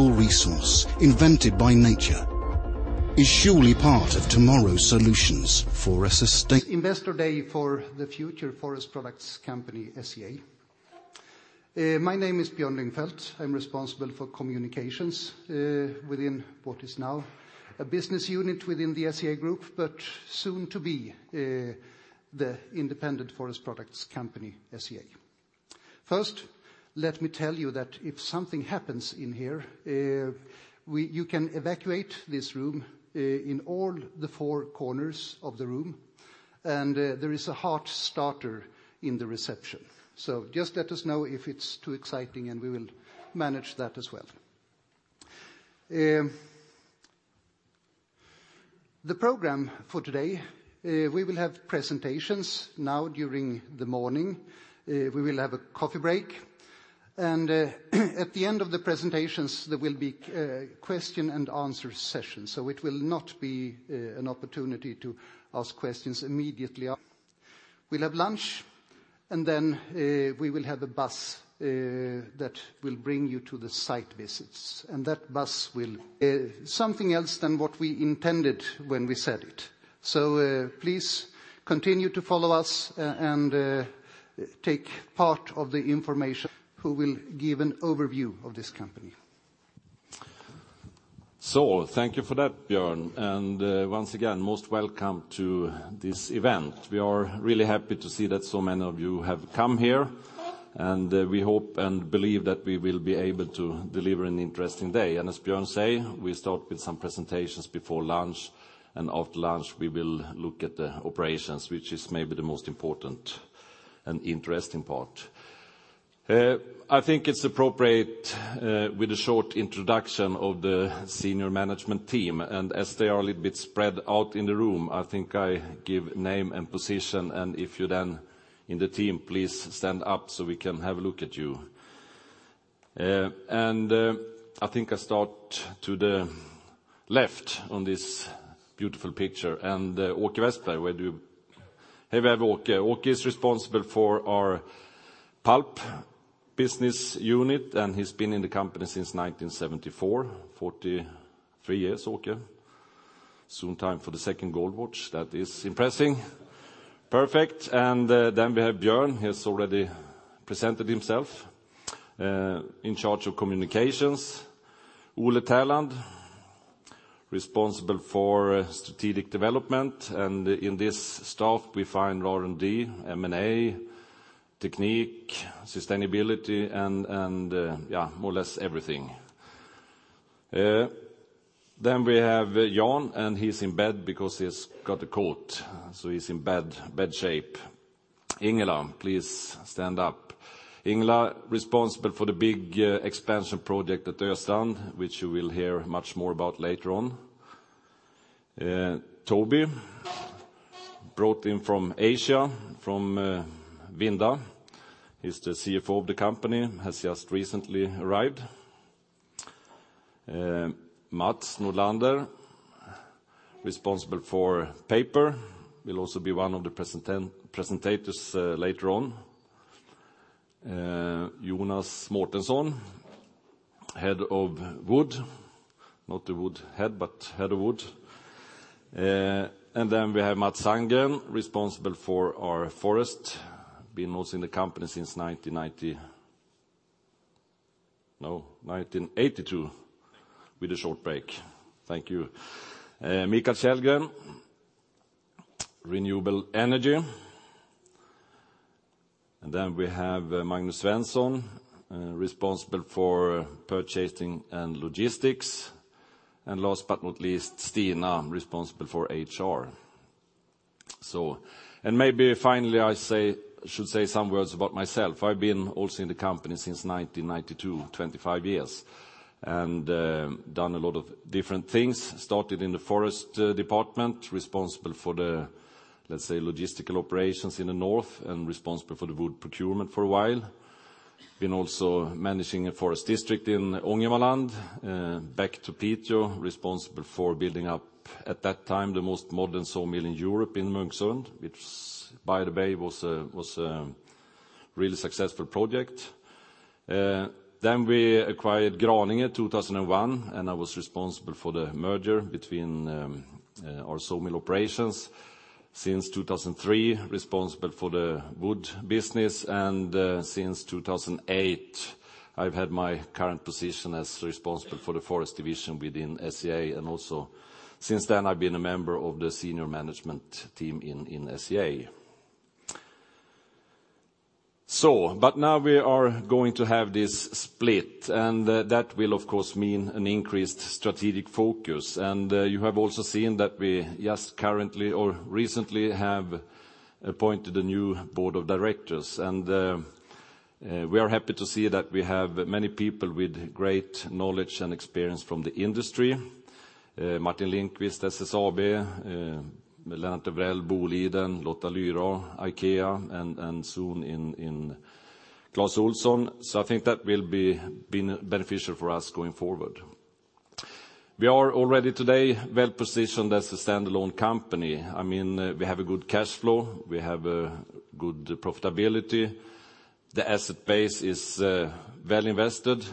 A renewable resource invented by nature is surely part of tomorrow's solutions for a sustain- Investor Day for the future Forest Products company, SCA. My name is Björn Lyngfelt. I'm responsible for communications within what is now a business unit within the SCA Group, but soon to be the independent Forest Products company, SCA. First, let me tell you that if something happens in here, you can evacuate this room in all the four corners of the room, and there is a heart starter in the reception. Just let us know if it's too exciting, and we will manage that as well. The program for today, we will have presentations now during the morning. We will have a coffee break, and at the end of the presentations, there will be a question and answer session. It will not be an opportunity to ask questions immediately. We'll have lunch. We will have a bus that will bring you to the site visits. That bus will-- Something else than what we intended when we said it. Please continue to follow us and take part of the information. Who will give an overview of this company? Thank you for that, Björn. Once again, most welcome to this event. We are really happy to see that so many of you have come here, and we hope and believe that we will be able to deliver an interesting day. As Björn said, we start with some presentations before lunch, and after lunch, we will look at the operations, which is maybe the most important and interesting part. I think it's appropriate with a short introduction of the senior management team, and as they are a little bit spread out in the room, I think I give name and position, and if you then in the team, please stand up so we can have a look at you. I think I start to the left on this beautiful picture, and Åke Westberg, where do we have Åke? Åke is responsible for our pulp business unit. He's been in the company since 1974. 43 years, Åke. Soon time for the second gold watch. That is impressive. Perfect. We have Björn. He has already presented himself, in charge of communications. Ole Terland, responsible for strategic development. In this staff, we find R&D, M&A, technique, sustainability, and more or less everything. We have Jan. He's in bed because he's got a cold, so he's in bad shape. Ingela, please stand up. Ingela, responsible for the big expansion project at Östrand, which you will hear much more about later on. Toby, brought in from Asia, from Vinda. He's the CFO of the company, has just recently arrived. Mats Nordlander, responsible for paper, will also be one of the presenters later on. Jonas Mårtensson, head of wood. Not the wood head, but head of wood. We have Mats Sandgren, responsible for our forest. Been also in the company since 1990. No, 1982 with a short break. Thank you. Mikael Källgren, renewable energy. We have Magnus Svensson, responsible for purchasing and logistics. Last but not least, Stina, responsible for HR. Maybe finally, I should say some words about myself. I've been also in the company since 1992, 25 years, and done a lot of different things. Started in the forest department, responsible for the logistical operations in the north and responsible for the wood procurement for a while. Been also managing a forest district in Ångermanland. Back to Piteå, responsible for building up, at that time, the most modern sawmill in Europe in Munksund, which by the way, was a really successful project. We acquired Graninge in 2001, and I was responsible for the merger between our sawmill operations. Since 2003, responsible for the wood business, and since 2008, I've had my current position as responsible for the forest division within SCA, and also since then, I've been a member of the senior management team in SCA. Now we are going to have this split, and that will of course mean an increased strategic focus, and you have also seen that we just currently or recently have appointed a new board of directors. We are happy to see that we have many people with great knowledge and experience from the industry. Martin Lindqvist, SSAB, Lennart Evrell, Boliden, Lotta Lyrå, IKEA, and soon in Clas Ohlson. I think that will be beneficial for us going forward. We are already today well-positioned as a standalone company. We have a good cash flow, we have good profitability, the asset base is well invested,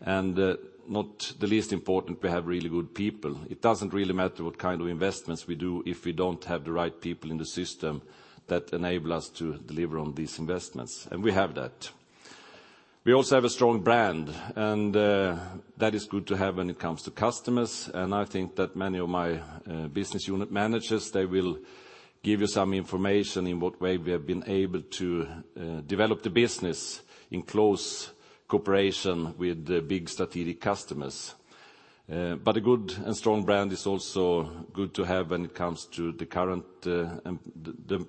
and not the least important, we have really good people. It doesn't really matter what kind of investments we do if we don't have the right people in the system that enable us to deliver on these investments, and we have that. We also have a strong brand, and that is good to have when it comes to customers. I think that many of my business unit managers, they will give you some information in what way we have been able to develop the business in close cooperation with the big strategic customers. A good and strong brand is also good to have when it comes to the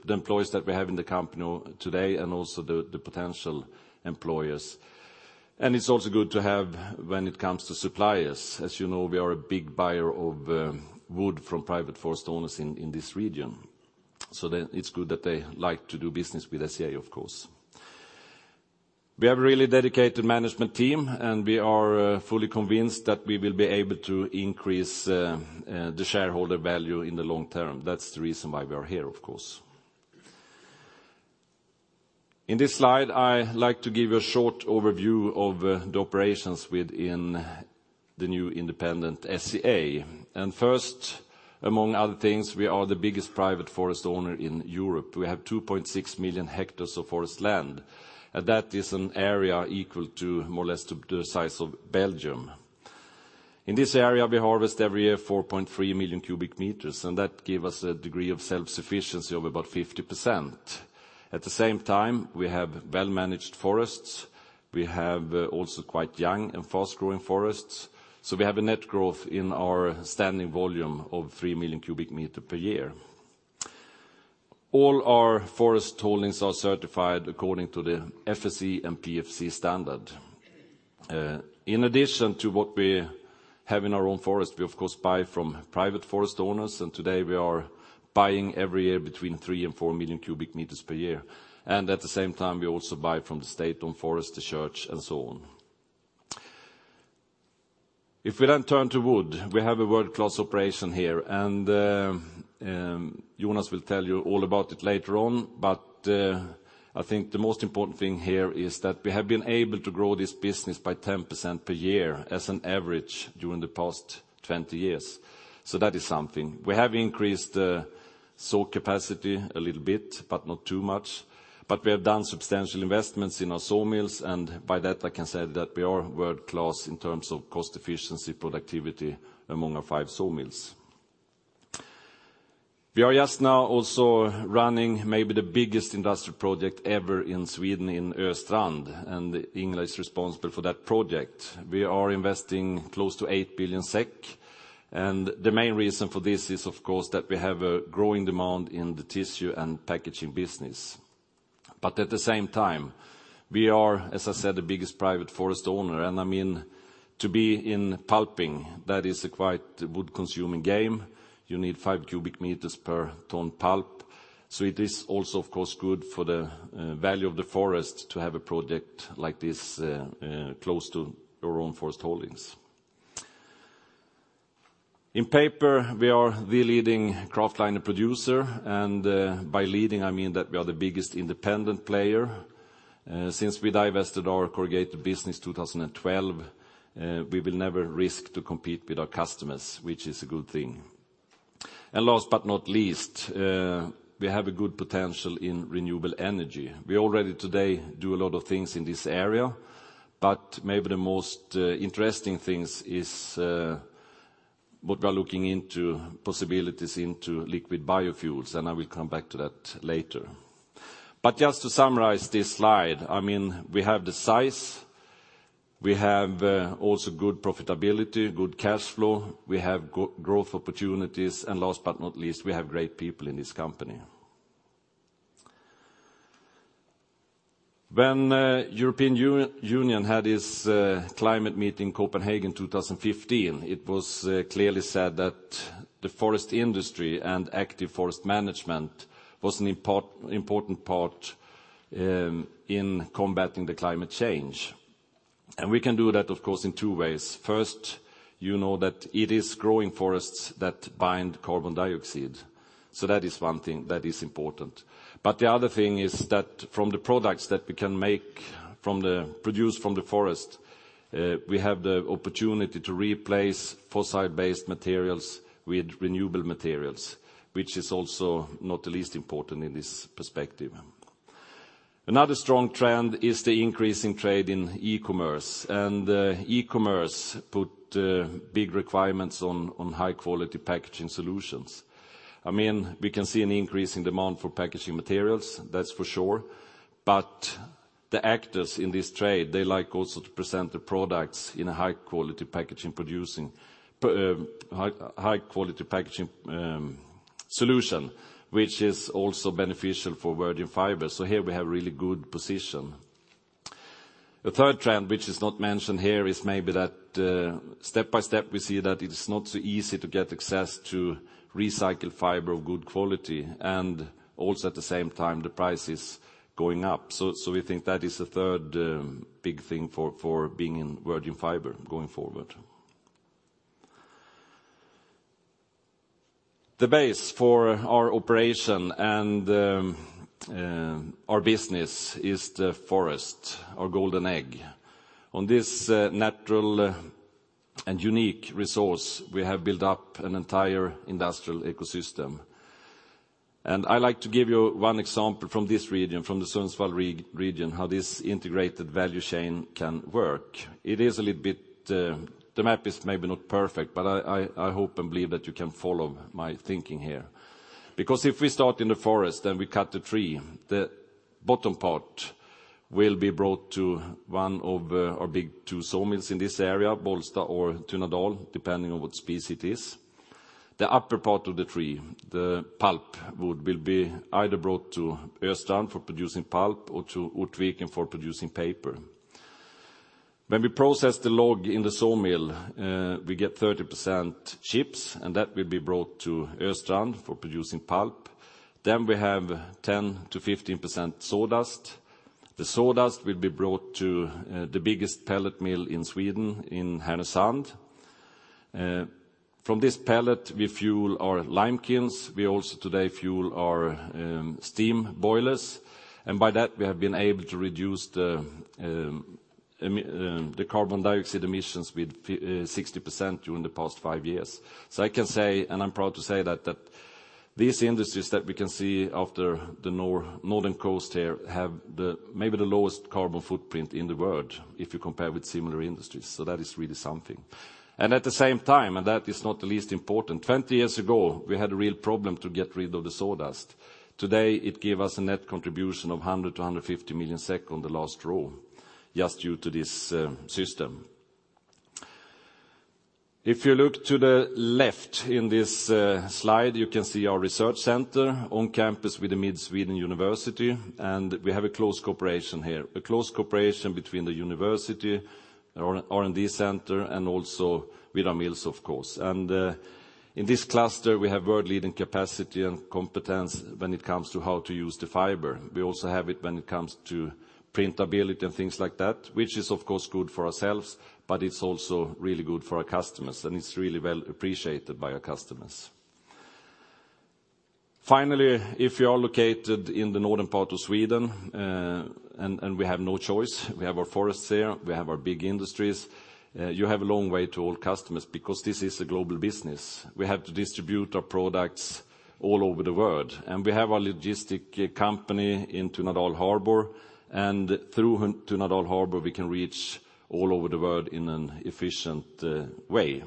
employees that we have in the company today, and also the potential employees. It's also good to have when it comes to suppliers. As you know, we are a big buyer of wood from private forest owners in this region. It's good that they like to do business with SCA, of course. We have a really dedicated management team, and we are fully convinced that we will be able to increase the shareholder value in the long term. That's the reason why we are here, of course. In this slide, I like to give you a short overview of the operations within the new independent SCA. First, among other things, we are the biggest private forest owner in Europe. We have 2.6 million hectares of forest land, and that is an area equal to more or less to the size of Belgium. In this area, we harvest every year 4.3 million cubic meters, and that give us a degree of self-sufficiency of about 50%. At the same time, we have well-managed forests. We have also quite young and fast-growing forests, so we have a net growth in our standing volume of three million cubic meters per year. All our forest holdings are certified according to the FSC and PEFC standard. In addition to what we have in our own forest, we of course buy from private forest owners, and today we are buying every year between three and four million cubic meters per year. At the same time, we also buy from the state-owned forest, the church, and so on. If we turn to wood, we have a world-class operation here, and Jonas will tell you all about it later on. I think the most important thing here is that we have been able to grow this business by 10% per year as an average during the past 20 years. That is something. We have increased saw capacity a little bit, but not too much, but we have done substantial investments in our sawmills, and by that I can say that we are world-class in terms of cost efficiency, productivity among our five sawmills. We are just now also running maybe the biggest industrial project ever in Sweden in Östrand, and Ingela is responsible for that project. We are investing close to 8 billion SEK, and the main reason for this is, of course, that we have a growing demand in the tissue and packaging business. At the same time, we are, as I said, the biggest private forest owner, and to be in pulping, that is a quite wood-consuming game. You need five cubic meters per ton pulp. It is also, of course, good for the value of the forest to have a project like this close to your own forest holdings. In paper, we are the leading kraftliner producer, and by leading, I mean that we are the biggest independent player. Since we divested our corrugated business 2012, we will never risk to compete with our customers, which is a good thing. Last but not least, we have a good potential in renewable energy. We already today do a lot of things in this area, but maybe the most interesting things is what we are looking into possibilities into liquid biofuels, and I will come back to that later. Just to summarize this slide, we have the size, we have also good profitability, good cash flow, we have growth opportunities, and last but not least, we have great people in this company. When European Union had its climate meeting, Copenhagen 2015, it was clearly said that the forest industry and active forest management was an important part in combating the climate change. We can do that, of course, in two ways. First, you know that it is growing forests that bind carbon dioxide. That is one thing that is important. The other thing is that from the products that we can produce from the forest, we have the opportunity to replace fossil-based materials with renewable materials, which is also not the least important in this perspective. Another strong trend is the increase in trade in e-commerce. E-commerce put big requirements on high-quality packaging solutions. We can see an increase in demand for packaging materials, that's for sure. The actors in this trade, they like also to present the products in a high-quality packaging solution, which is also beneficial for virgin fibers. Here we have a really good position. The third trend, which is not mentioned here, is maybe that step by step we see that it is not so easy to get access to recycled fiber of good quality. Also at the same time the price is going up. We think that is the third big thing for being in virgin fiber going forward. The base for our operation and our business is the forest, our golden egg. On this natural and unique resource, we have built up an entire industrial ecosystem. I like to give you one example from this region, from the Sundsvall region, how this integrated value chain can work. The map is maybe not perfect, but I hope and believe that you can follow my thinking here. If we start in the forest and we cut the tree, the bottom part will be brought to one of our big two sawmills in this area, Bollsta or Tunadal, depending on what species it is. The upper part of the tree, the pulpwood, will be either brought to Östrand pulp mill for producing pulp or to Ortviken for producing paper. When we process the log in the sawmill, we get 30% chips. That will be brought to Östrand pulp mill for producing pulp. We have 10%-15% sawdust. The sawdust will be brought to the biggest pellet mill in Sweden, in Härnösand. From this pellet, we fuel our lime kilns. We also today fuel our steam boilers. By that we have been able to reduce the carbon dioxide emissions with 60% during the past five years. I can say, I'm proud to say, that these industries that we can see after the northern coast here have maybe the lowest carbon footprint in the world if you compare with similar industries. That is really something. At the same time, that is not the least important, 20 years ago, we had a real problem to get rid of the sawdust. Today, it give us a net contribution of 100 million-150 million SEK on the last row, just due to this system. If you look to the left in this slide, you can see our research center on campus with the Mid Sweden University, and we have a close cooperation here, a close cooperation between the university, our R&D center, and also with our mills, of course. In this cluster, we have world-leading capacity and competence when it comes to how to use the fiber. We also have it when it comes to printability and things like that, which is, of course, good for ourselves, but it's also really good for our customers, and it's really well appreciated by our customers. If you are located in the northern part of Sweden, and we have no choice, we have our forests there, we have our big industries, you have a long way to all customers because this is a global business. We have to distribute our products all over the world, and we have our logistic company in Tunadal Harbor, and through Tunadal Harbor, we can reach all over the world in an efficient way.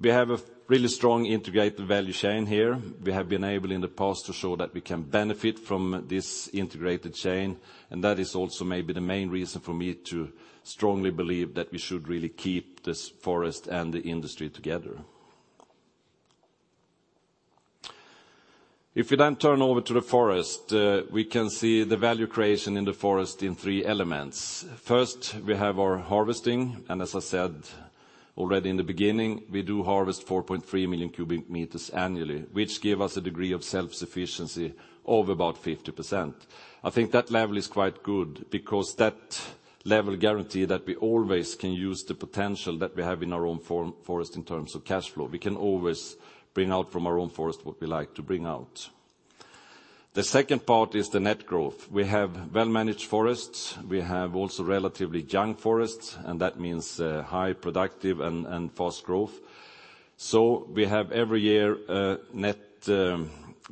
We have a really strong integrated value chain here. We have been able in the past to show that we can benefit from this integrated chain, and that is also maybe the main reason for me to strongly believe that we should really keep this forest and the industry together. If you then turn over to the forest, we can see the value creation in the forest in three elements. First, we have our harvesting, and as I said already in the beginning, we do harvest 4.3 million cubic meters annually, which give us a degree of self-sufficiency of about 50%. I think that level is quite good because that level guarantee that we always can use the potential that we have in our own forest in terms of cash flow. We can always bring out from our own forest what we like to bring out. The second part is the net growth. We have well-managed forests. We have also relatively young forests, and that means high productive and fast growth. We have every year net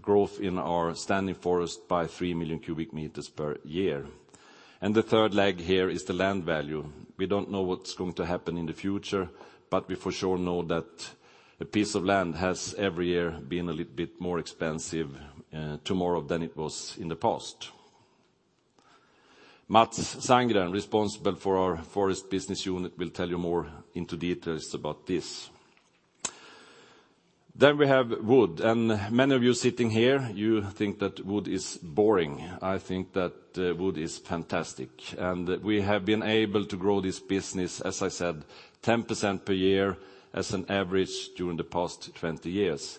growth in our standing forest by 3 million cubic meters per year. The third leg here is the land value. We don't know what's going to happen in the future, but we for sure know that a piece of land has every year been a little bit more expensive tomorrow than it was in the past. Mats Sandgren, responsible for our forest business unit, will tell you more into details about this. We have wood, and many of you sitting here, you think that wood is boring. I think that wood is fantastic, and we have been able to grow this business, as I said, 10% per year as an average during the past 20 years.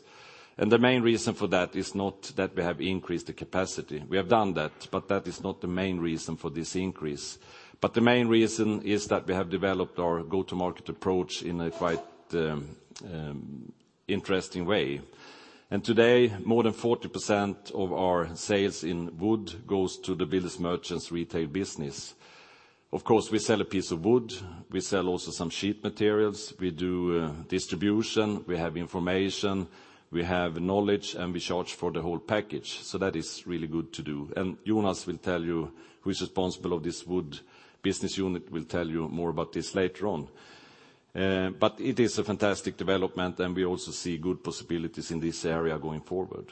The main reason for that is not that we have increased the capacity. We have done that, but that is not the main reason for this increase. The main reason is that we have developed our go-to-market approach in a quite interesting way. Today, more than 40% of our sales in wood goes to the build merchant's retail business. Of course, we sell a piece of wood. We sell also some sheet materials. We do distribution, we have information, we have knowledge, and we charge for the whole package. That is really good to do. Jonas will tell you, who's responsible of this wood business unit, will tell you more about this later on. It is a fantastic development, and we also see good possibilities in this area going forward.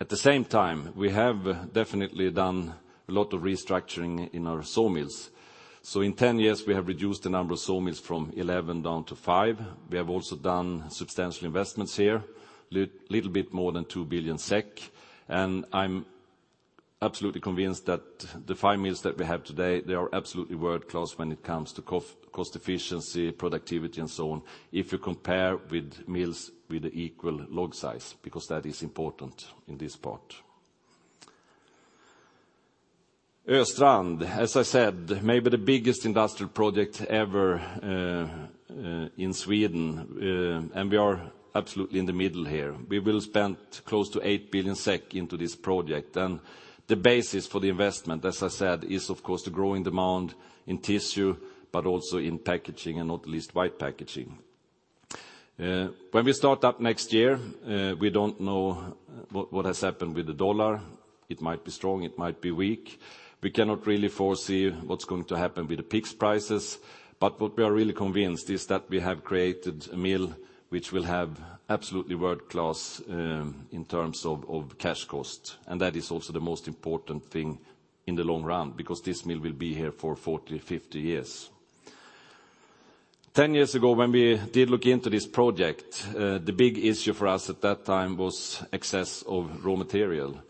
At the same time, we have definitely done a lot of restructuring in our sawmills. In 10 years, we have reduced the number of sawmills from 11 down to five. We have also done substantial investments here, little bit more than 2 billion SEK. I'm absolutely convinced that the five mills that we have today, they are absolutely world-class when it comes to cost efficiency, productivity, and so on, if you compare with mills with equal log size, because that is important in this part. Östrand, as I said, maybe the biggest industrial project ever in Sweden, we are absolutely in the middle here. We will spend close to 8 billion SEK into this project. The basis for the investment, as I said, is of course, the growing demand in tissue, but also in packaging, and not least, white packaging. When we start up next year, we don't know what has happened with the US dollar. It might be strong, it might be weak. We cannot really foresee what's going to happen with the PIX prices. What we are really convinced is that we have created a mill which will have absolutely world-class in terms of cash cost. That is also the most important thing in the long run, because this mill will be here for 40, 50 years. 10 years ago, when we did look into this project, the big issue for us at that time was excess of raw material.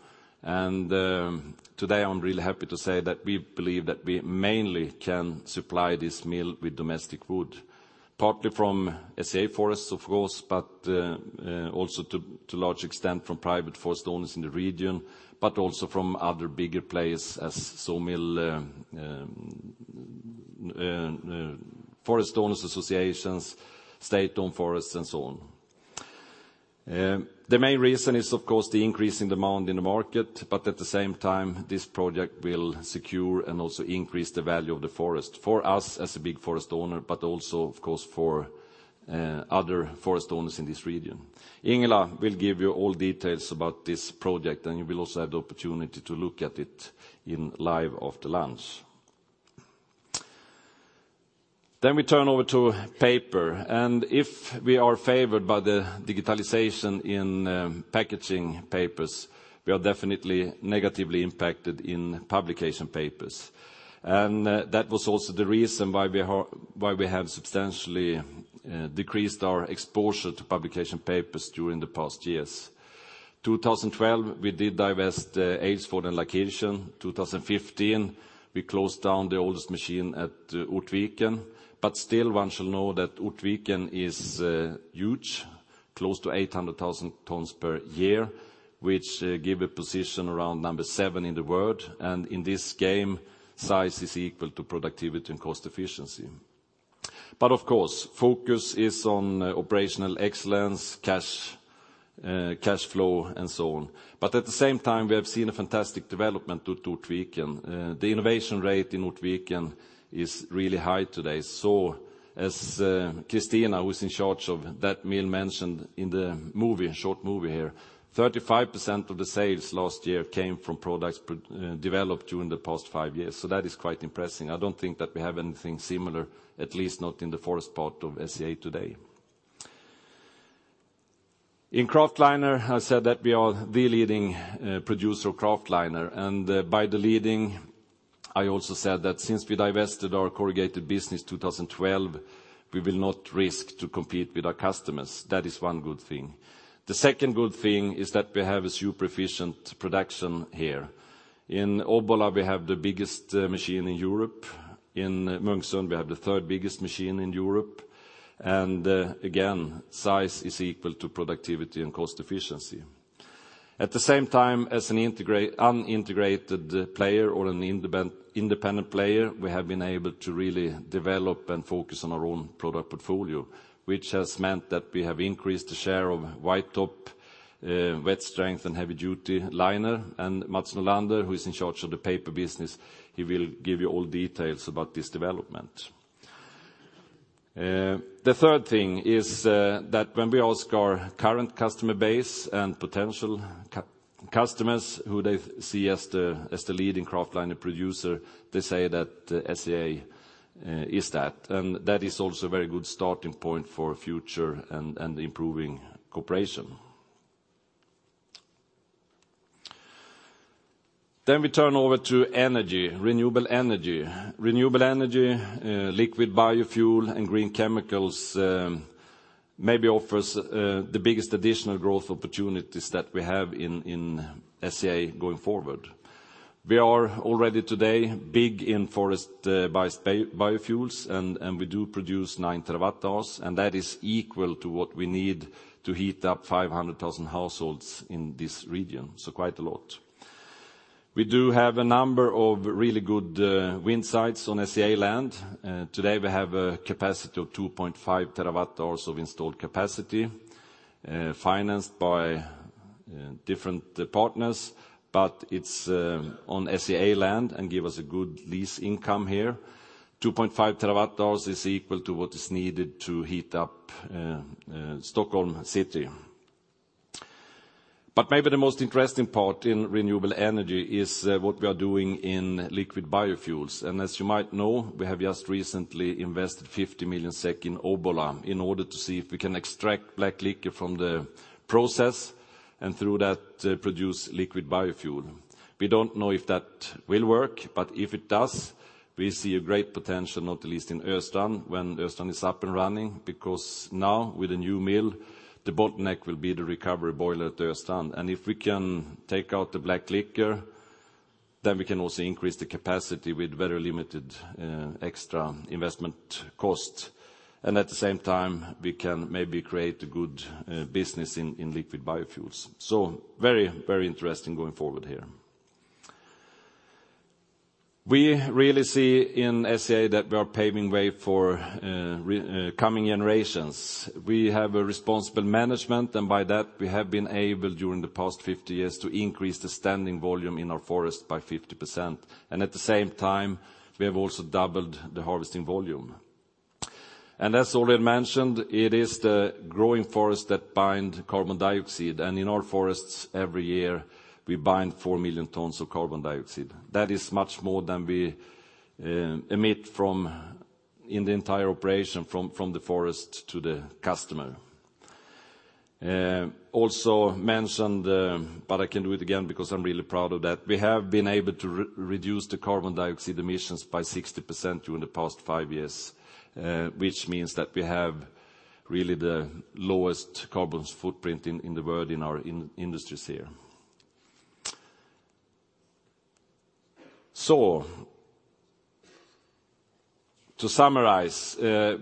Today, I'm really happy to say that we believe that we mainly can supply this mill with domestic wood, partly from SCA Forest, of course, but also to large extent from private forest owners in the region, but also from other bigger players as forest owners associations, state-owned forests and so on. The main reason is, of course, the increasing demand in the market, but at the same time, this project will secure and also increase the value of the forest for us as a big forest owner, but also, of course, for other forest owners in this region. Ingela will give you all details about this project, you will also have the opportunity to look at it in live after lunch. We turn over to paper. If we are favored by the digitalization in packaging papers, we are definitely negatively impacted in publication papers. That was also the reason why we have substantially decreased our exposure to publication papers during the past years. 2012, we did divest the Aylesford and Laakirchen. 2015, we closed down the oldest machine at Ortviken. Still one shall know that Ortviken is huge, close to 800,000 tons per year, which give a position around number 7 in the world. In this game, size is equal to productivity and cost efficiency. Of course, focus is on operational excellence, cash flow, and so on. At the same time, we have seen a fantastic development to Ortviken. The innovation rate in Ortviken is really high today. As Kristina, who's in charge of that mill, mentioned in the short movie here, 35% of the sales last year came from products developed during the past five years. That is quite impressing. I don't think that we have anything similar, at least not in the forest part of SCA today. In kraftliner, I said that we are the leading producer of kraftliner, and by the leading, I also said that since we divested our corrugated business 2012, we will not risk to compete with our customers. That is one good thing. The second good thing is that we have a super efficient production here. In Obbola, we have the biggest machine in Europe. In Munkfors, we have the third biggest machine in Europe. Again, size is equal to productivity and cost efficiency. At the same time, as an unintegrated player or an independent player, we have been able to really develop and focus on our own product portfolio, which has meant that we have increased the share of White Top wet strength and Heavy Duty liner. Mats Nordlander, who is in charge of the paper business, he will give you all details about this development. The third thing is that when we ask our current customer base and potential customers who they see as the leading kraftliner producer, they say that SCA is that. That is also a very good starting point for future and improving cooperation. We turn over to energy, renewable energy. Renewable energy, liquid biofuel, and green chemicals maybe offers the biggest additional growth opportunities that we have in SCA going forward. We are already today big in forest biofuels, and we do produce nine terawatt hours, and that is equal to what we need to heat up 500,000 households in this region, so quite a lot. We do have a number of really good wind sites on SCA land. Today we have a capacity of 2.5 terawatt hours of installed capacity, financed by different partners, but it's on SCA land and give us a good lease income here. 2.5 terawatt hours is equal to what is needed to heat up Stockholm City. Maybe the most interesting part in renewable energy is what we are doing in liquid biofuels. As you might know, we have just recently invested 50 million SEK in Obbola in order to see if we can extract black liquor from the process, and through that, produce liquid biofuel. We don't know if that will work, but if it does, we see a great potential, not least in Östrand when Östrand is up and running, because now with the new mill, the bottleneck will be the recovery boiler at Östrand. If we can take out the black liquor, then we can also increase the capacity with very limited extra investment cost. At the same time, we can maybe create a good business in liquid biofuels. Very interesting going forward here. We really see in SCA that we are paving way for coming generations. We have a responsible management, and by that, we have been able during the past 50 years to increase the standing volume in our forest by 50%. At the same time, we have also doubled the harvesting volume. As already mentioned, it is the growing forests that bind carbon dioxide. In our forests every year, we bind four million tons of carbon dioxide. That is much more than we emit in the entire operation from the forest to the customer. Also mentioned, but I can do it again because I'm really proud of that, we have been able to reduce the carbon dioxide emissions by 60% during the past five years, which means that we have really the lowest carbon footprint in the world in our industries here. To summarize,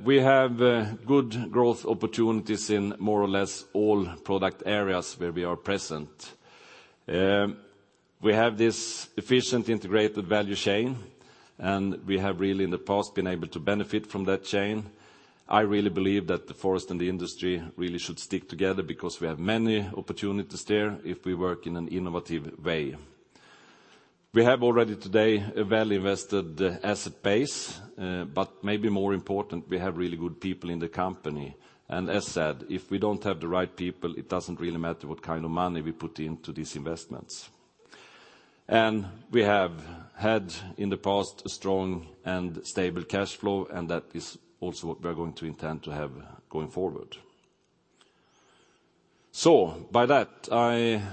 we have good growth opportunities in more or less all product areas where we are present. We have this efficient integrated value chain, and we have really in the past been able to benefit from that chain. I really believe that the forest and the industry really should stick together because we have many opportunities there if we work in an innovative way. We have already today a well-invested asset base, but maybe more important, we have really good people in the company. As said, if we don't have the right people, it doesn't really matter what kind of money we put into these investments. We have had in the past a strong and stable cash flow, and that is also what we are going to intend to have going forward. By that, I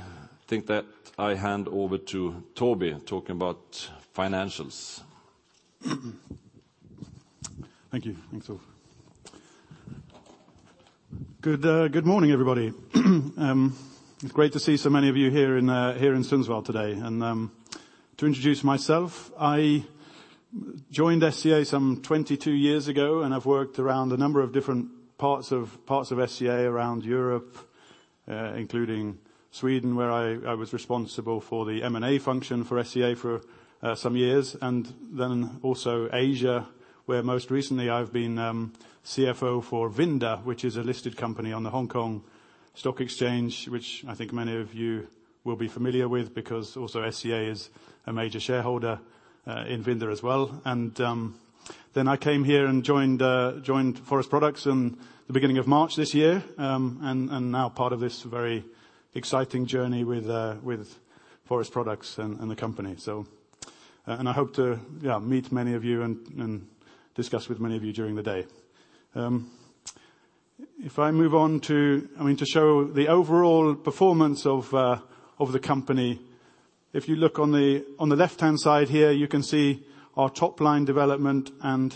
think that I hand over to Toby talking about financials. Thank you. Thanks, Ulf. Good morning, everybody. It's great to see so many of you here in Sundsvall today. To introduce myself, I joined SCA some 22 years ago, and I've worked around a number of different parts of SCA around Europe, including Sweden, where I was responsible for the M&A function for SCA for some years, and then also Asia, where most recently I've been CFO for Vinda International Holdings, which is a listed company on The Stock Exchange of Hong Kong, which I think many of you will be familiar with because also SCA is a major shareholder in Vinda International Holdings as well. Then I came here and joined Forest Products in the beginning of March this year, and now part of this very exciting journey with Forest Products and the company. I hope to meet many of you and discuss with many of you during the day. If I move on to show the overall performance of the company. If you look on the left-hand side here, you can see our top line development, and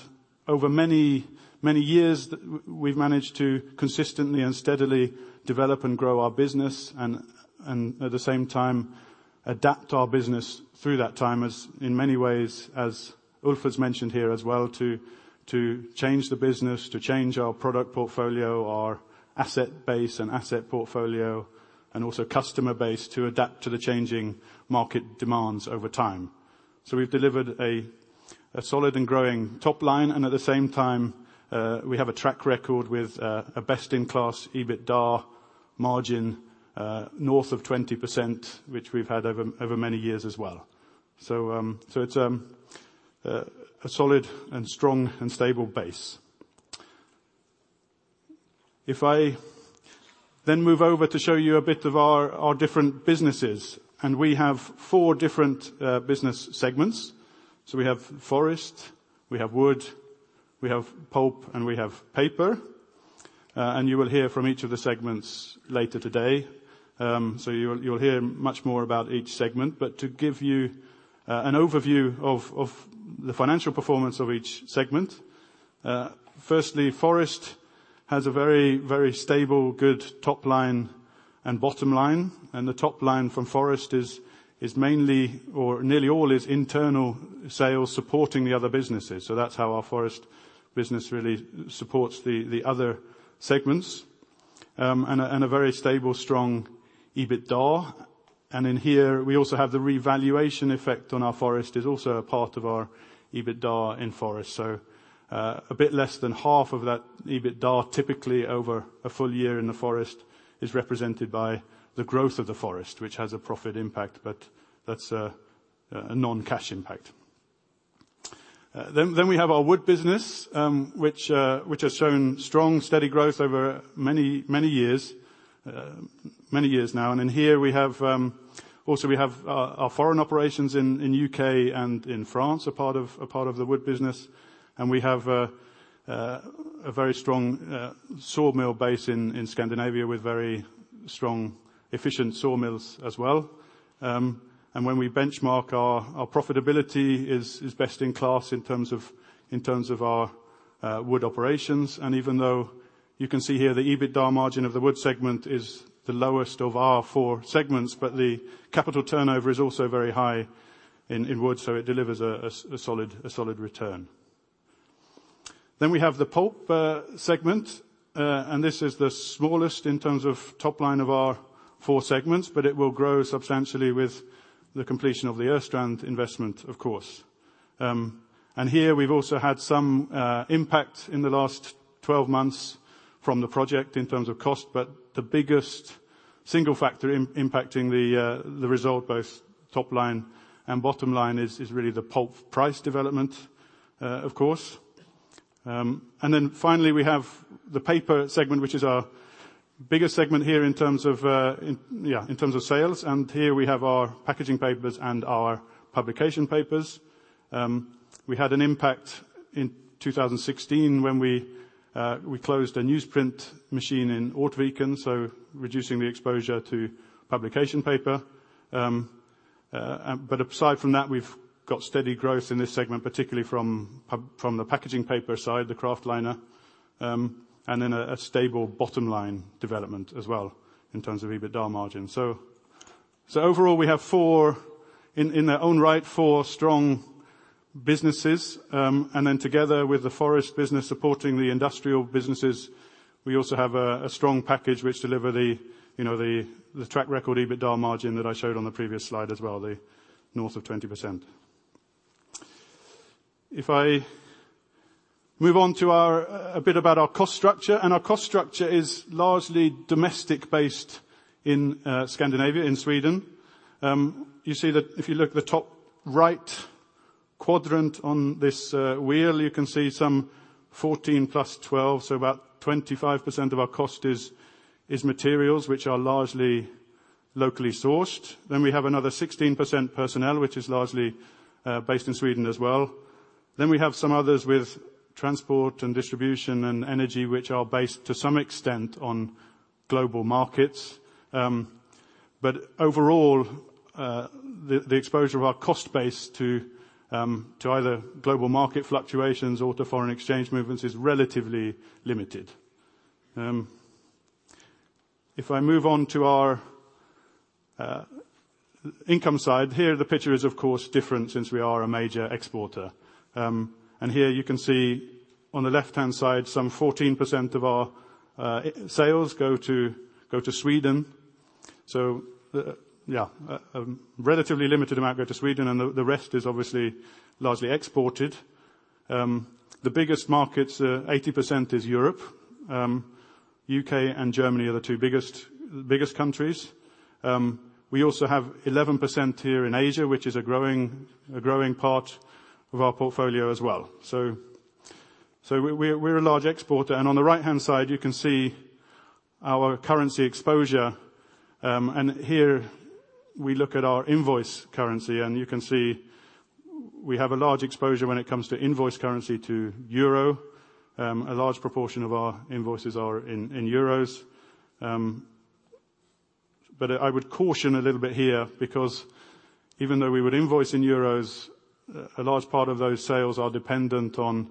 over many years, we've managed to consistently and steadily develop and grow our business and at the same time adapt our business through that time as in many ways, as Ulf has mentioned here as well, to change the business, to change our product portfolio, our asset base and asset portfolio, and also customer base to adapt to the changing market demands over time. We've delivered a solid and growing top line, and at the same time, we have a track record with a best-in-class EBITDA margin north of 20%, which we've had over many years as well. It's a solid and strong and stable base. Move over to show you a bit of our different businesses. We have four different business segments. We have forest, we have wood, we have pulp, and we have paper. You will hear from each of the segments later today. You'll hear much more about each segment. To give you an overview of the financial performance of each segment, firstly, forest has a very stable, good top line and bottom line, and the top line from forest is mainly or nearly all is internal sales supporting the other businesses. That's how our forest business really supports the other segments, and a very stable, strong EBITDA. In here, we also have the revaluation effect on our forest is also a part of our EBITDA in forest. A bit less than half of that EBITDA, typically over a full year in the forest is represented by the growth of the forest, which has a profit impact, but that's a non-cash impact. Then we have our wood business, which has shown strong, steady growth over many years now. In here we have also our foreign operations in U.K. and in France are part of the wood business, and we have a very strong sawmill base in Scandinavia with very strong efficient sawmills as well. When we benchmark our profitability is best in class in terms of our wood operations. Even though you can see here the EBITDA margin of the wood segment is the lowest of our four segments, but the capital turnover is also very high in wood, so it delivers a solid return. We have the pulp segment. This is the smallest in terms of top line of our four segments, but it will grow substantially with the completion of the Östrand investment, of course. Here we've also had some impact in the last 12 months from the project in terms of cost, but the biggest single factor impacting the result, both top line and bottom line, is really the pulp price development, of course. Finally we have the paper segment, which is our biggest segment here in terms of sales. Here we have our packaging papers and our publication papers. We had an impact in 2016 when we closed a newsprint machine in Ortviken, so reducing the exposure to publication paper. Aside from that, we've got steady growth in this segment, particularly from the packaging paper side, the Kraftliner, a stable bottom-line development as well in terms of EBITDA margin. Overall, we have, in their own right, four strong businesses. Together with the forest business supporting the industrial businesses, we also have a strong package which deliver the track record EBITDA margin that I showed on the previous slide as well, the north of 20%. Move on to a bit about our cost structure. Our cost structure is largely domestic-based in Scandinavia, in Sweden. You see that if you look at the top right quadrant on this wheel, you can see some 14 plus 12, so about 25% of our cost is materials, which are largely locally sourced. We have another 16% personnel, which is largely based in Sweden as well. We have some others with transport and distribution and energy, which are based to some extent on global markets. Overall, the exposure of our cost base to either global market fluctuations or to foreign exchange movements is relatively limited. If I move on to our income side, here the picture is of course different since we are a major exporter. Here you can see on the left-hand side, some 14% of our sales go to Sweden. Yeah, a relatively limited amount go to Sweden, and the rest is obviously largely exported. The biggest markets, 80% is Europe. U.K. and Germany are the two biggest countries. We also have 11% here in Asia, which is a growing part of our portfolio as well. We're a large exporter, on the right-hand side, you can see our currency exposure, here we look at our invoice currency, and you can see we have a large exposure when it comes to invoice currency to EUR. A large proportion of our invoices are in EUR. I would caution a little bit here because even though we would invoice in EUR, a large part of those sales are dependent on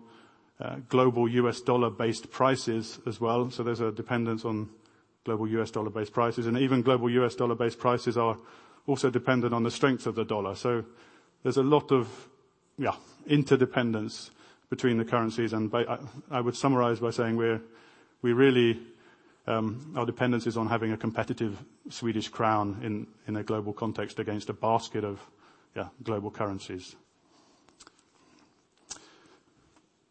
global U.S. dollar-based prices as well. There's a dependence on global U.S. dollar-based prices, and even global U.S. dollar-based prices are also dependent on the strength of the dollar. There's a lot of interdependence between the currencies, and I would summarize by saying our dependence is on having a competitive Swedish crown in a global context against a basket of global currencies.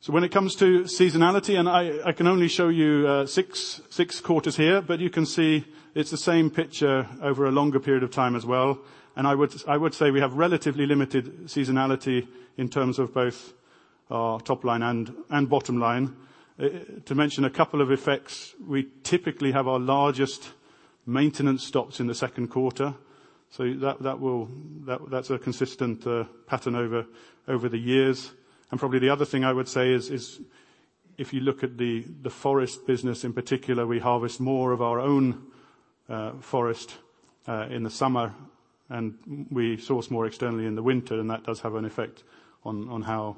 When it comes to seasonality, I can only show you six quarters here, but you can see it's the same picture over a longer period of time as well. I would say we have relatively limited seasonality in terms of both our top line and bottom line. To mention a couple of effects, we typically have our largest maintenance stops in the second quarter, that's a consistent pattern over the years. Probably the other thing I would say is if you look at the forest business in particular, we harvest more of our own forest in the summer, and we source more externally in the winter, and that does have an effect on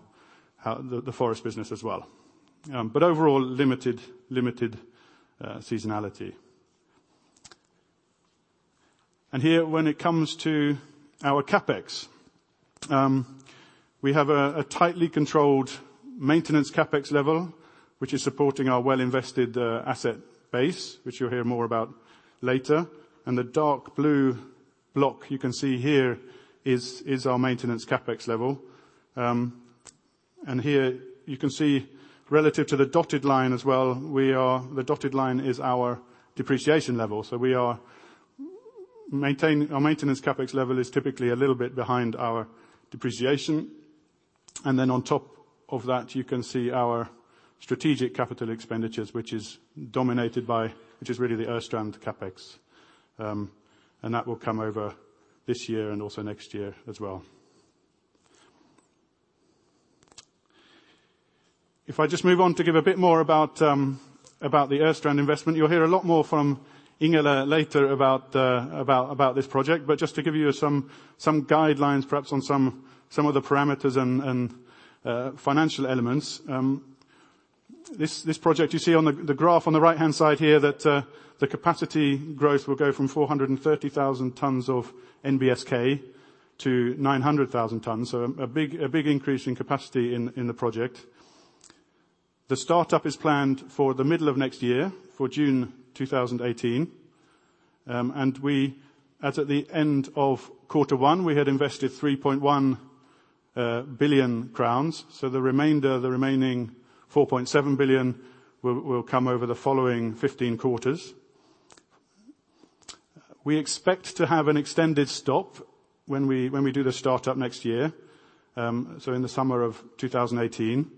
the forest business as well. Overall, limited seasonality. Here when it comes to our CapEx, we have a tightly controlled maintenance CapEx level, which is supporting our well-invested asset base, which you'll hear more about later. The dark blue block you can see here is our maintenance CapEx level. Here you can see relative to the dotted line as well, the dotted line is our depreciation level. Our maintenance CapEx level is typically a little bit behind our depreciation. Then on top of that, you can see our strategic capital expenditures, which is dominated by which is really the Östrand CapEx, and that will come over this year and also next year as well. If I just move on to give a bit more about the Östrand investment, you'll hear a lot more from Ingela later about this project. Just to give you some guidelines, perhaps on some of the parameters and financial elements. This project you see on the graph on the right-hand side here that the capacity growth will go from 430,000 tons of NBSK to 900,000 tons. A big increase in capacity in the project. The startup is planned for the middle of next year, for June 2018. We, as at the end of quarter one, we had invested 3.1 billion crowns. The remaining 4.7 billion will come over the following [15 quarters]. We expect to have an extended stop when we do the startup next year, so in the summer of 2018.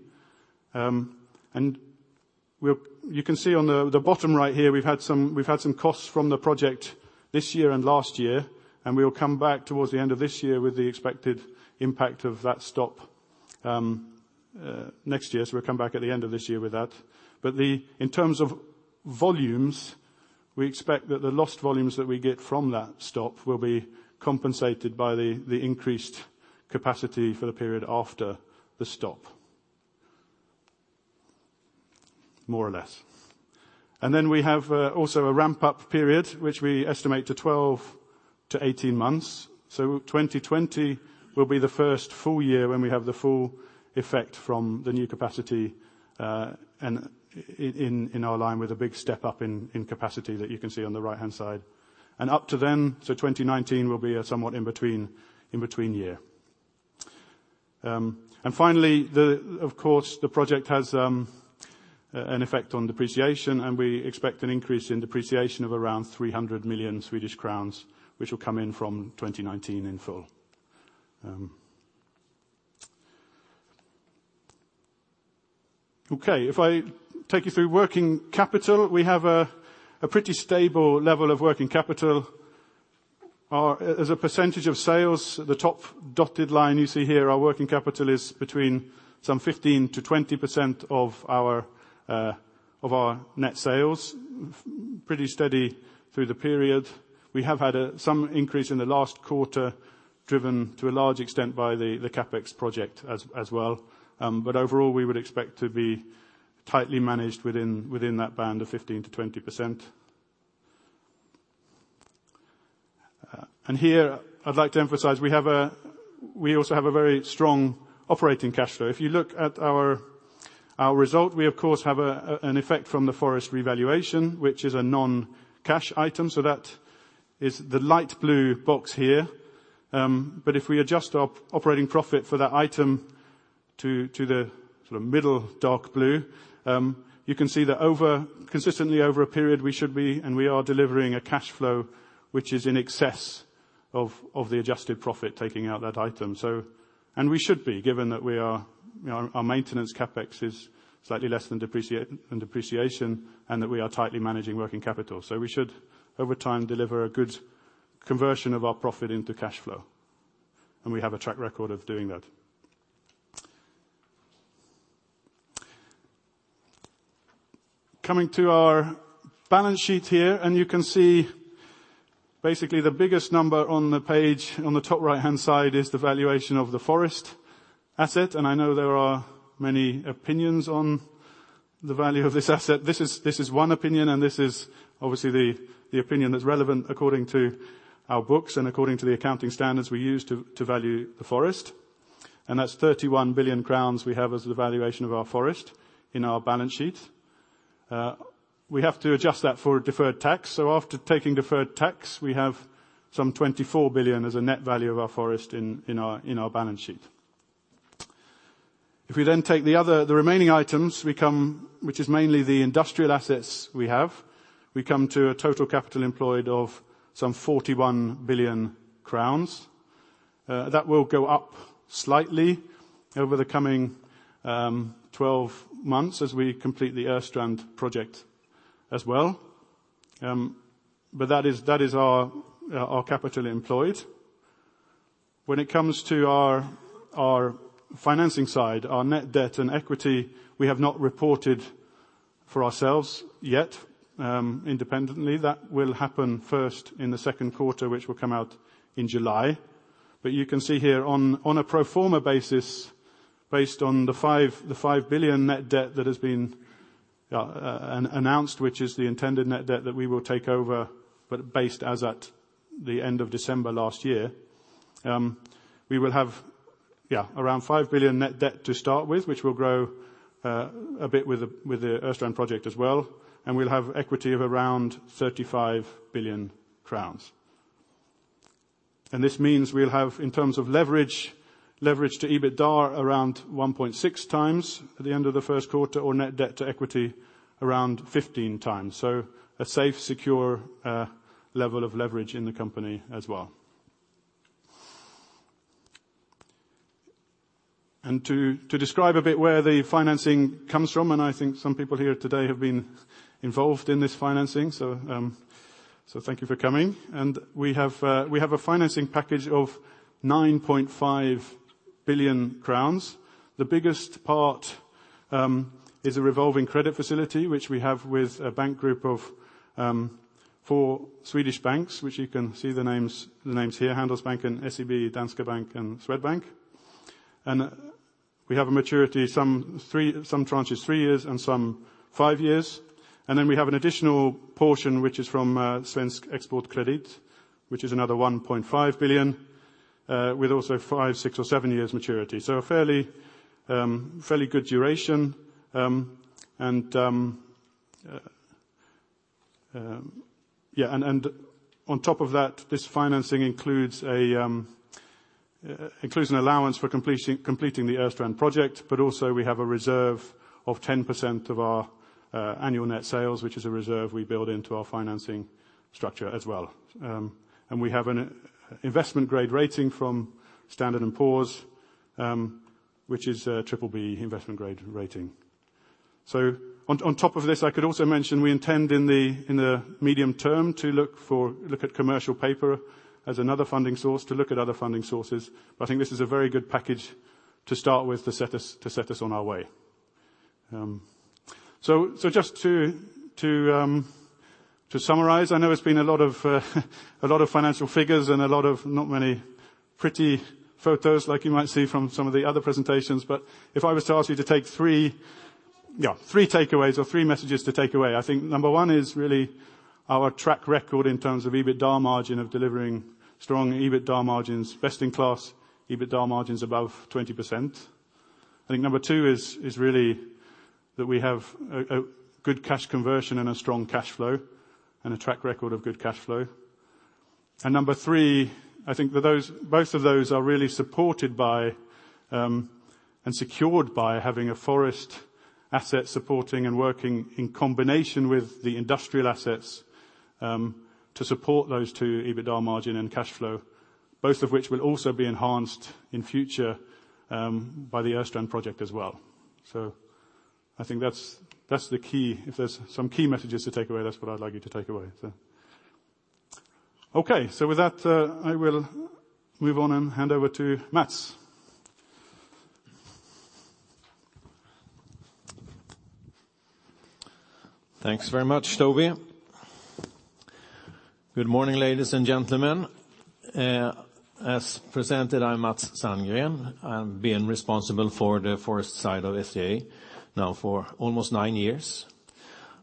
You can see on the bottom right here, we've had some costs from the project this year and last year, and we'll come back towards the end of this year with the expected impact of that stop next year. We'll come back at the end of this year with that. In terms of volumes, we expect that the lost volumes that we get from that stop will be compensated by the increased capacity for the period after the stop, more or less. We have also a ramp-up period, which we estimate to 12-18 months. 2020 will be the first full year when we have the full effect from the new capacity, and in our line with a big step-up in capacity that you can see on the right-hand side. Up to then, 2019 will be a somewhat in-between year. Finally, of course, the project has an effect on depreciation, and we expect an increase in depreciation of around 300 million Swedish crowns, which will come in from 2019 in full. Okay. If I take you through working capital, we have a pretty stable level of working capital. As a percentage of sales, the top dotted line you see here, our working capital is between some 15%-20% of our net sales. Pretty steady through the period. We have had some increase in the last quarter, driven to a large extent by the CapEx project as well. Overall, we would expect to be tightly managed within that band of 15%-20%. Here I'd like to emphasize, we also have a very strong operating cash flow. If you look at our result, we of course, have an effect from the forest revaluation, which is a non-cash item. That is the light blue box here. If we adjust our operating profit for that item to the sort of middle dark blue, you can see that consistently over a period, we should be, and we are delivering a cash flow which is in excess of the adjusted profit, taking out that item. We should be, given that our maintenance CapEx is slightly less than depreciation, and that we are tightly managing working capital. We should, over time, deliver a good conversion of our profit into cash flow. We have a track record of doing that. Coming to our balance sheet here, you can see basically the biggest number on the page on the top right-hand side is the valuation of the forest asset. I know there are many opinions on the value of this asset. This is one opinion, and this is obviously the opinion that's relevant according to our books and according to the accounting standards we use to value the forest. That's 31 billion crowns we have as the valuation of our forest in our balance sheet. We have to adjust that for a deferred tax. After taking deferred tax, we have some 24 billion as a net value of our forest in our balance sheet. We take the remaining items, which is mainly the industrial assets we have, we come to a total capital employed of some 41 billion crowns. That will go up slightly over the coming 12 months as we complete the Östrand project as well. That is our capital employed. When it comes to our financing side, our net debt, and equity, we have not reported for ourselves yet independently. That will happen first in the second quarter, which will come out in July. You can see here on a pro forma basis, based on the 5 billion net debt that has been announced, which is the intended net debt that we will take over, but based as at the end of December last year. We will have around 5 billion net debt to start with, which will grow a bit with the Östrand project as well. We'll have equity of around 35 billion crowns. This means we'll have, in terms of leverage to EBITDA around 1.6 times at the end of the first quarter, or net debt to equity around 15 times. A safe, secure level of leverage in the company as well. To describe a bit where the financing comes from, and I think some people here today have been involved in this financing, so thank you for coming. We have a financing package of 9.5 billion crowns. The biggest part is a revolving credit facility, which we have with a bank group of four Swedish banks, which you can see the names here, Handelsbanken, SEB, Danske Bank, and Swedbank. We have a maturity, some tranches three years and some five years. We have an additional portion, which is from Svensk Exportkredit, which is another 1.5 billion, with also five, six, or seven years maturity. A fairly good duration. On top of that, this financing includes an allowance for completing the Östrand project, but also we have a reserve of 10% of our annual net sales, which is a reserve we build into our financing structure as well. We have an investment grade rating from Standard & Poor's, which is a triple B investment grade rating. On top of this, I could also mention we intend in the medium term to look at commercial paper as another funding source, to look at other funding sources. I think this is a very good package to start with to set us on our way. Just to summarize, I know it's been a lot of financial figures and not many pretty photos like you might see from some of the other presentations. If I was to ask you to take three takeaways or three messages to take away, I think number one is really our track record in terms of EBITDA margin, of delivering strong EBITDA margins, best in class EBITDA margins above 20%. I think number two is really that we have a good cash conversion and a strong cash flow, and a track record of good cash flow. Number three, I think that both of those are really supported by, and secured by having a forest asset supporting and working in combination with the industrial assets to support those two, EBITDA margin and cash flow. Both of which will also be enhanced in future by the Östrand project as well. I think that's the key. If there's some key messages to take away, that's what I'd like you to take away. Okay, with that, I will move on and hand over to Mats. Thanks very much, Toby. Good morning, ladies and gentlemen. As presented, I'm Mats Sandgren. I've been responsible for the forest side of SCA now for almost nine years.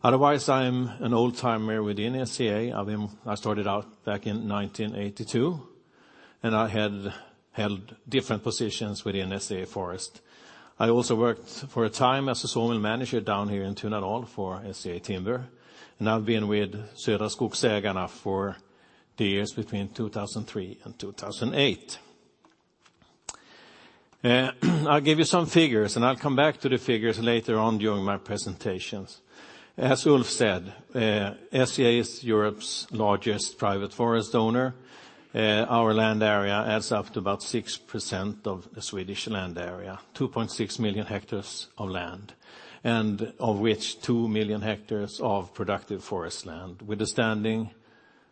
Otherwise, I'm an old-timer within SCA. I started out back in 1982, and I have held different positions within SCA Forest. I also worked for a time as a sawmill manager down here in Tunadal for SCA Timber, and I've been with Södra Skogsägarna for the years between 2003 and 2008. I'll give you some figures, and I'll come back to the figures later on during my presentations. As Ulf said, SCA is Europe's largest private forest owner. Our land area adds up to about 6% of the Swedish land area, 2.6 million hectares of land, and of which 2 million hectares of productive forest land with a standing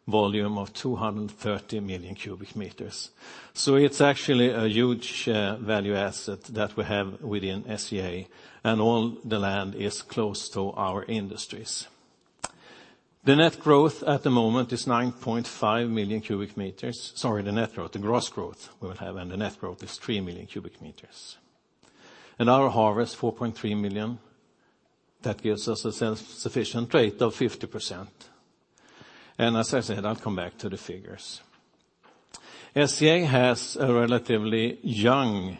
volume of 230 million cubic meters. It's actually a huge value asset that we have within SCA, and all the land is close to our industries. The net growth at the moment is 9.5 million cubic meters. Sorry, the gross growth we will have, and the net growth is three million cubic meters. Our harvest 4.3 million. That gives us a self-sufficient rate of 50%. As I said, I'll come back to the figures. SCA has a relatively young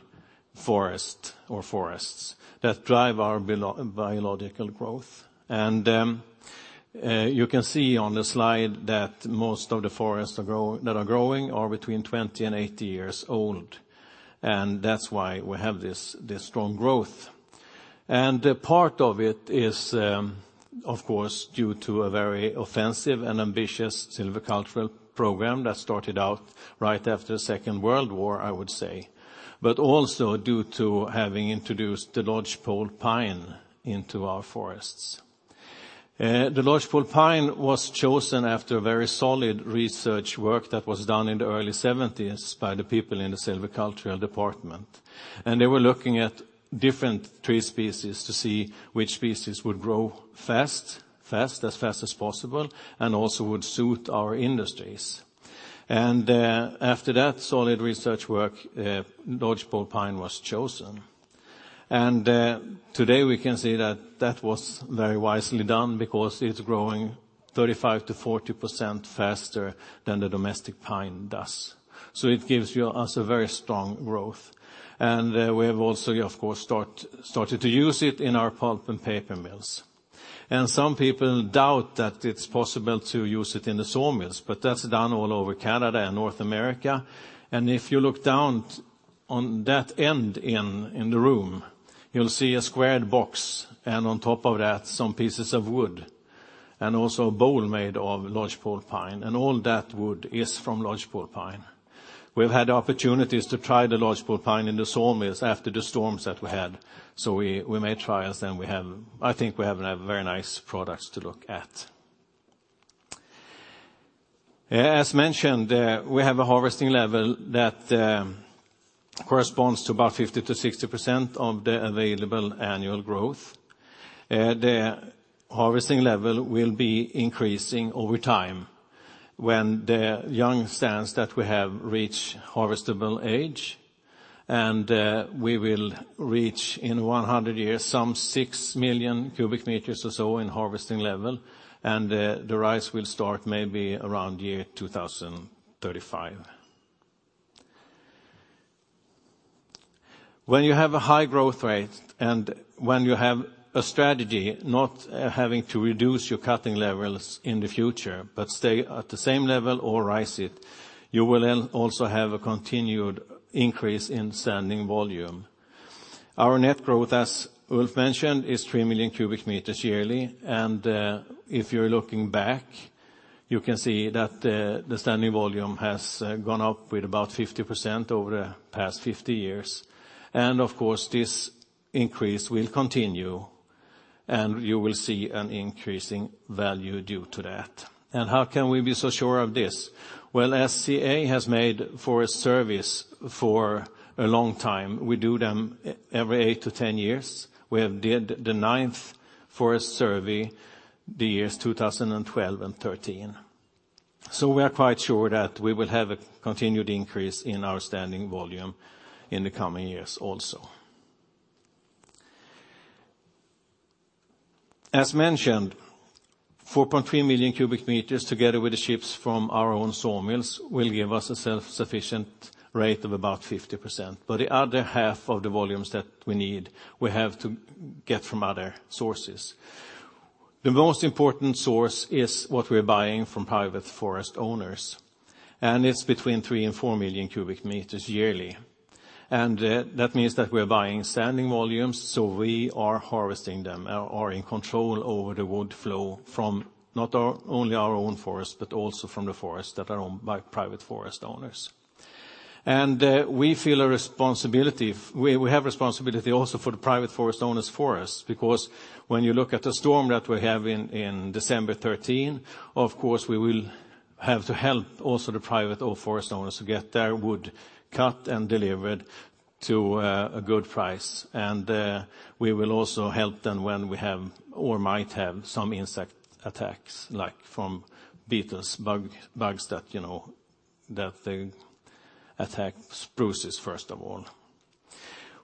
forest or forests that drive our biological growth. You can see on the slide that most of the forests that are growing are between 20 and 80 years old. That's why we have this strong growth. Part of it is, of course, due to a very offensive and ambitious silvicultural program that started out right after the Second World War, I would say. Also due to having introduced the lodgepole pine into our forests. The lodgepole pine was chosen after very solid research work that was done in the early 1970s by the people in the silvicultural department. They were looking at different tree species to see which species would grow fast, as fast as possible, and also would suit our industries. After that solid research work, lodgepole pine was chosen. Today we can say that that was very wisely done because it's growing 35%-40% faster than the domestic pine does. It gives us a very strong growth. We have also, of course, started to use it in our pulp and paper mills. Some people doubt that it's possible to use it in the sawmills, but that's done all over Canada and North America. If you look down on that end in the room, you'll see a squared box, and on top of that, some pieces of wood, and also a bowl made of lodgepole pine. All that wood is from lodgepole pine. We've had opportunities to try the lodgepole pine in the sawmills after the storms that we had. We made trials, and I think we have very nice products to look at. As mentioned, we have a harvesting level that corresponds to about 50%-60% of the available annual growth. The harvesting level will be increasing over time when the young stands that we have reach harvestable age, and we will reach in 100 years some 6 million cubic meters or so in harvesting level, and the rise will start maybe around year 2035. When you have a high growth rate and when you have a strategy not having to reduce your cutting levels in the future but stay at the same level or rise it, you will also have a continued increase in standing volume. Our net growth, as Ulf mentioned, is 3 million cubic meters yearly. If you're looking back, you can see that the standing volume has gone up with about 50% over the past 50 years. Of course, this increase will continue, and you will see an increase in value due to that. How can we be so sure of this? Well, SCA has made forest surveys for a long time. We do them every 8 to 10 years. We have did the ninth forest survey the years 2012 and 2013. We are quite sure that we will have a continued increase in our standing volume in the coming years also. As mentioned, 4.3 million cubic meters together with the ships from our own sawmills will give us a self-sufficient rate of about 50%. The other half of the volumes that we need, we have to get from other sources. The most important source is what we're buying from private forest owners, and it's between 3 and 4 million cubic meters yearly. That means that we're buying standing volumes, so we are harvesting them, are in control over the wood flow from not only our own forest, but also from the forest that are owned by private forest owners. We have responsibility also for the private forest owners' forests, because when you look at the storm that we have in December 2013, of course, we will have to help also the private old forest owners to get their wood cut and delivered to a good price. We will also help them when we have or might have some insect attacks, like from beetles, bugs that they attack spruces first of all.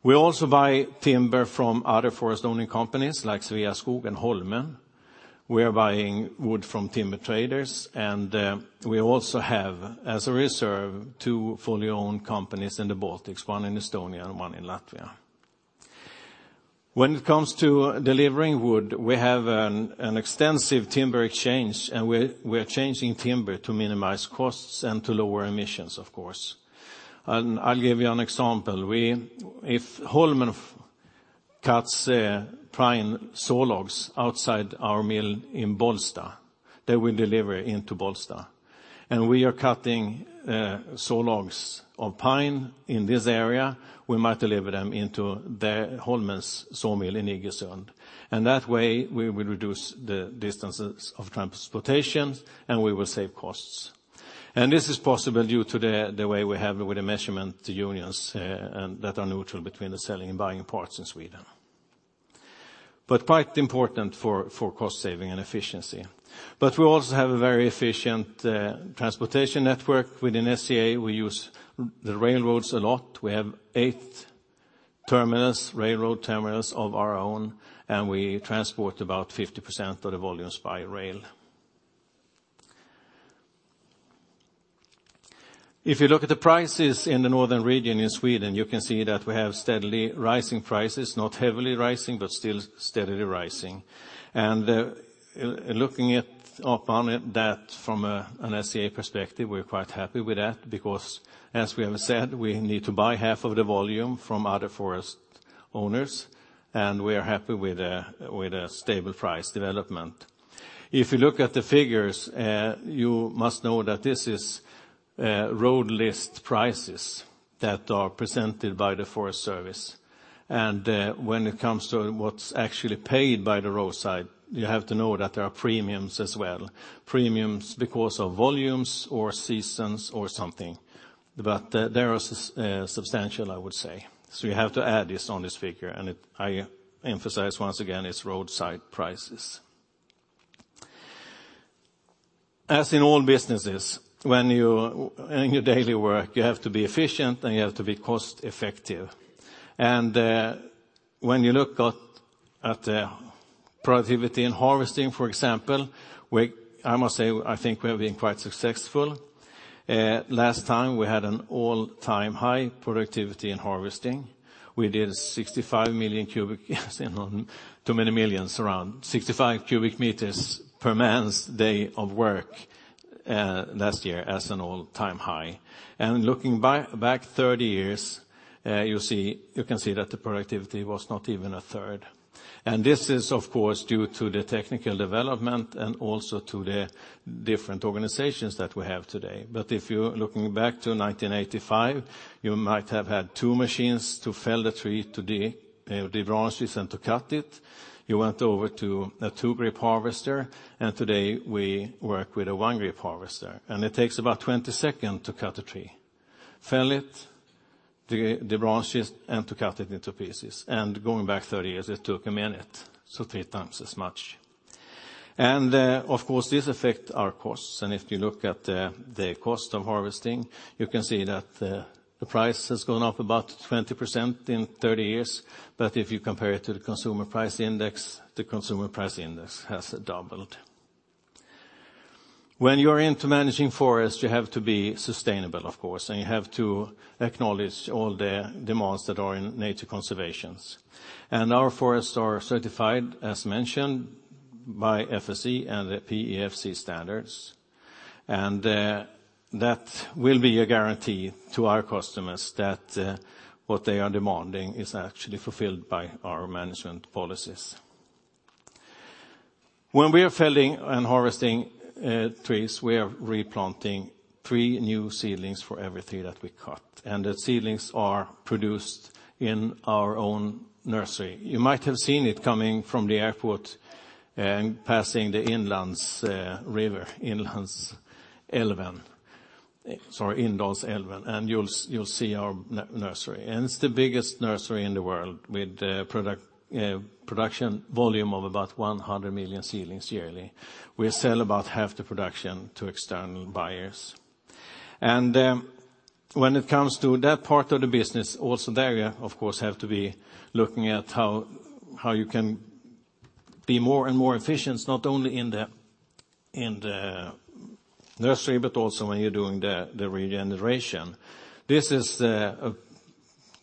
We also buy timber from other forest owning companies like Sveaskog and Holmen. We also have, as a reserve, two fully owned companies in the Baltics, one in Estonia and one in Latvia. When it comes to delivering wood, we have an extensive timber exchange, and we're changing timber to minimize costs and to lower emissions, of course. I'll give you an example. If Holmen cuts pine saw logs outside our mill in Bollsta, they will deliver into Bollsta. We are cutting saw logs of pine in this area, we might deliver them into the Holmen's sawmill in Iggesund. That way, we will reduce the distances of transportation, and we will save costs. This is possible due to the way we have with the measurement unions that are neutral between the selling and buying parts in Sweden. Quite important for cost saving and efficiency. We also have a very efficient transportation network within SCA. We use the railroads a lot. We have eight railroad terminals of our own, and we transport about 50% of the volumes by rail. If you look at the prices in the northern region in Sweden, you can see that we have steadily rising prices, not heavily rising, but still steadily rising. Looking upon that from an SCA perspective, we're quite happy with that because as we have said, we need to buy half of the volume from other forest owners, we are happy with a stable price development. If you look at the figures, you must know that this is road list prices that are presented by the Swedish Forest Agency. When it comes to what's actually paid by the roadside, you have to know that there are premiums as well. Premiums because of volumes or seasons or something. They are substantial, I would say. You have to add this on this figure, I emphasize once again, it's roadside prices. As in all businesses, in your daily work, you have to be efficient, and you have to be cost effective. When you look at productivity and harvesting, for example, I must say, I think we have been quite successful. Last time we had an all-time high productivity in harvesting. We did around 65 cubic meters per man's day of work last year as an all-time high. Looking back 30 years, you can see that the productivity was not even a third. This is, of course, due to the technical development and also to the different organizations that we have today. If you're looking back to 1985, you might have had two machines to fell the tree, to debranch it, and to cut it. You went over to a 2-grip harvester, and today we work with a 1-grip harvester. It takes about 20 seconds to cut a tree, fell it the branches and to cut it into pieces. Going back 30 years, it took a minute, so three times as much. This affects our costs. If you look at the cost of harvesting, you can see that the price has gone up about 20% in 30 years. But if you compare it to the consumer price index, the consumer price index has doubled. When you're into managing forest, you have to be sustainable, of course, and you have to acknowledge all the demands that are in nature conservations. Our forests are certified, as mentioned, by FSC and the PEFC standards. That will be a guarantee to our customers that what they are demanding is actually fulfilled by our management policies. When we are felling and harvesting trees, we are replanting three new seedlings for every tree that we cut, and the seedlings are produced in our own nursery. You might have seen it coming from the airport and passing the Indalsälven. Sorry, Indalsälven. You'll see our nursery, and it's the biggest nursery in the world with production volume of about 100 million seedlings yearly. We sell about half the production to external buyers. When it comes to that part of the business, also there you, of course, have to be looking at how you can be more and more efficient, not only in the nursery, but also when you're doing the regeneration. This is a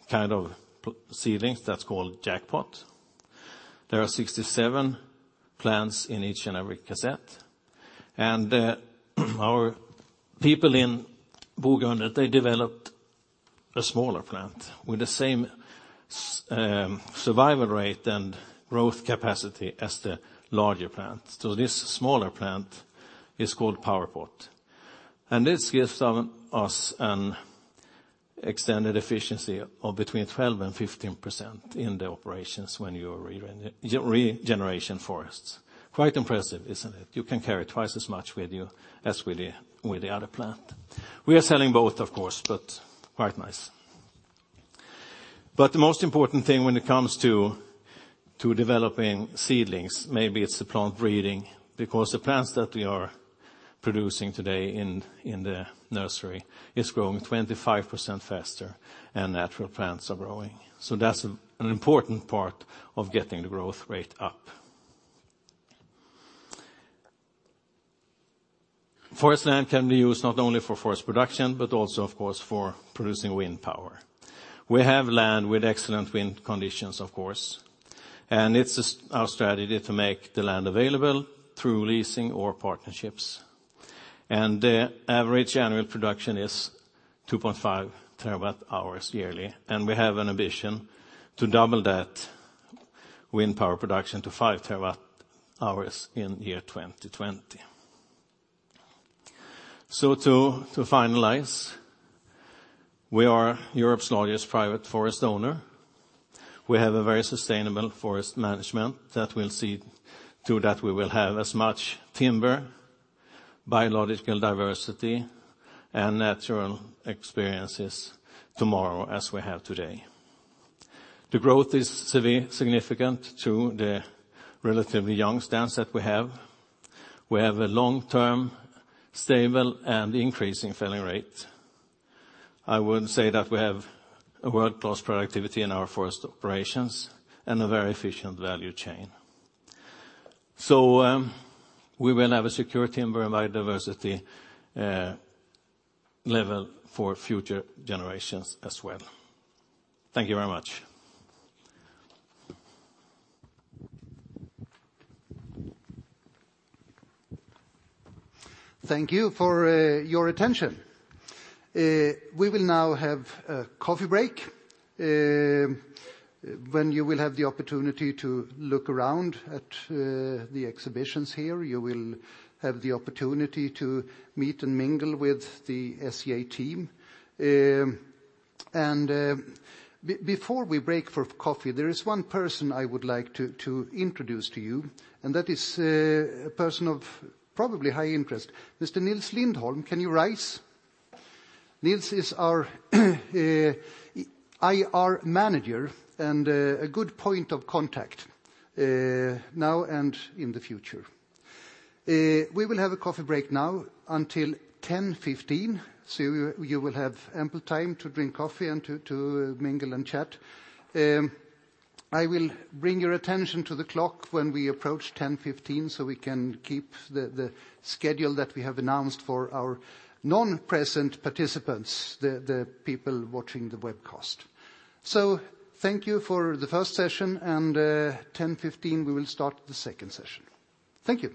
kind of seedlings that's called Jackpot. There are 67 plants in each and every cassette. Our people in Bogrundet, they developed a smaller plant with the same survival rate and growth capacity as the larger plant. This smaller plant is called Powerpot, and this gives us an extended efficiency of between 12% and 15% in the operations when you're regenerating forests. Quite impressive, isn't it? You can carry twice as much with you as with the other plant. We are selling both, of course, but quite nice. The most important thing when it comes to developing seedlings, maybe it's the plant breeding because the plants that we are producing today in the nursery is growing 25% faster than natural plants are growing. That's an important part of getting the growth rate up. Forest land can be used not only for forest production, but also, of course, for producing wind power. We have land with excellent wind conditions, of course, and it's our strategy to make the land available through leasing or partnerships. The average annual production is 2.5 terawatt hours yearly, and we have an ambition to double that wind power production to five terawatt hours in year 2020. To finalize, we are Europe's largest private forest owner. We have a very sustainable forest management that will see to that we will have as much timber, biological diversity, and natural experiences tomorrow as we have today. The growth is significant to the relatively young stands that we have. We have a long-term, stable, and increasing felling rate. I would say that we have a world-class productivity in our forest operations and a very efficient value chain. We will have a secure timber and biodiversity level for future generations as well. Thank you very much. Thank you for your attention. We will now have a coffee break when you will have the opportunity to look around at the exhibitions here. You will have the opportunity to meet and mingle with the SCA team. Before we break for coffee, there is one person I would like to introduce to you, and that is a person of probably high interest, Nils Lindholm, can you rise? Nils is our IR manager and a good point of contact now and in the future. We will have a coffee break now until 10:15 A.M. You will have ample time to drink coffee and to mingle and chat. I will bring your attention to the clock when we approach 10:15 A.M. so we can keep the schedule that we have announced for our non-present participants, the people watching the webcast. Thank you for the first session, 10:15 A.M., we will start the second session. Thank you.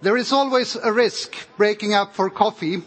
There is always a risk breaking up for coffee.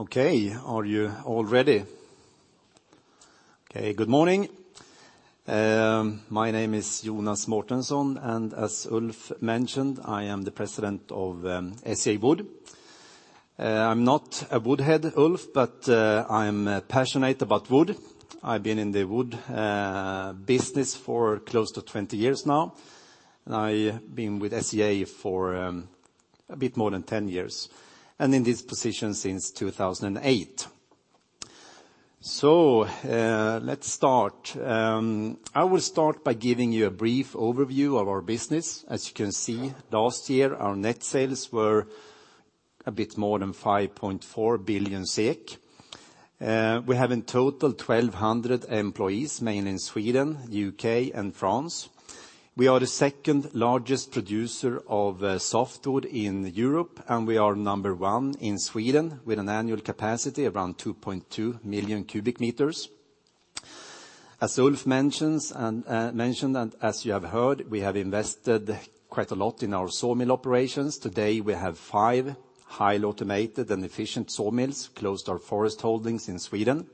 Are you all ready? Good morning. My name is Jonas Mårtensson, and as Ulf mentioned, I am the President of SCA Wood. I'm not a woodhead, Ulf, but I'm passionate about wood. I've been in the wood business for close to 20 years now, and I've been with SCA for a bit more than 10 years, and in this position since 2008. Let's start. I will start by giving you a brief overview of our business. As you can see, last year, our net sales were a bit more than 5.4 billion SEK. We have in total 1,200 employees, mainly in Sweden, the U.K., and France. We are the second largest producer of softwood in Europe, and we are number 1 in Sweden with an annual capacity of around 2.2 million cubic meters. As Ulf mentioned, as you have heard, we have invested quite a lot in our sawmill operations. Today we have five highly automated and efficient sawmills close to our forest holdings in Sweden.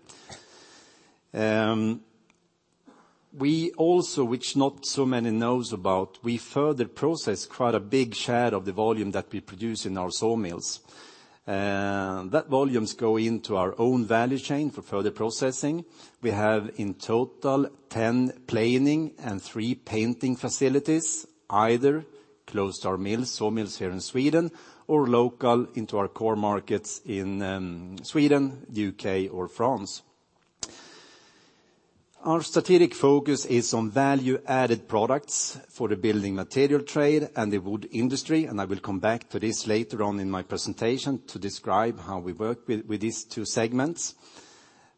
We also, which not so many knows about, we further process quite a big share of the volume that we produce in our sawmills. That volumes go into our own value chain for further processing. We have in total 10 planing and three painting facilities, either close to our mills, sawmills here in Sweden, or local into our core markets in Sweden, the U.K., or France. Our strategic focus is on value-added products for the building material trade and the wood industry. I will come back to this later on in my presentation to describe how we work with these 2 segments.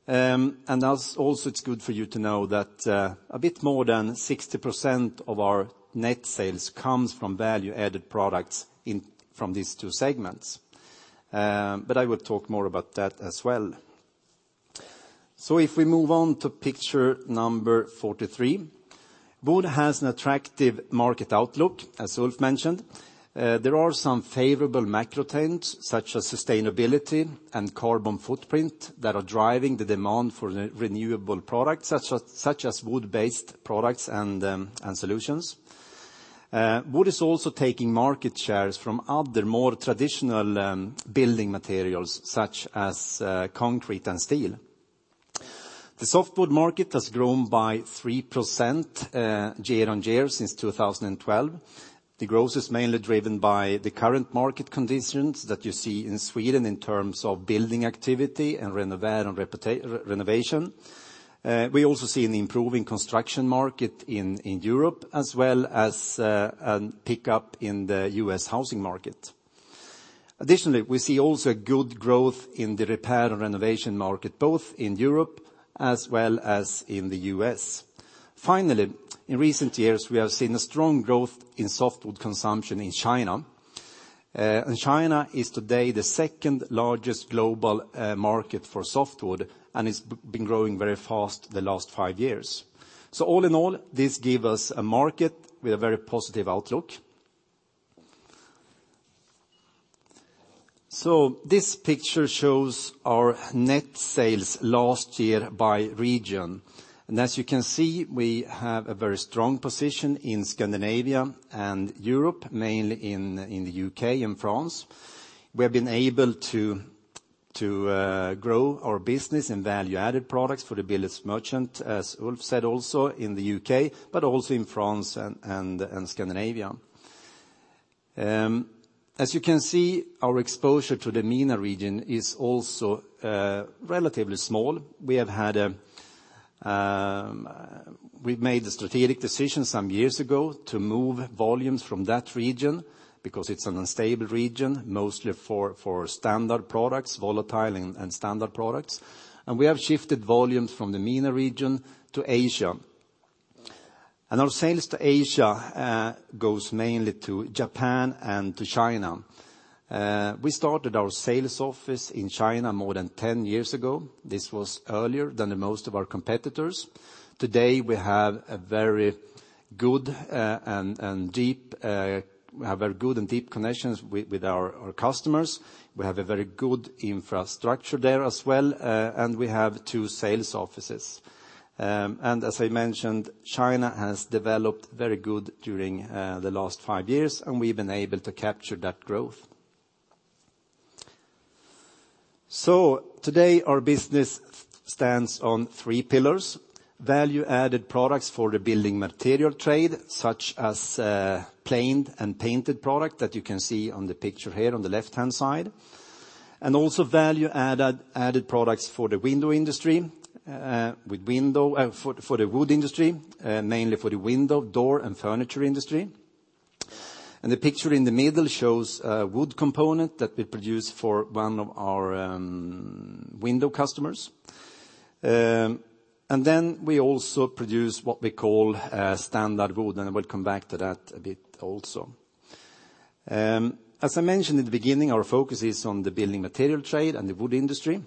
It's good for you to know that a bit more than 60% of our net sales comes from value-added products from these two segments. I will talk more about that as well. If we move on to picture number 43, wood has an attractive market outlook, as Ulf mentioned. There are some favorable macro trends, such as sustainability and carbon footprint that are driving the demand for renewable products such as wood-based products and solutions. Wood is also taking market shares from other more traditional building materials such as concrete and steel. The softwood market has grown by 3% year-on-year since 2012. The growth is mainly driven by the current market conditions that you see in Sweden in terms of building activity and renovation. We also see an improving construction market in Europe, as well as a pickup in the U.S. housing market. Additionally, we see also good growth in the repair and renovation market, both in Europe as well as in the U.S. Finally, in recent years we have seen a strong growth in softwood consumption in China. China is today the second largest global market for softwood and it's been growing very fast the last five years. All in all, this give us a market with a very positive outlook. This picture shows our net sales last year by region. As you can see, we have a very strong position in Scandinavia and Europe, mainly in the U.K. and France. We have been able to grow our business in value-added products for the builders merchant, as Ulf said also, in the U.K., but also in France and Scandinavia. As you can see, our exposure to the MENA region is also relatively small. We've made the strategic decision some years ago to move volumes from that region because it's an unstable region, mostly for standard products, volatile and standard products. We have shifted volumes from the MENA region to Asia. Our sales to Asia goes mainly to Japan and to China. We started our sales office in China more than 10 years ago. This was earlier than most of our competitors. Today we have a very good and deep connections with our customers. We have a very good infrastructure there as well, and we have two sales offices. As I mentioned, China has developed very good during the last five years, and we've been able to capture that growth. Today our business stands on three pillars, value-added products for the building material trade, such as planed and painted product that you can see on the picture here on the left-hand side. Value-added products for the wood industry, mainly for the window, door, and furniture industry. The picture in the middle shows a wood component that we produce for one of our window customers. We also produce what we call standard wood, and I will come back to that a bit also. As I mentioned in the beginning, our focus is on the building material trade and the wood industry.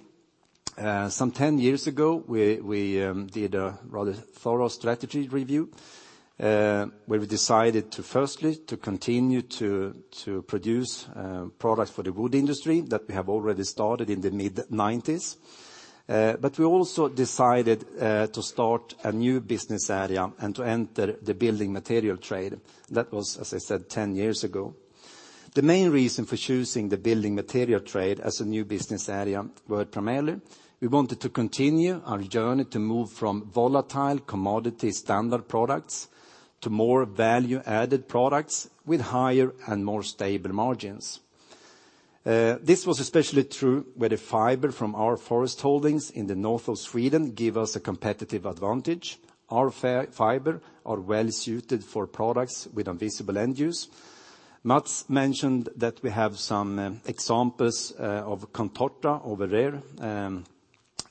Some 10 years ago, we did a rather thorough strategy review, where we decided to firstly, to continue to produce products for the wood industry that we have already started in the mid-1990s. We also decided to start a new business area and to enter the building material trade. That was, as I said, 10 years ago. The main reason for choosing the building material trade as a new business area were primarily, we wanted to continue our journey to move from volatile commodity standard products to more value-added products with higher and more stable margins. This was especially true where the fiber from our forest holdings in the north of Sweden give us a competitive advantage. Our fiber are well-suited for products with invisible end use. Mats mentioned that we have some examples of Contorta over there,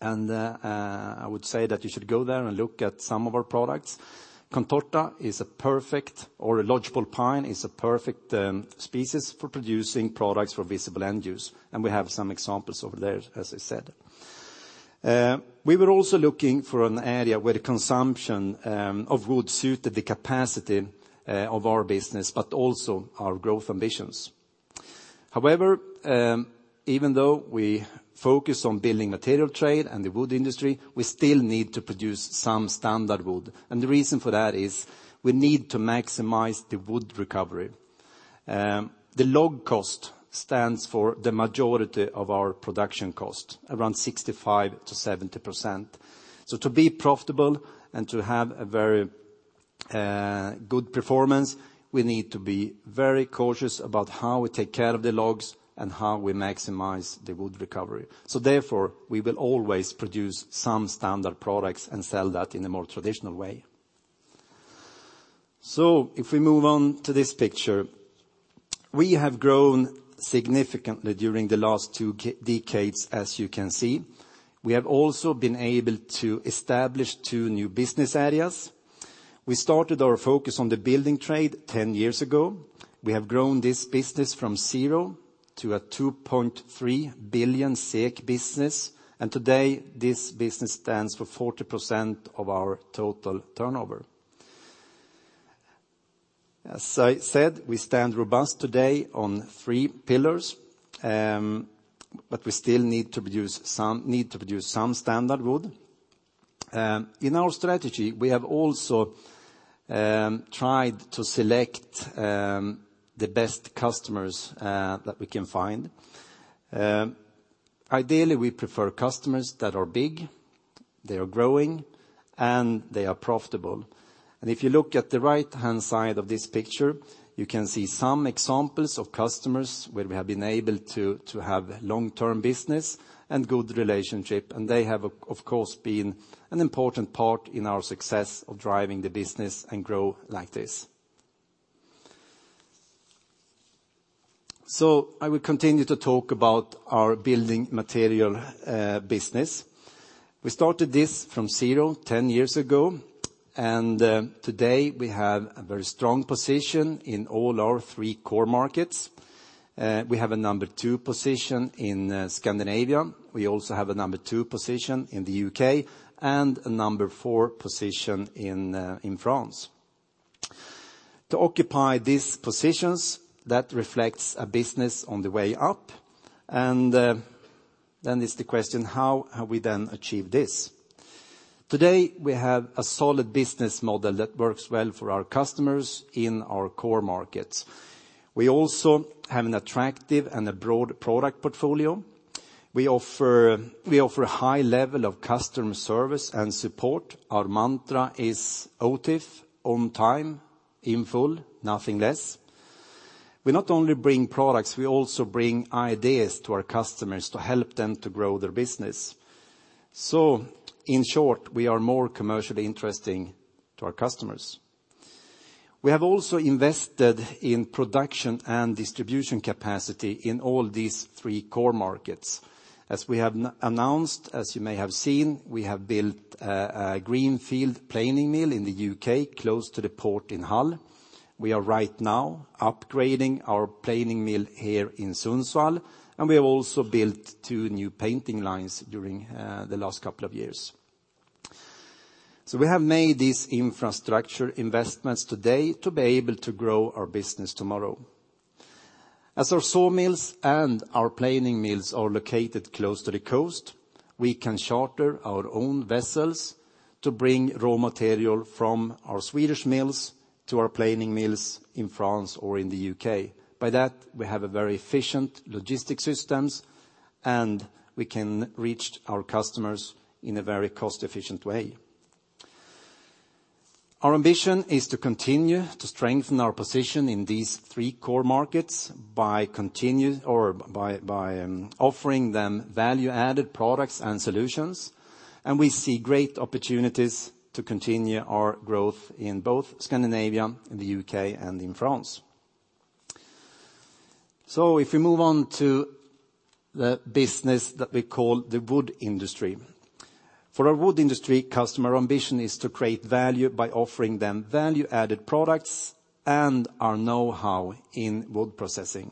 and I would say that you should go there and look at some of our products. Contorta, or a lodgepole pine, is a perfect species for producing products for visible end use, and we have some examples over there, as I said. We were also looking for an area where the consumption of wood suited the capacity of our business, but also our growth ambitions. However, even though we focus on building material trade and the wood industry, we still need to produce some standard wood. The reason for that is we need to maximize the wood recovery. The log cost stands for the majority of our production cost, around 65%-70%. To be profitable and to have a very good performance, we need to be very cautious about how we take care of the logs and how we maximize the wood recovery. Therefore, we will always produce some standard products and sell that in a more traditional way. If we move on to this picture, we have grown significantly during the last two decades, as you can see. We have also been able to establish two new business areas. We started our focus on the building trade 10 years ago. We have grown this business from zero to a 2.3 billion SEK business, and today this business stands for 40% of our total turnover. As I said, we stand robust today on three pillars, but we still need to produce some standard wood. In our strategy, we have also tried to select the best customers that we can find. Ideally, we prefer customers that are big, they are growing, and they are profitable. If you look at the right-hand side of this picture, you can see some examples of customers where we have been able to have long-term business and good relationship, and they have, of course, been an important part in our success of driving the business and grow like this. I will continue to talk about our building material business. We started this from zero 10 years ago, and today we have a very strong position in all our three core markets. We have a number 2 position in Scandinavia. We also have a number 2 position in the U.K. and a number 4 position in France. To occupy these positions, that reflects a business on the way up, and then it's the question, how have we then achieved this? Today, we have a solid business model that works well for our customers in our core markets. We also have an attractive and a broad product portfolio. We offer a high level of customer service and support. Our mantra is OTIF, on time, in full, nothing less. We not only bring products, we also bring ideas to our customers to help them to grow their business. In short, we are more commercially interesting to our customers. We have also invested in production and distribution capacity in all these three core markets. As we have announced, as you may have seen, we have built a greenfield planing mill in the U.K., close to the port in Hull. We are right now upgrading our planing mill here in Sundsvall, and we have also built two new painting lines during the last couple of years. We have made these infrastructure investments today to be able to grow our business tomorrow. As our sawmills and our planing mills are located close to the coast, we can charter our own vessels to bring raw material from our Swedish mills to our planing mills in France or in the U.K. By that, we have a very efficient logistics systems, and we can reach our customers in a very cost-efficient way. Our ambition is to continue to strengthen our position in these three core markets by offering them value-added products and solutions, and we see great opportunities to continue our growth in both Scandinavia, in the U.K., and in France. If we move on to the business that we call the wood industry. For our wood industry customer, our ambition is to create value by offering them value-added products and our know-how in wood processing.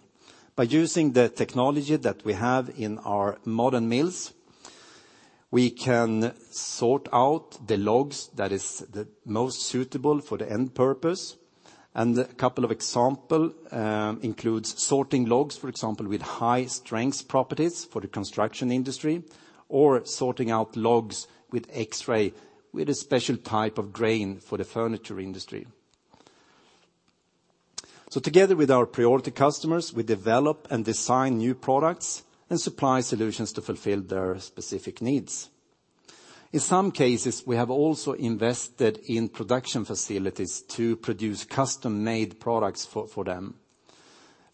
By using the technology that we have in our modern mills, we can sort out the logs that is the most suitable for the end purpose. A couple of example includes sorting logs, for example, with high strength properties for the construction industry, or sorting out logs with X-ray with a special type of grain for the furniture industry. Together with our priority customers, we develop and design new products and supply solutions to fulfill their specific needs. In some cases, we have also invested in production facilities to produce custom-made products for them.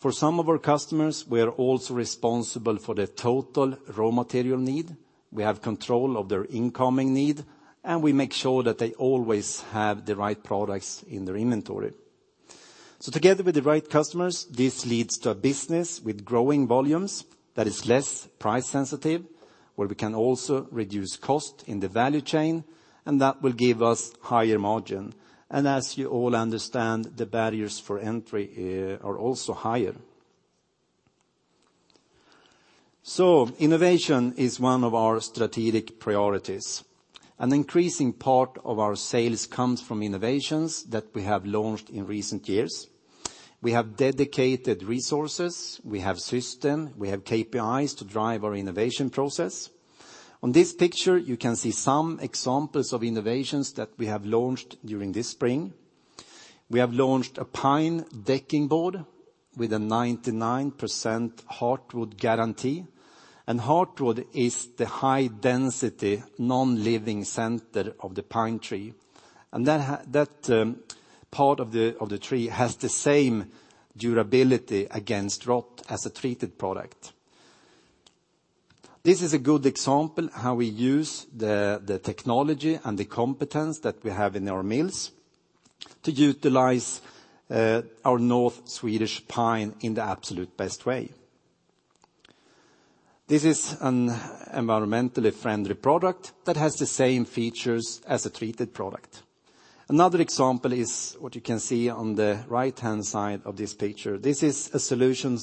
For some of our customers, we are also responsible for the total raw material need. We have control of their incoming need, and we make sure that they always have the right products in their inventory. Together with the right customers, this leads to a business with growing volumes that is less price sensitive, where we can also reduce cost in the value chain, and that will give us higher margin. As you all understand, the barriers for entry are also higher. Innovation is one of our strategic priorities. An increasing part of our sales comes from innovations that we have launched in recent years. We have dedicated resources, we have system, we have KPIs to drive our innovation process. On this picture, you can see some examples of innovations that we have launched during this spring. We have launched a pine decking board with a 99% heartwood guarantee, heartwood is the high density non-living center of the pine tree. That part of the tree has the same durability against rot as a treated product. This is a good example how we use the technology and the competence that we have in our mills to utilize our North Swedish pine in the absolute best way. This is an environmentally friendly product that has the same features as a treated product. Another example is what you can see on the right-hand side of this picture. This is a solution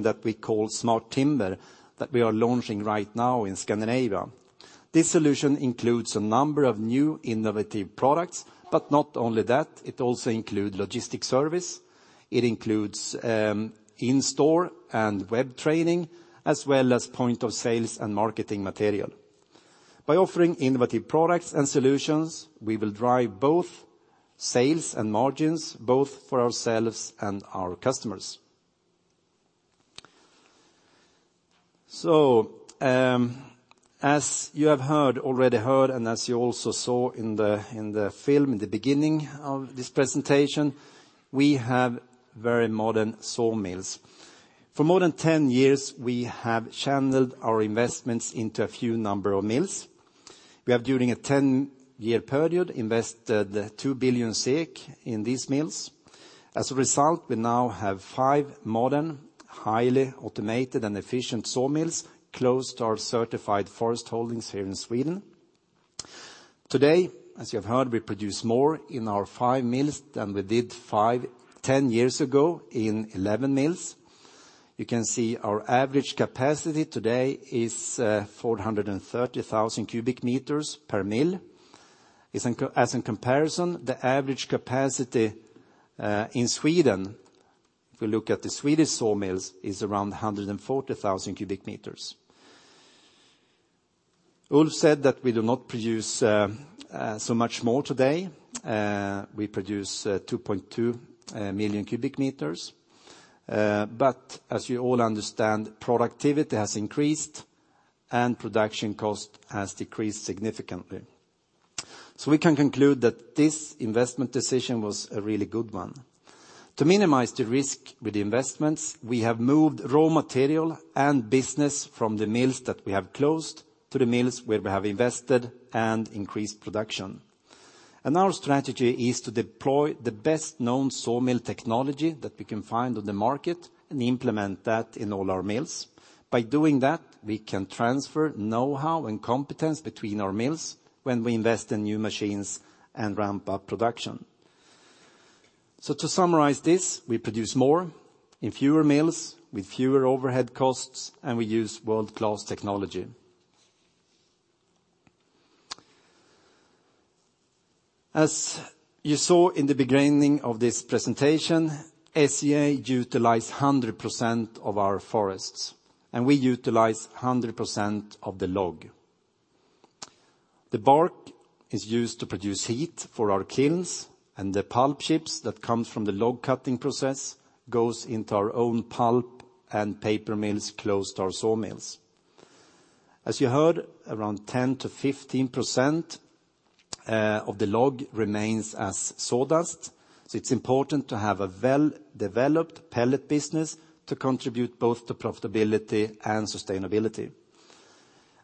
that we call SmartTimber that we are launching right now in Scandinavia. This solution includes a number of new innovative products, but not only that, it also includes logistics service, it includes in-store and web training, as well as point of sales and marketing material. By offering innovative products and solutions, we will drive both sales and margins, both for ourselves and our customers. As you have already heard, and as you also saw in the film in the beginning of this presentation, we have very modern sawmills. For more than 10 years, we have channeled our investments into a few number of mills. We have, during a 10-year period, invested 2 billion SEK in these mills. As a result, we now have five modern, highly automated and efficient sawmills close to our certified forest holdings here in Sweden. Today, as you have heard, we produce more in our five mills than we did 10 years ago in 11 mills. You can see our average capacity today is 430,000 cubic meters per mill. As in comparison, the average capacity in Sweden, if we look at the Swedish sawmills, is around 140,000 cubic meters. Ulf said that we do not produce so much more today. We produce 2.2 million cubic meters. As you all understand, productivity has increased and production cost has decreased significantly. We can conclude that this investment decision was a really good one. To minimize the risk with the investments, we have moved raw material and business from the mills that we have closed to the mills where we have invested and increased production. Our strategy is to deploy the best known sawmill technology that we can find on the market and implement that in all our mills. By doing that, we can transfer know-how and competence between our mills when we invest in new machines and ramp up production. To summarize this, we produce more in fewer mills with fewer overhead costs, and we use world-class technology. As you saw in the beginning of this presentation, SCA utilizes 100% of our forests, and we utilize 100% of the log. The bark is used to produce heat for our kilns, and the pulp chips that comes from the log cutting process goes into our own pulp and paper mills close to our sawmills. As you heard, around 10%-15% of the log remains as sawdust, so it's important to have a well-developed pellet business to contribute both to profitability and sustainability.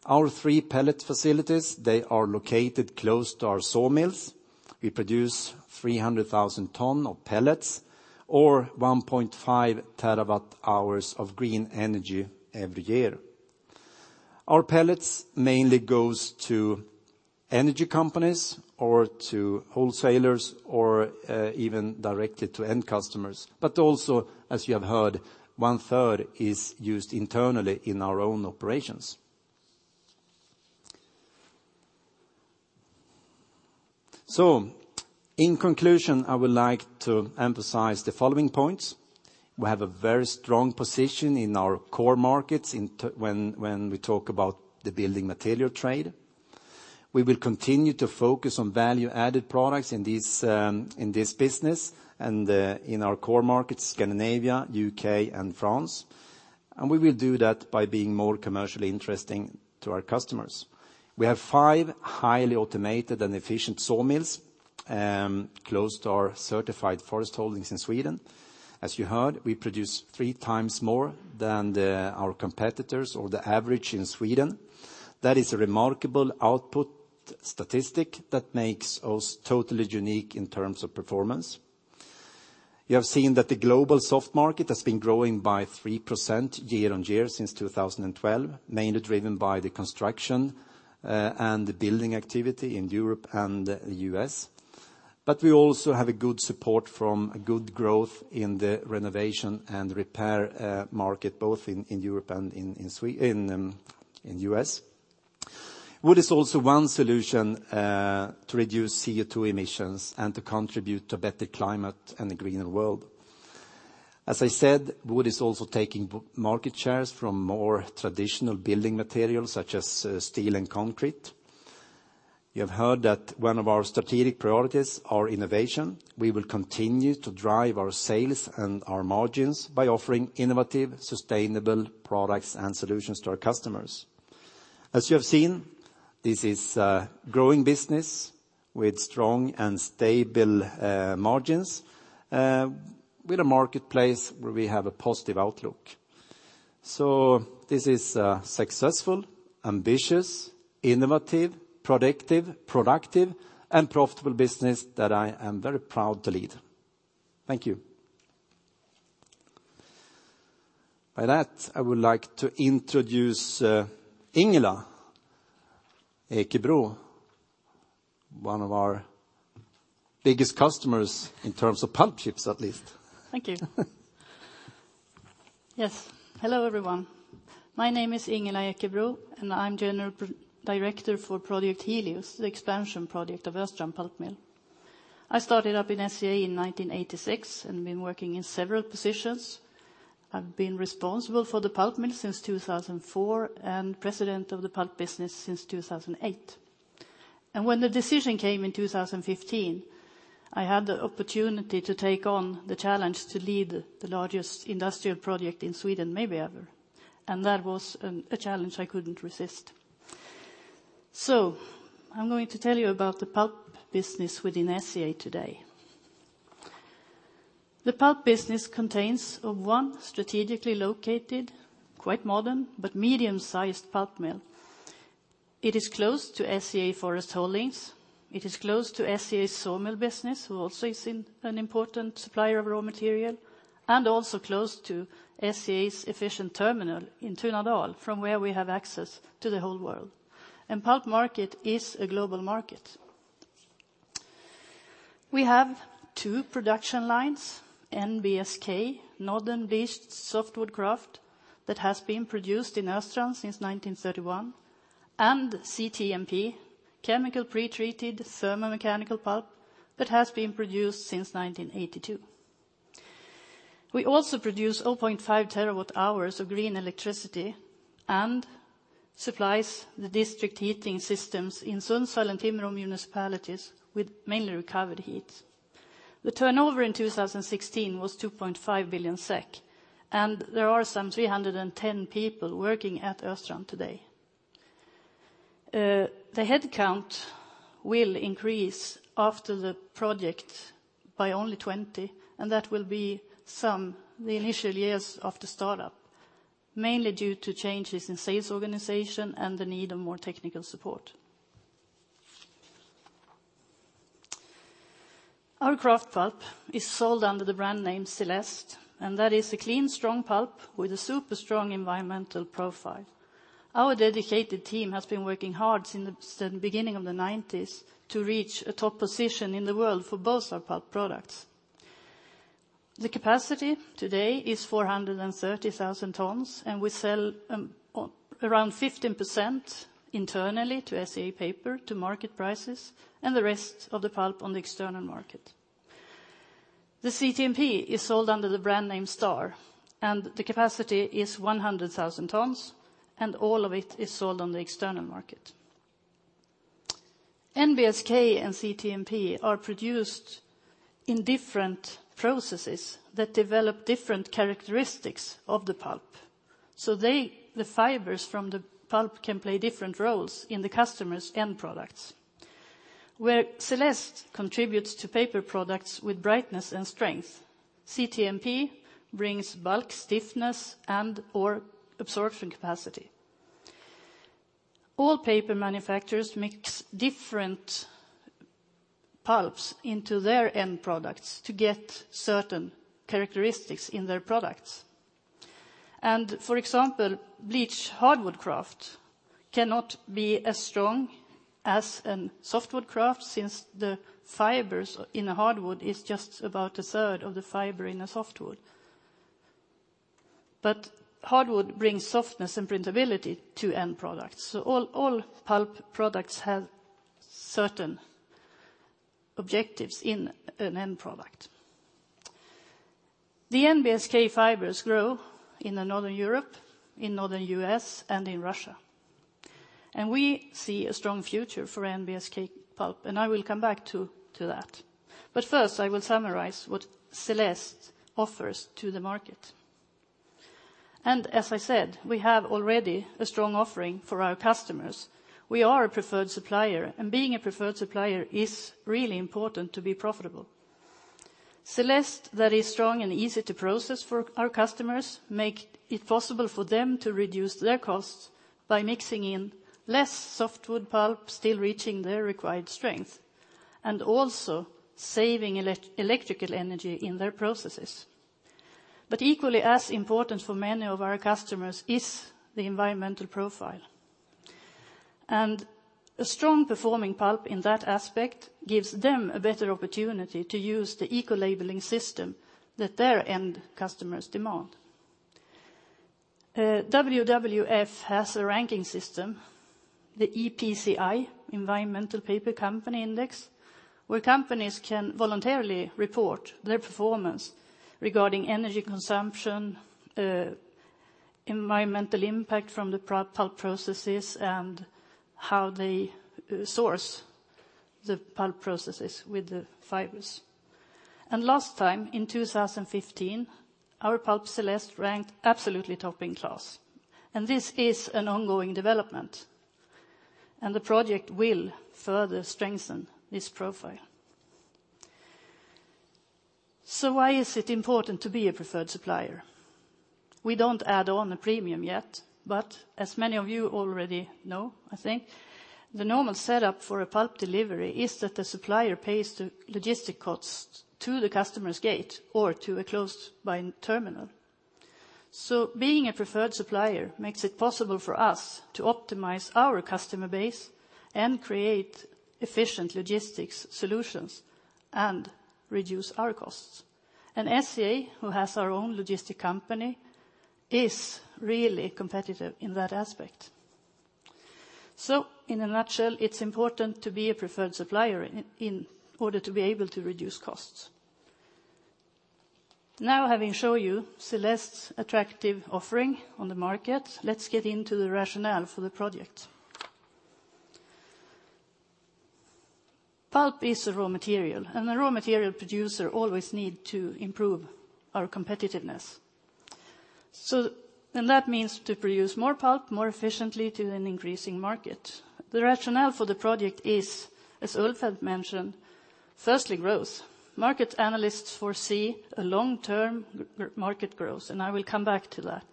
Our three pellet facilities, they are located close to our sawmills. We produce 300,000 tons of pellets, or 1.5 terawatt hours of green energy every year. Our pellets mainly go to energy companies, or to wholesalers, or even directly to end customers. Also, as you have heard, one third is used internally in our own operations. In conclusion, I would like to emphasize the following points. We have a very strong position in our core markets when we talk about the building material trade. We will continue to focus on value-added products in this business and in our core markets, Scandinavia, U.K., and France. We will do that by being more commercially interesting to our customers. We have five highly automated and efficient sawmills close to our certified forest holdings in Sweden. As you heard, we produce three times more than our competitors, or the average in Sweden. That is a remarkable output statistic that makes us totally unique in terms of performance. You have seen that the global softwood market has been growing by 3% year-on-year since 2012, mainly driven by the construction and the building activity in Europe and the U.S. We also have a good support from a good growth in the renovation and repair market, both in Europe and in U.S. Wood is also one solution to reduce CO2 emissions and to contribute to better climate and a greener world. Wood is also taking market shares from more traditional building materials, such as steel and concrete. You have heard that one of our strategic priorities are innovation. We will continue to drive our sales and our margins by offering innovative, sustainable products and solutions to our customers. As you have seen, this is a growing business with strong and stable margins, with a marketplace where we have a positive outlook. This is a successful, ambitious, innovative, productive, and profitable business that I am very proud to lead. Thank you. By that, I would like to introduce Ingela Ekebro, one of our biggest customers in terms of pulp chips, at least. Thank you. Yes. Hello, everyone. My name is Ingela Ekebro, and I'm General Director for Project Helios, the expansion project of Östrand pulp mill. I started up in SCA in 1986 and been working in several positions. I've been responsible for the pulp mill since 2004, and President of the pulp business since 2008. When the decision came in 2015, I had the opportunity to take on the challenge to lead the largest industrial project in Sweden, maybe ever, and that was a challenge I couldn't resist. So I'm going to tell you about the pulp business within SCA today. The pulp business contains of one strategically located, quite modern, but medium-sized pulp mill. It is close to SCA Forest holdings. It is close to SCA sawmill business, who also is an important supplier of raw material, and also close to SCA's efficient terminal in Tunadal, from where we have access to the whole world. Pulp market is a global market. We have two production lines, NBSK, Northern Bleached Softwood Kraft, that has been produced in Östrand since 1931, and CTMP, Chemi-Thermomechanical Pulp, that has been produced since 1982. We also produce 0.5 terawatt hours of green electricity, and supplies the district heating systems in Sundsvall and Timrå municipalities with mainly recovered heat. The turnover in 2016 was 2.5 billion SEK, and there are some 310 people working at Östrand today. The head count will increase after the project by only 20, and that will be some the initial years of the startup, mainly due to changes in sales organization and the need of more technical support. Our kraft pulp is sold under the brand name Celeste, and that is a clean, strong pulp with a super strong environmental profile. Our dedicated team has been working hard since the beginning of the 1990s to reach a top position in the world for both our pulp products. The capacity today is 430,000 tons. We sell around 15% internally to SCA Paper at market prices, and the rest of the pulp on the external market. The CTMP is sold under the brand name Star. The capacity is 100,000 tons, and all of it is sold on the external market. NBSK and CTMP are produced in different processes that develop different characteristics of the pulp. The fibers from the pulp can play different roles in the customer's end products. Where Celeste contributes to paper products with brightness and strength, CTMP brings bulk stiffness and/or absorption capacity. All paper manufacturers mix different pulps into their end products to get certain characteristics in their products. For example, bleached hardwood kraft cannot be as strong as a softwood kraft, since the fibers in the hardwood is just about a third of the fiber in a softwood. Hardwood brings softness and printability to end products. All pulp products have certain objectives in an end product. The NBSK fibers grow in Northern Europe, in northern U.S., and in Russia. We see a strong future for NBSK pulp, and I will come back to that. First, I will summarize what Celeste offers to the market. As I said, we have already a strong offering for our customers. We are a preferred supplier, and being a preferred supplier is really important to be profitable. Celeste that is strong and easy to process for our customers, make it possible for them to reduce their costs by mixing in less softwood pulp, still reaching their required strength, and also saving electrical energy in their processes. Equally as important for many of our customers is the environmental profile. A strong performing pulp in that aspect gives them a better opportunity to use the eco-labeling system that their end customers demand. WWF has a ranking system, the EPCI, Environmental Paper Company Index, where companies can voluntarily report their performance regarding energy consumption, environmental impact from the pulp processes, and how they source the pulp processes with the fibers. Last time, in 2015, our pulp Celeste ranked absolutely top in class, and this is an ongoing development, and the project will further strengthen this profile. Why is it important to be a preferred supplier? We don't add on a premium yet, but as many of you already know, I think, the normal setup for a pulp delivery is that the supplier pays the logistic costs to the customer's gate or to a close by terminal. Being a preferred supplier makes it possible for us to optimize our customer base and create efficient logistics solutions and reduce our costs. SCA, who has our own logistic company, is really competitive in that aspect. In a nutshell, it's important to be a preferred supplier in order to be able to reduce costs. Now, having shown you Celeste's attractive offering on the market, let's get into the rationale for the project. Pulp is a raw material. The raw material producer always need to improve our competitiveness. That means to produce more pulp more efficiently to an increasing market. The rationale for the project is, as Ulf had mentioned, firstly, growth. Market analysts foresee a long-term market growth, and I will come back to that.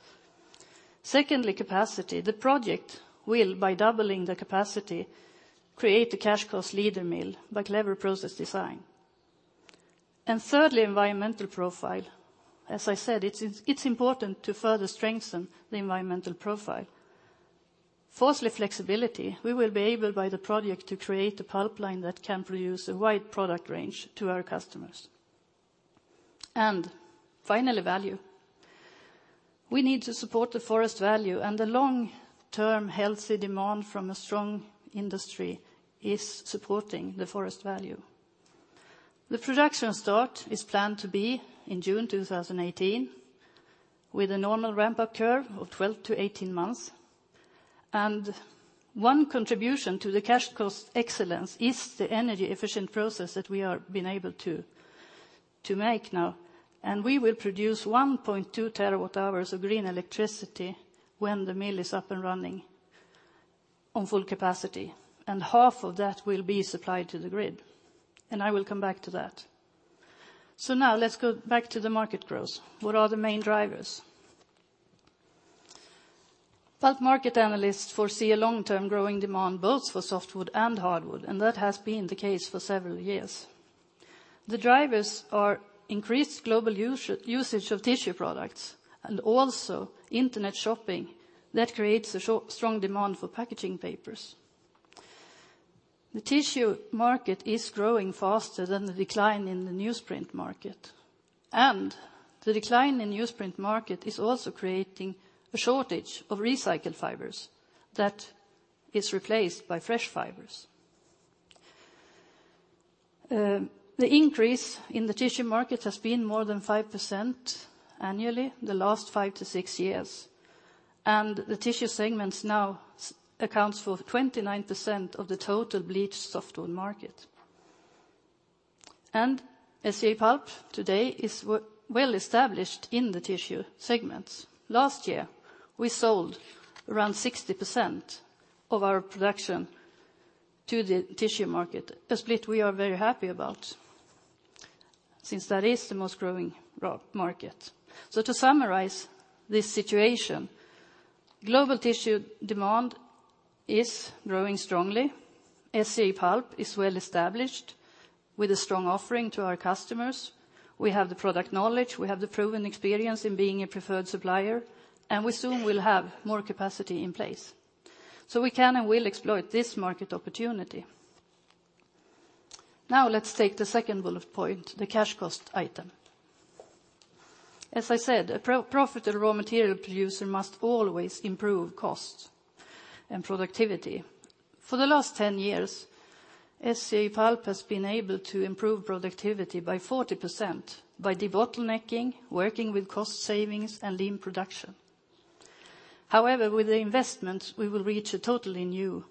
Secondly, capacity. The project will, by doubling the capacity, create a cash cost leader mill by clever process design. Thirdly, environmental profile. As I said, it's important to further strengthen the environmental profile. Fourthly, flexibility. We will be able, by the project, to create a pulp line that can produce a wide product range to our customers. Finally, value. We need to support the forest value, and the long-term healthy demand from a strong industry is supporting the forest value. The production start is planned to be in June 2018, with a normal ramp-up curve of 12 to 18 months. One contribution to the cash cost excellence is the energy efficient process that we are been able to make now. We will produce 1.2 terawatt hours of green electricity when the mill is up and running on full capacity. Half of that will be supplied to the grid. I will come back to that. Now let's go back to the market growth. What are the main drivers? Pulp market analysts foresee a long-term growing demand both for softwood and hardwood, and that has been the case for several years. The drivers are increased global usage of tissue products and also internet shopping that creates a strong demand for packaging papers. The tissue market is growing faster than the decline in the newsprint market. The decline in newsprint market is also creating a shortage of recycled fibers that is replaced by fresh fibers. The increase in the tissue market has been more than 5% annually the last five to six years, and the tissue segments now accounts for 29% of the total bleached softwood market. SCA Pulp today is well established in the tissue segments. Last year, we sold around 60% of our production to the tissue market, a split we are very happy about since that is the most growing market. To summarize this situation, global tissue demand is growing strongly. SCA Pulp is well established with a strong offering to our customers. We have the product knowledge, we have the proven experience in being a preferred supplier, and we soon will have more capacity in place. We can and will exploit this market opportunity. Now let's take the second bullet point, the cash cost item. As I said, a profitable raw material producer must always improve costs and productivity. For the last 10 years, SCA Pulp has been able to improve productivity by 40% by debottlenecking, working with cost savings, and lean production. However, with the investments, we will reach a totally new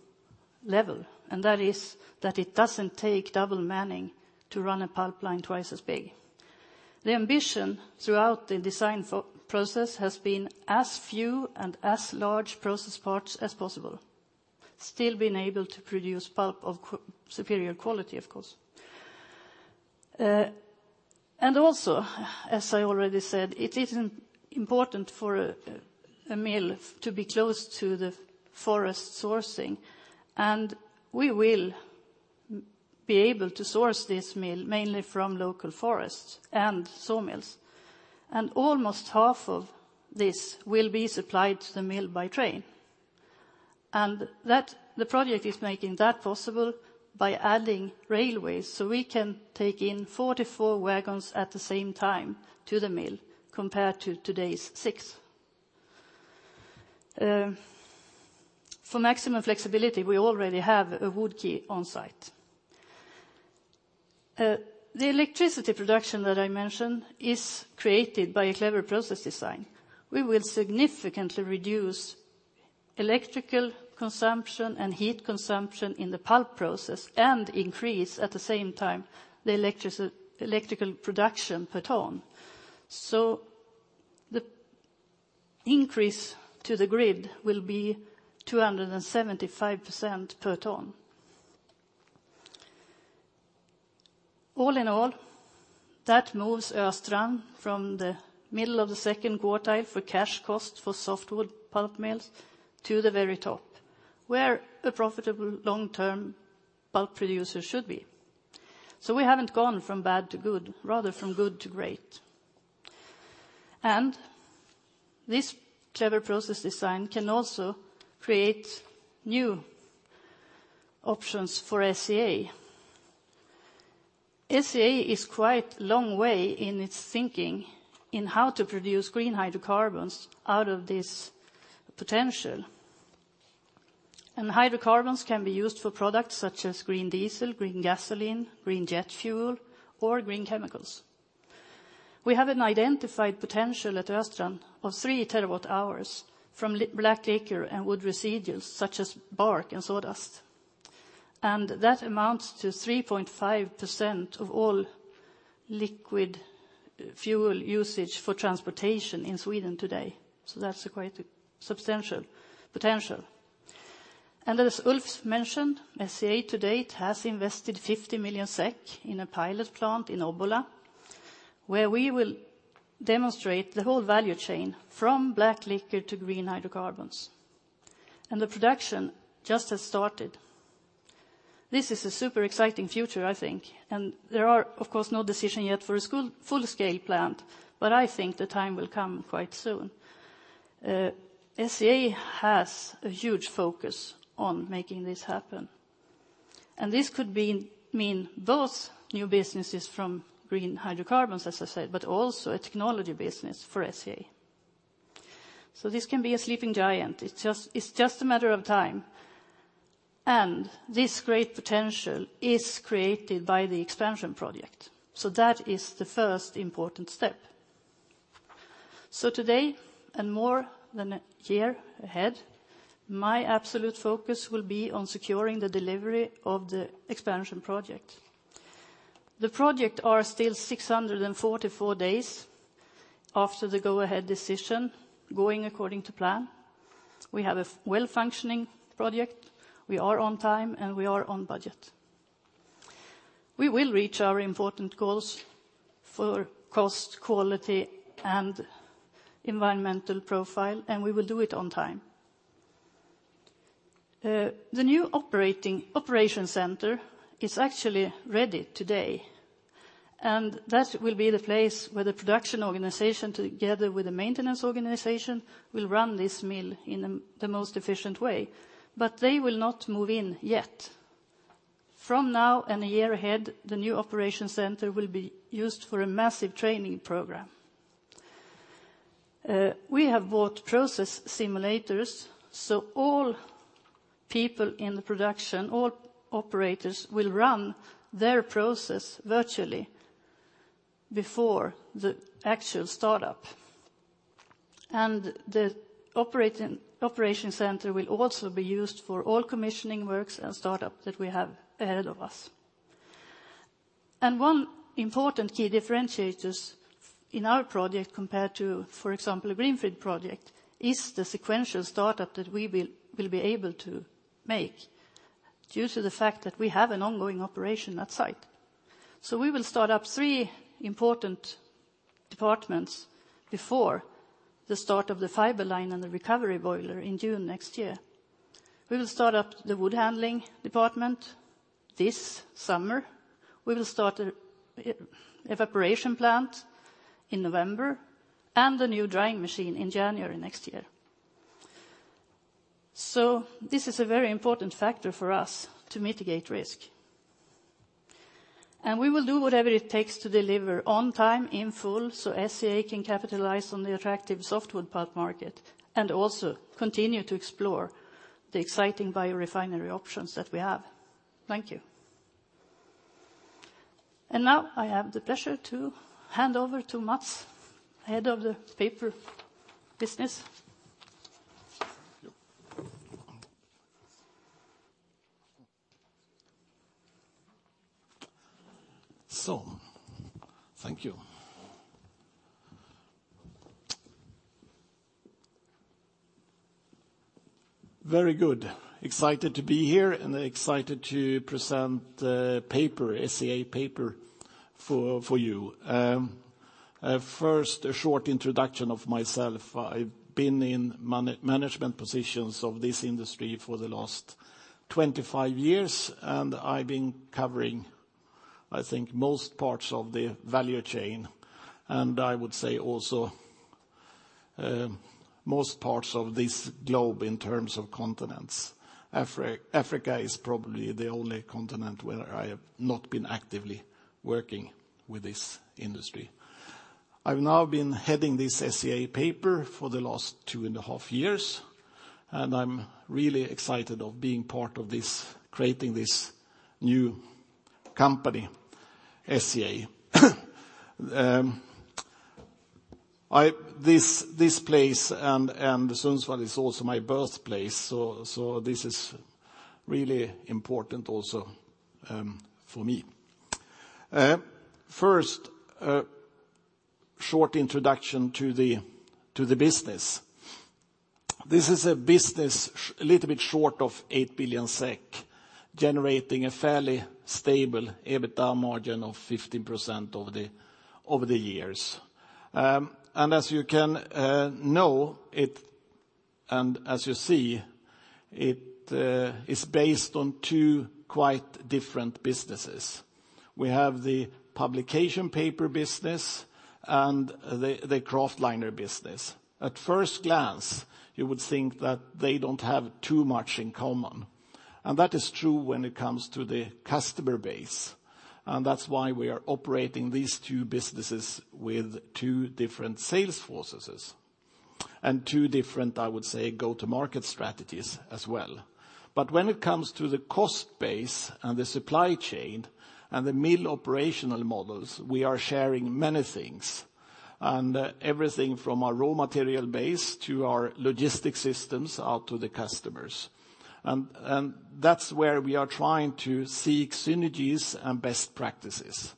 level, and that is that it doesn't take double manning to run a pulp line twice as big. The ambition throughout the design process has been as few and as large process parts as possible, still being able to produce pulp of superior quality, of course. Also, as I already said, it is important for a mill to be close to the forest sourcing, and we will be able to source this mill mainly from local forests and sawmills. Almost half of this will be supplied to the mill by train. The project is making that possible by adding railways, so we can take in 44 wagons at the same time to the mill, compared to today's six. For maximum flexibility, we already have a wood quay on site. The electricity production that I mentioned is created by a clever process design. We will significantly reduce electrical consumption and heat consumption in the pulp process and increase, at the same time, the electrical production per ton. The increase to the grid will be 275% per ton. All in all, that moves Östrand pulp mill from the middle of the second quartile for cash cost for softwood pulp mills to the very top, where the profitable long-term pulp producer should be. We haven't gone from bad to good, rather from good to great. This clever process design can also create new options for SCA. SCA is quite long way in its thinking in how to produce green hydrocarbons out of this potential. Hydrocarbons can be used for products such as green diesel, green gasoline, green jet fuel, or green chemicals. We have an identified potential at Östrand pulp mill of 3 terawatt hours from black liquor and wood residuals such as bark and sawdust. That amounts to 3.5% of all liquid fuel usage for transportation in Sweden today. That's quite a substantial potential. As Ulf mentioned, SCA to date has invested 50 million SEK in a pilot plant in Obbola, where we will demonstrate the whole value chain from black liquor to green hydrocarbons. The production just has started. This is a super exciting future, I think, and there are, of course, no decision yet for a full-scale plant, but I think the time will come quite soon. SCA has a huge focus on making this happen, and this could mean those new businesses from green hydrocarbons, as I said, but also a technology business for SCA. This can be a sleeping giant. It's just a matter of time, and this great potential is created by the expansion project. That is the first important step. Today, and more than a year ahead, my absolute focus will be on securing the delivery of the expansion project. The project are still 644 days after the go-ahead decision, going according to plan. We have a well-functioning project. We are on time, and we are on budget. We will reach our important goals for cost, quality, and environmental profile, and we will do it on time. The new operation center is actually ready today, and that will be the place where the production organization, together with the maintenance organization, will run this mill in the most efficient way, but they will not move in yet. From now and a year ahead, the new operation center will be used for a massive training program. We have bought process simulators, so all people in the production, all operators will run their process virtually before the actual startup. The operation center will also be used for all commissioning works and startup that we have ahead of us. One important key differentiators in our project compared to, for example, a greenfield project, is the sequential startup that we will be able to make due to the fact that we have an ongoing operation at site. We will start up three important departments before the start of the fiber line and the recovery boiler in June next year. We will start up the wood handling department this summer. We will start an evaporation plant in November and a new drying machine in January next year. This is a very important factor for us to mitigate risk. We will do whatever it takes to deliver on time, in full, so SCA can capitalize on the attractive softwood pulp market and also continue to explore the exciting biorefinery options that we have. Thank you. Now I have the pleasure to hand over to Mats, head of the paper business. Thank you. Very good. Excited to be here and excited to present the SCA Paper for you. First, a short introduction of myself. I've been in management positions of this industry for the last 25 years, and I've been covering, I think, most parts of the value chain, and I would say also most parts of this globe in terms of continents. Africa is probably the only continent where I have not been actively working with this industry. I've now been heading this SCA Paper for the last two and a half years, and I'm really excited of being part of creating this new company, SCA. This place and Sundsvall is also my birthplace, so this is really important also for me. First, a short introduction to the business. This is a business a little bit short of 8 billion SEK, generating a fairly stable EBITDA margin of 15% over the years. As you can know it, as you see, it is based on two quite different businesses. We have the publication paper business and the kraftliner business. At first glance, you would think that they don't have too much in common. That is true when it comes to the customer base, and that's why we are operating these two businesses with two different sales forces and two different, I would say, go-to-market strategies as well. But when it comes to the cost base and the supply chain and the mill operational models, we are sharing many things, and everything from our raw material base to our logistics systems out to the customers. That's where we are trying to seek synergies and best practices.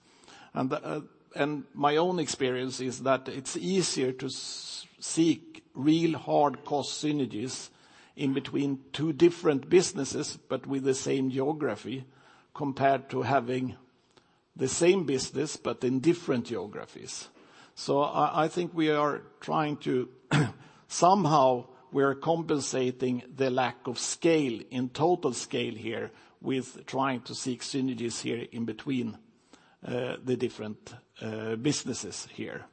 My own experience is that it's easier to seek real hard-cost synergies in between two different businesses, but with the same geography, compared to having the same business, but in different geographies. I think we are trying to somehow we are compensating the lack of scale, in total scale here, with trying to seek synergies here in between the different businesses here.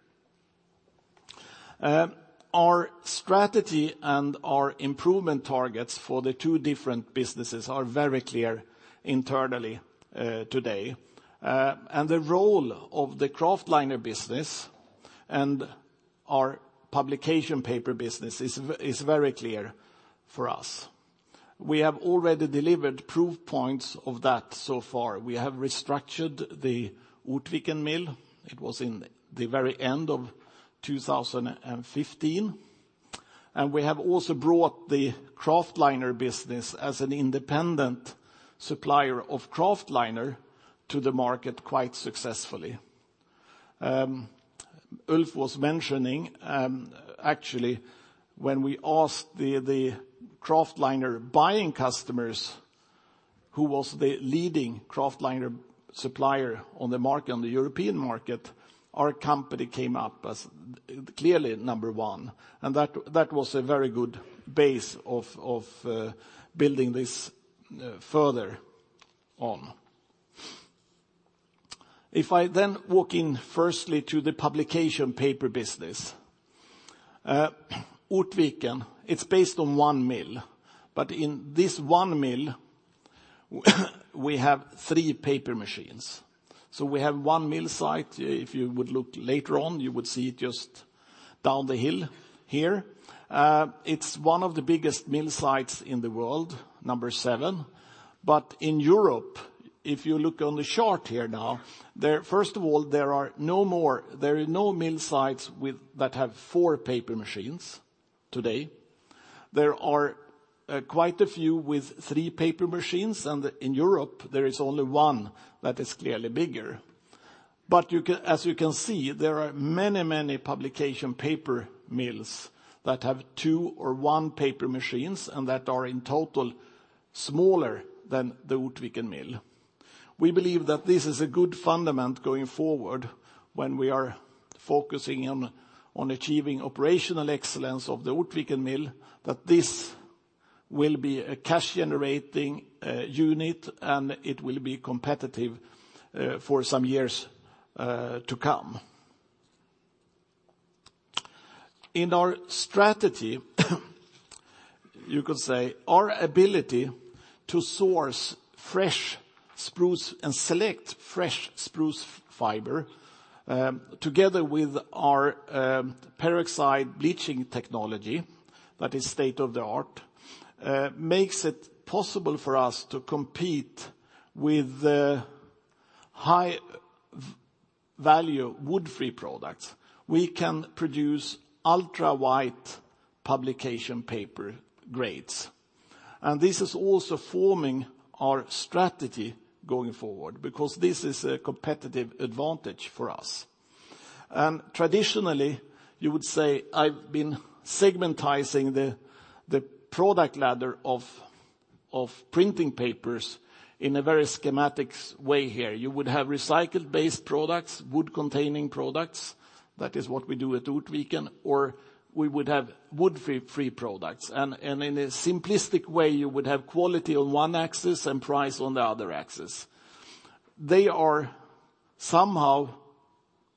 Our strategy and our improvement targets for the two different businesses are very clear internally today. The role of the kraftliner business and our publication paper business is very clear for us. We have already delivered proof points of that so far. We have restructured the Ortviken mill. It was in the very end of 2015, and we have also brought the kraftliner business as an independent supplier of kraftliner to the market quite successfully. Ulf was mentioning, actually, when we asked the Kraftliner buying customers who was the leading Kraftliner supplier on the European market, our company came up as clearly number 1. That was a very good base of building this further on. I walk in firstly to the publication paper business. Ortviken, it's based on one mill, but in this one mill, we have three paper machines. We have one mill site. You would look later on, you would see it just down the hill here. It's one of the biggest mill sites in the world, number 7. In Europe, if you look on the chart here now, first of all, there are no mill sites that have four paper machines today. There are quite a few with three paper machines, and in Europe, there is only one that is clearly bigger. As you can see, there are many publication paper mills that have two or one paper machines, and that are in total smaller than the Ortviken mill. We believe that this is a good fundament going forward when we are focusing on achieving operational excellence of the Ortviken mill, that this will be a cash-generating unit, and it will be competitive for some years to come. In our strategy, you could say our ability to source fresh spruce and select fresh spruce fiber, together with our peroxide bleaching technology that is state of the art, makes it possible for us to compete with high-value wood-free products. We can produce ultra-white publication paper grades. This is also forming our strategy going forward, because this is a competitive advantage for us. Traditionally, you would say I've been segmentizing the product ladder of printing papers in a very schematic way here. You would have recycled-based products, wood-containing products. That is what we do at Ortviken. We would have wood-free products. In a simplistic way, you would have quality on one axis and price on the other axis. They are somehow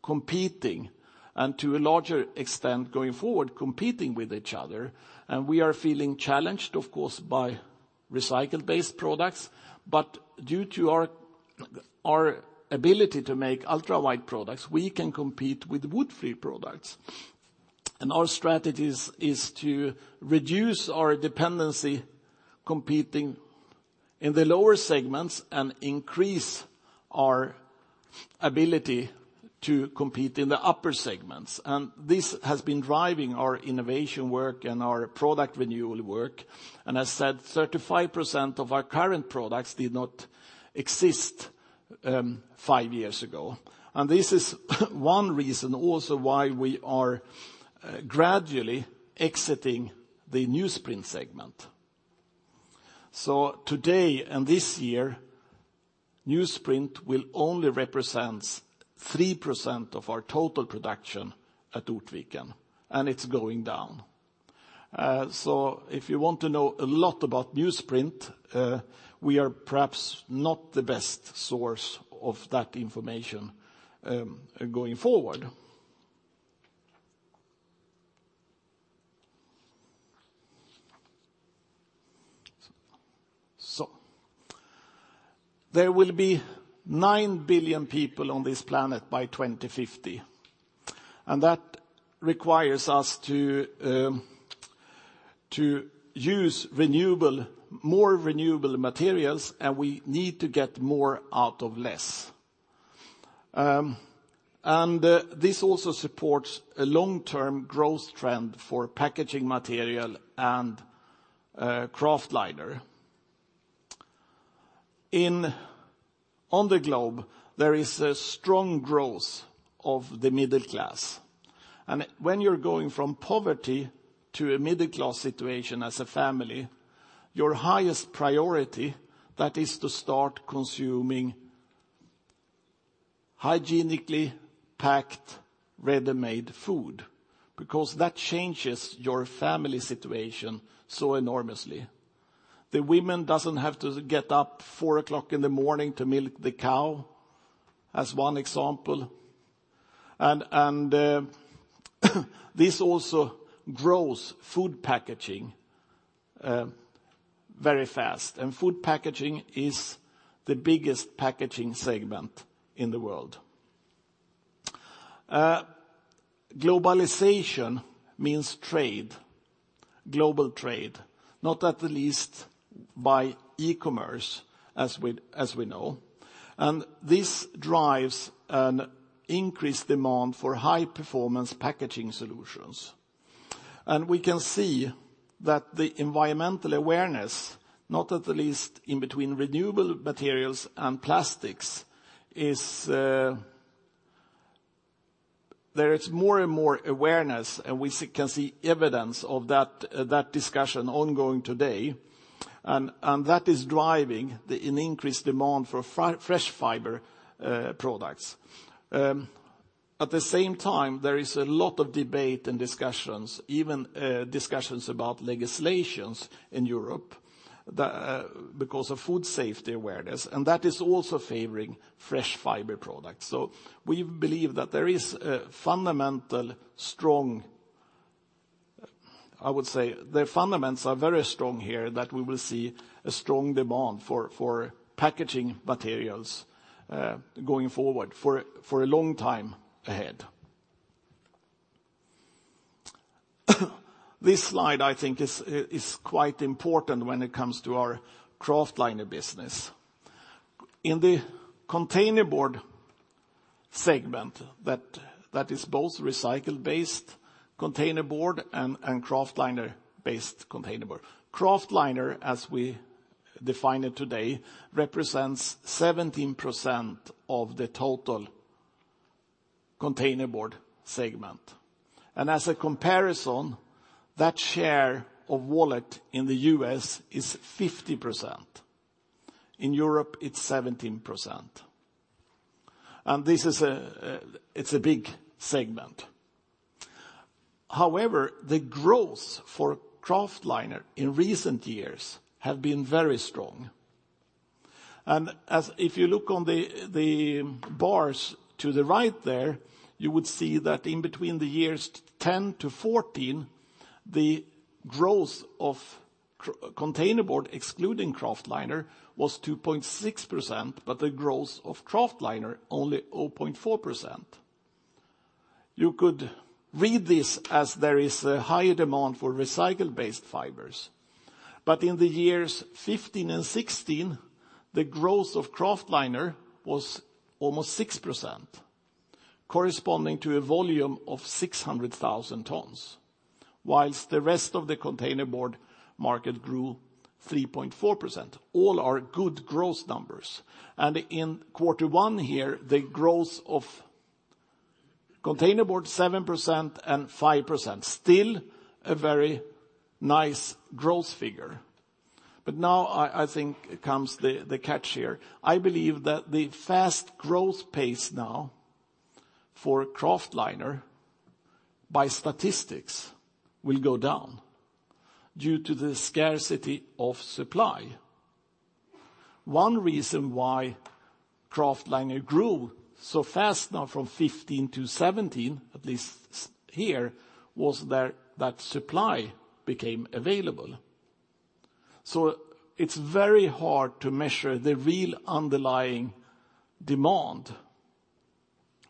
competing, and to a larger extent, going forward, competing with each other. We are feeling challenged, of course, by recycled-based products. Due to our ability to make ultra-white products, we can compete with wood-free products. Our strategy is to reduce our dependency competing in the lower segments and increase our ability to compete in the upper segments. This has been driving our innovation work and our product renewal work. As I said, 35% of our current products did not exist five years ago. This is one reason also why we are gradually exiting the newsprint segment. Today and this year, newsprint will only represent 3% of our total production at Ortviken, and it's going down. If you want to know a lot about newsprint, we are perhaps not the best source of that information going forward. There will be nine billion people on this planet by 2050. That requires us to use more renewable materials, and we need to get more out of less. This also supports a long-term growth trend for packaging material and Kraftliner. On the globe, there is a strong growth of the middle class, and when you're going from poverty to a middle-class situation as a family, your highest priority, that is to start consuming hygienically packed, ready-made food, because that changes your family situation so enormously. The women doesn't have to get up 4:00 A.M. in the morning to milk the cow, as one example. This also grows food packaging very fast, and food packaging is the biggest packaging segment in the world. Globalization means trade, global trade, not at the least by e-commerce, as we know. This drives an increased demand for high-performance packaging solutions. We can see that the environmental awareness, not at the least in between renewable materials and plastics, there is more and more awareness, and we can see evidence of that discussion ongoing today. That is driving an increased demand for fresh fiber products. At the same time, there is a lot of debate and discussions, even about legislations in Europe because of food safety awareness, and that is also favoring fresh fiber products. We believe the fundamentals are very strong here, that we will see a strong demand for packaging materials going forward for a long time ahead. This slide, I think, is quite important when it comes to our kraftliner business. In the containerboard segment, that is both recycle-based containerboard and kraftliner-based containerboard. Kraftliner, as we define it today, represents 17% of the total containerboard segment. As a comparison, that share of wallet in the U.S. is 50%. In Europe it's 17%. This is a big segment. However, the growth for kraftliner in recent years have been very strong. If you look on the bars to the right there, you would see that in between the years 2010 to 2014, the growth of containerboard, excluding kraftliner, was 2.6%, but the growth of kraftliner, only 0.4%. You could read this as there is a higher demand for recycle-based fibers. In the years 2015 and 2016, the growth of kraftliner was almost 6%, corresponding to a volume of 600,000 tons, whilst the rest of the containerboard market grew 3.4%. All are good growth numbers. In quarter one here, the growth of containerboard 7% and 5%, still a very nice growth figure. Now I think comes the catch here. I believe that the fast growth pace now for kraftliner, by statistics, will go down due to the scarcity of supply. One reason why kraftliner grew so fast now from 2015 to 2017, at least here, was that supply became available. It's very hard to measure the real underlying demand,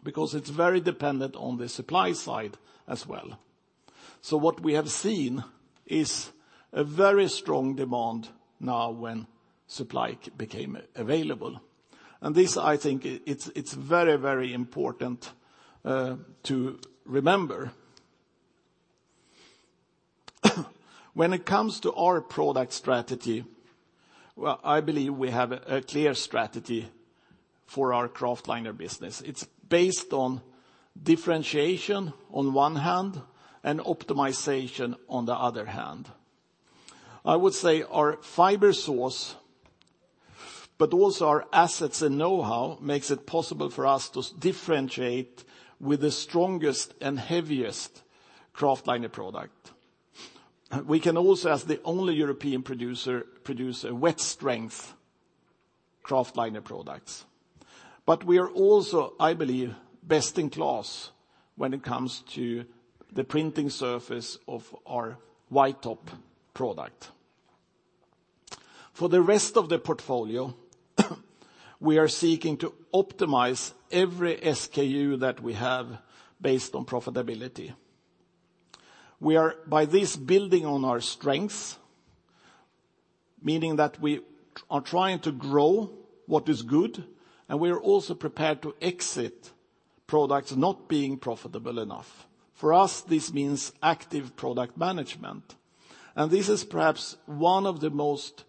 because it's very dependent on the supply side as well. What we have seen is a very strong demand now when supply became available. This, I think, it's very important to remember. When it comes to our product strategy, well, I believe we have a clear strategy for our kraftliner business. It's based on differentiation on one hand and optimization on the other hand. I would say our fiber source, but also our assets and knowhow, makes it possible for us to differentiate with the strongest and heaviest kraftliner product. We can also, as the only European producer, produce a wet strength kraftliner products. We are also, I believe, best in class when it comes to the printing surface of our White Top product. For the rest of the portfolio, we are seeking to optimize every SKU that we have based on profitability. We are by this building on our strengths, meaning that we are trying to grow what is good, and we are also prepared to exit products not being profitable enough. For us, this means active product management. This is perhaps one of the most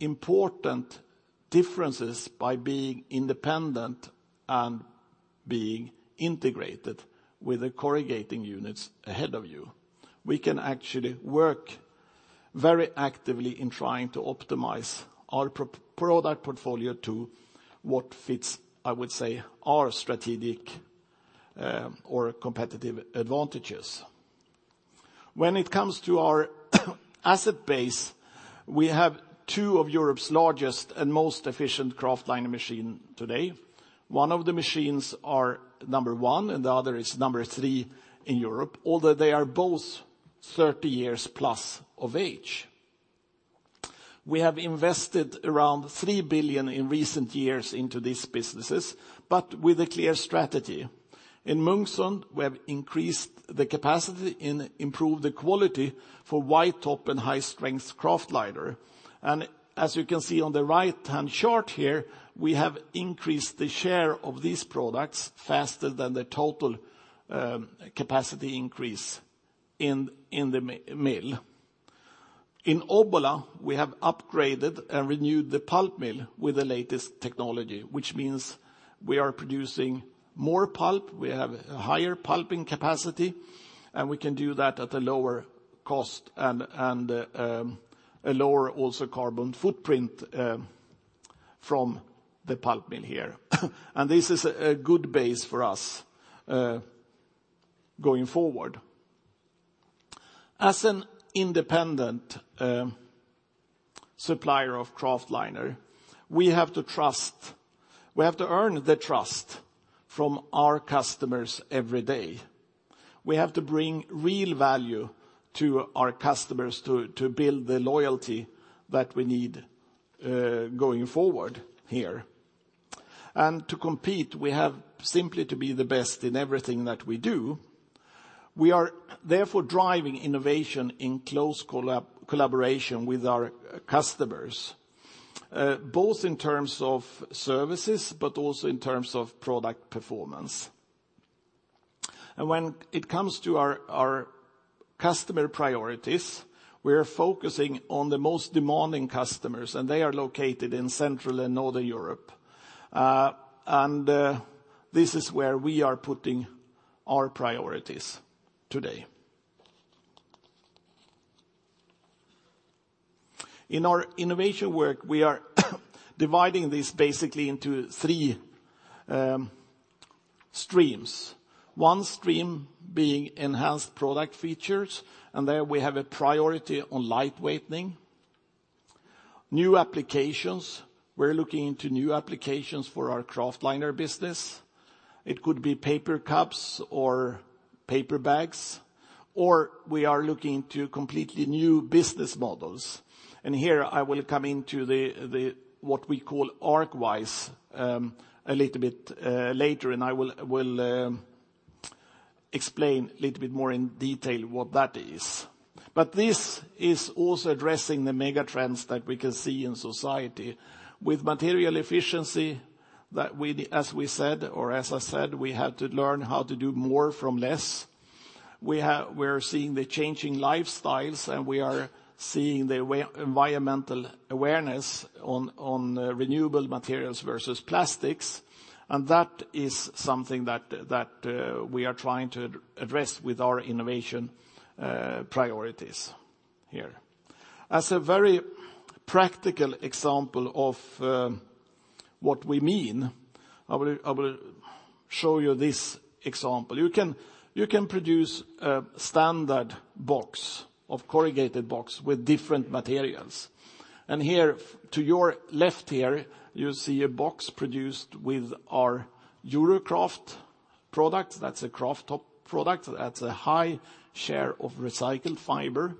important differences by being independent and being integrated with the corrugating units ahead of you. We can actually work very actively in trying to optimize our product portfolio to what fits, I would say, our strategic or competitive advantages. When it comes to our asset base, we have two of Europe's largest and most efficient kraftliner machine today. One of the machines are number one and the other is number three in Europe, although they are both 30 years plus of age. We have invested around 3 billion in recent years into these businesses, but with a clear strategy. In Munksund, we have increased the capacity and improved the quality for White Top and high-strength kraftliner. As you can see on the right-hand chart here, we have increased the share of these products faster than the total capacity increase in the mill. In Obbola, we have upgraded and renewed the pulp mill with the latest technology, which means we are producing more pulp, we have a higher pulping capacity, and we can do that at a lower cost and a lower also carbon footprint from the pulp mill here. This is a good base for us going forward. As an independent supplier of kraftliner, we have to earn the trust from our customers every day. We have to bring real value to our customers to build the loyalty that we need going forward here. To compete, we have simply to be the best in everything that we do. We are therefore driving innovation in close collaboration with our customers, both in terms of services, but also in terms of product performance. When it comes to our customer priorities, we are focusing on the most demanding customers, and they are located in Central and Northern Europe. This is where we are putting our priorities today. In our innovation work, we are dividing this basically into three streams. One stream being enhanced product features, and there we have a priority on lightweightening. New applications, we're looking into new applications for our kraftliner business. It could be paper cups or paper bags, or we are looking to completely new business models. Here I will come into what we call Arcwise a little bit later, and I will explain a little bit more in detail what that is. This is also addressing the mega trends that we can see in society. With material efficiency, as I said, we have to learn how to do more from less. We're seeing the changing lifestyles. We are seeing the environmental awareness on renewable materials versus plastics, and that is something that we are trying to address with our innovation priorities here. As a very practical example of what we mean, I will show you this example. You can produce a standard box, a corrugated box with different materials. Here to your left here, you see a box produced with our Eurokraft products. That's a kraft top product. That's a high share of recycled fiber.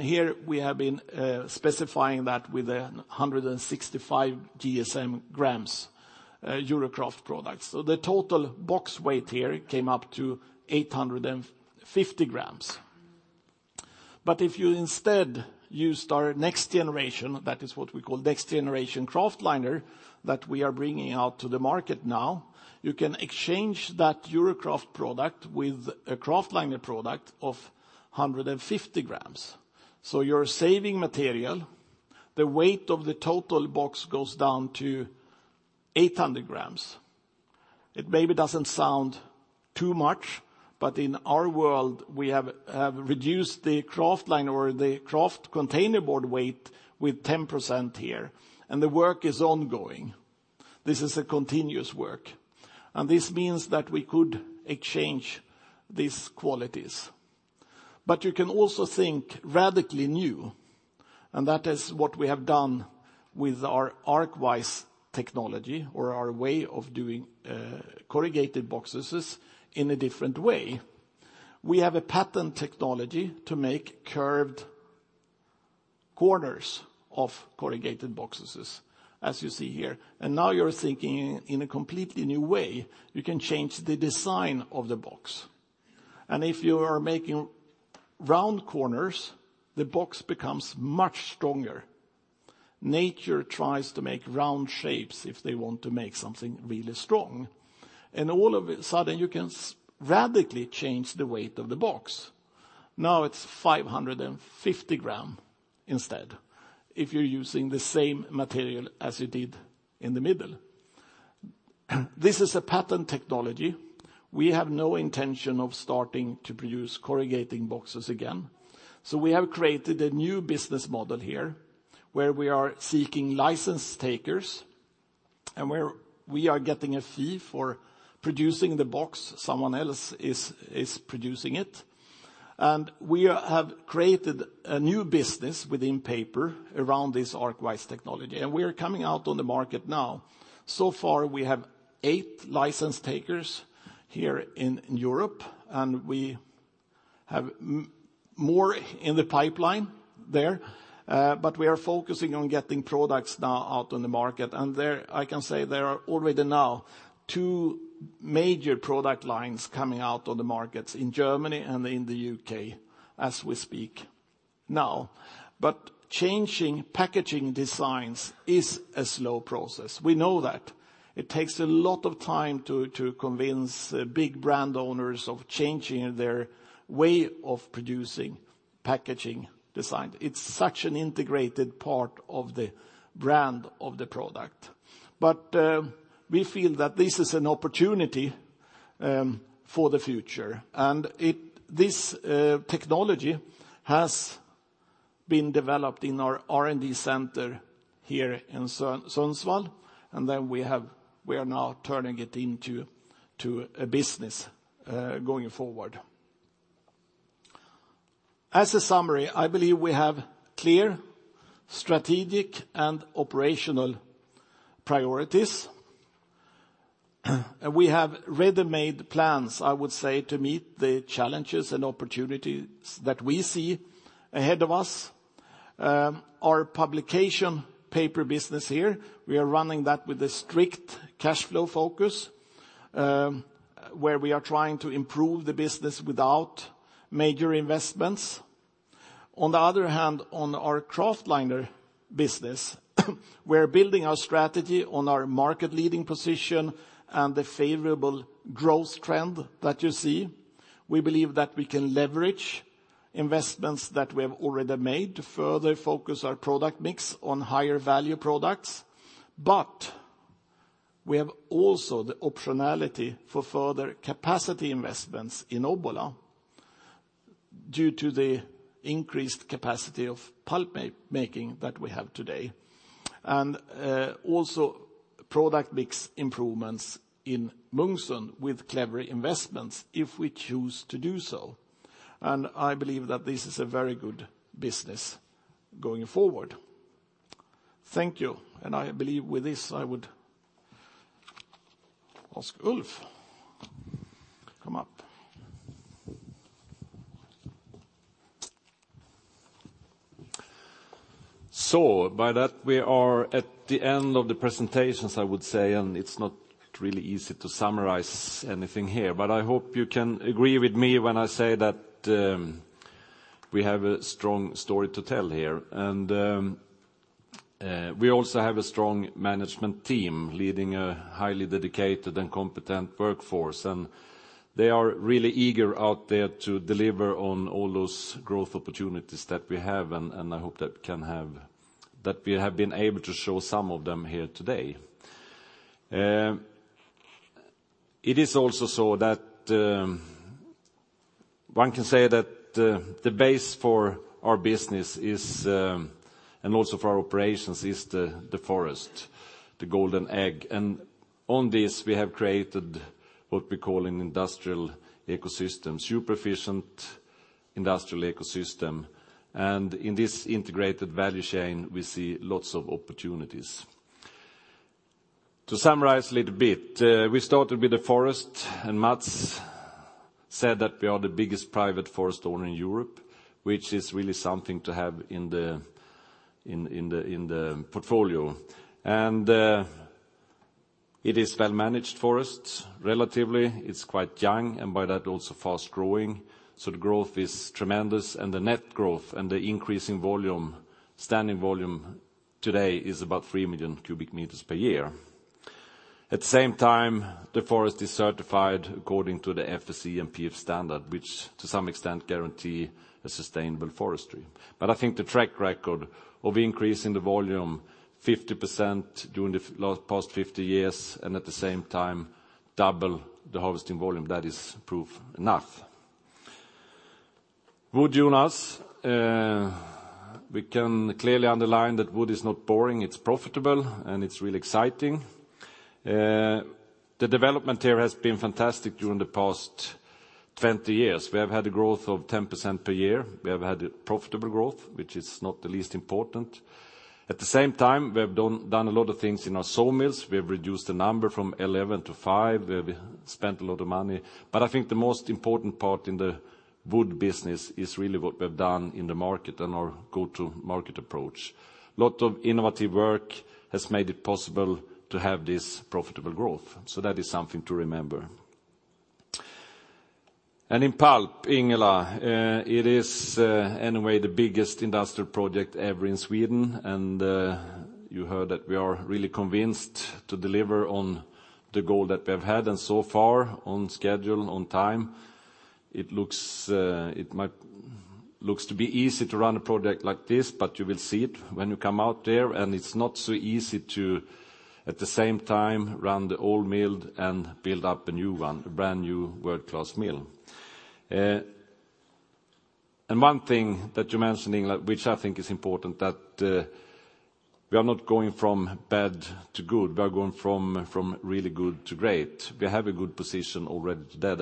Here we have been specifying that with a 165 GSM grams Eurokraft products. The total box weight here came up to 850 grams. If you instead used our next generation, that is what we call next generation Kraftliner that we are bringing out to the market now, you can exchange that Eurokraft product with a Kraftliner product of 150 grams. You're saving material. The weight of the total box goes down to 800 grams. It maybe doesn't sound too much, but in our world we have reduced the Kraftliner or the kraft containerboard weight with 10% here, and the work is ongoing. This is a continuous work, and this means that we could exchange these qualities. You can also think radically new, and that is what we have done with our Arcwise technology or our way of doing corrugated boxes in a different way. We have a patent technology to make curved corners of corrugated boxes, as you see here. Now you're thinking in a completely new way. You can change the design of the box. If you are making round corners, the box becomes much stronger. Nature tries to make round shapes if they want to make something really strong. All of a sudden you can radically change the weight of the box. Now it's 550 gram instead, if you're using the same material as you did in the middle. This is a patented technology. We have no intention of starting to produce corrugated boxes again, so we have created a new business model here where we are seeking license takers and we are getting a fee for producing the box someone else is producing it. We have created a new business within paper around this Arcwise technology, and we are coming out on the market now. So far we have eight license takers here in Europe, and we have more in the pipeline there, but we are focusing on getting products now out on the market. I can say there are already now two major product lines coming out on the markets in Germany and in the U.K. as we speak now. Changing packaging designs is a slow process. We know that. It takes a lot of time to convince big brand owners of changing their way of producing packaging design. It's such an integrated part of the brand of the product. We feel that this is an opportunity for the future, and this technology has been developed in our R&D center here in Sundsvall, and then we are now turning it into a business going forward. As a summary, I believe we have clear strategic and operational priorities. We have ready-made plans, I would say, to meet the challenges and opportunities that we see ahead of us. Our publication paper business here, we are running that with a strict cash flow focus, where we are trying to improve the business without major investments. On the other hand, on our Kraftliner business, we're building our strategy on our market-leading position and the favorable growth trend that you see. We believe that we can leverage investments that we have already made to further focus our product mix on higher value products. We have also the optionality for further capacity investments in Obbola due to the increased capacity of pulp making that we have today. Also product mix improvements in Munksund with clever investments, if we choose to do so. I believe that this is a very good business going forward. Thank you. I believe with this, I would ask Ulf to come up. By that, we are at the end of the presentations, I would say, and it's not really easy to summarize anything here. I hope you can agree with me when I say that we have a strong story to tell here. We also have a strong management team leading a highly dedicated and competent workforce, and they are really eager out there to deliver on all those growth opportunities that we have, and I hope that we have been able to show some of them here today. It is also so that one can say that the base for our business is, and also for our operations, is the forest, the golden egg. On this, we have created what we call an industrial ecosystem, super efficient industrial ecosystem. In this integrated value chain, we see lots of opportunities. To summarize a little bit, we started with the forest, and Mats said that we are the biggest private forest owner in Europe, which is really something to have in the portfolio. It is well managed forests. Relatively, it's quite young, and by that, also fast-growing, so the growth is tremendous, and the net growth and the increase in volume, standing volume today is about 3 million cubic meters per year. At the same time, the forest is certified according to the FSC and PEFC standard, which to some extent guarantee a sustainable forestry. I think the track record of increasing the volume 50% during the past 50 years and at the same time double the harvesting volume, that is proof enough. Wood, Jonas, we can clearly underline that wood is not boring, it's profitable, and it's really exciting. The development here has been fantastic during the past 20 years. We have had a growth of 10% per year. We have had profitable growth, which is not the least important. At the same time, we have done a lot of things in our sawmills. We have reduced the number from 11 to five. We have spent a lot of money. I think the most important part in the wood business is really what we've done in the market and our go-to-market approach. A lot of innovative work has made it possible to have this profitable growth, so that is something to remember. In pulp, Ingela, it is anyway the biggest industrial project ever in Sweden, and you heard that we are really convinced to deliver on the goal that we've had, and so far on schedule, on time. It looks to be easy to run a project like this, but you will see it when you come out there, it's not so easy to, at the same time, run the old mill and build up a new one, a brand new world-class mill. One thing that you mentioned, Ingela, which I think is important, that we are not going from bad to good. We are going from really good to great. We have a good position already today.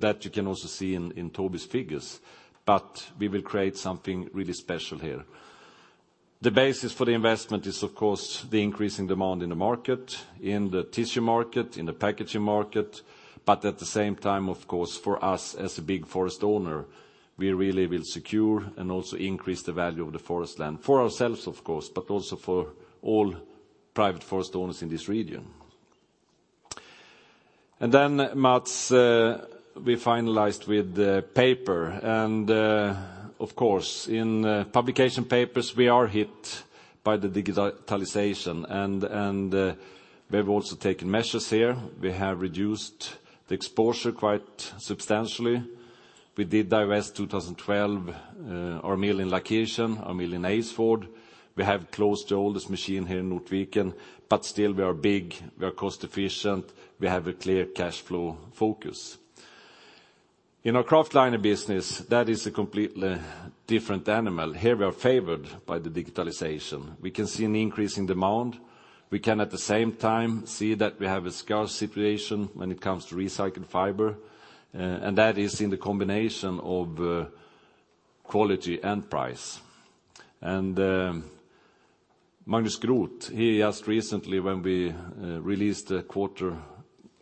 That you can also see in Toby's figures, but we will create something really special here. The basis for the investment is, of course, the increasing demand in the market, in the tissue market, in the packaging market, at the same time, of course, for us as a big forest owner, we really will secure and also increase the value of the forest land for ourselves, of course, but also for all private forest owners in this region. Mats, we finalized with paper, in publication papers, we are hit by the digitalization, we have also taken measures here. We have reduced the exposure quite substantially. We did divest 2012 our mill in Laakirchen, our mill in Aylesford. We have closed the oldest machine here in Ortviken, still we are big, we are cost efficient, we have a clear cash flow focus. In our Kraftliner business, that is a completely different animal. Here we are favored by the digitalization. We can see an increase in demand. We can at the same time see that we have a scarce situation when it comes to recycled fiber, that is in the combination of quality and price. Magnus Groth, he just recently when we released the quarter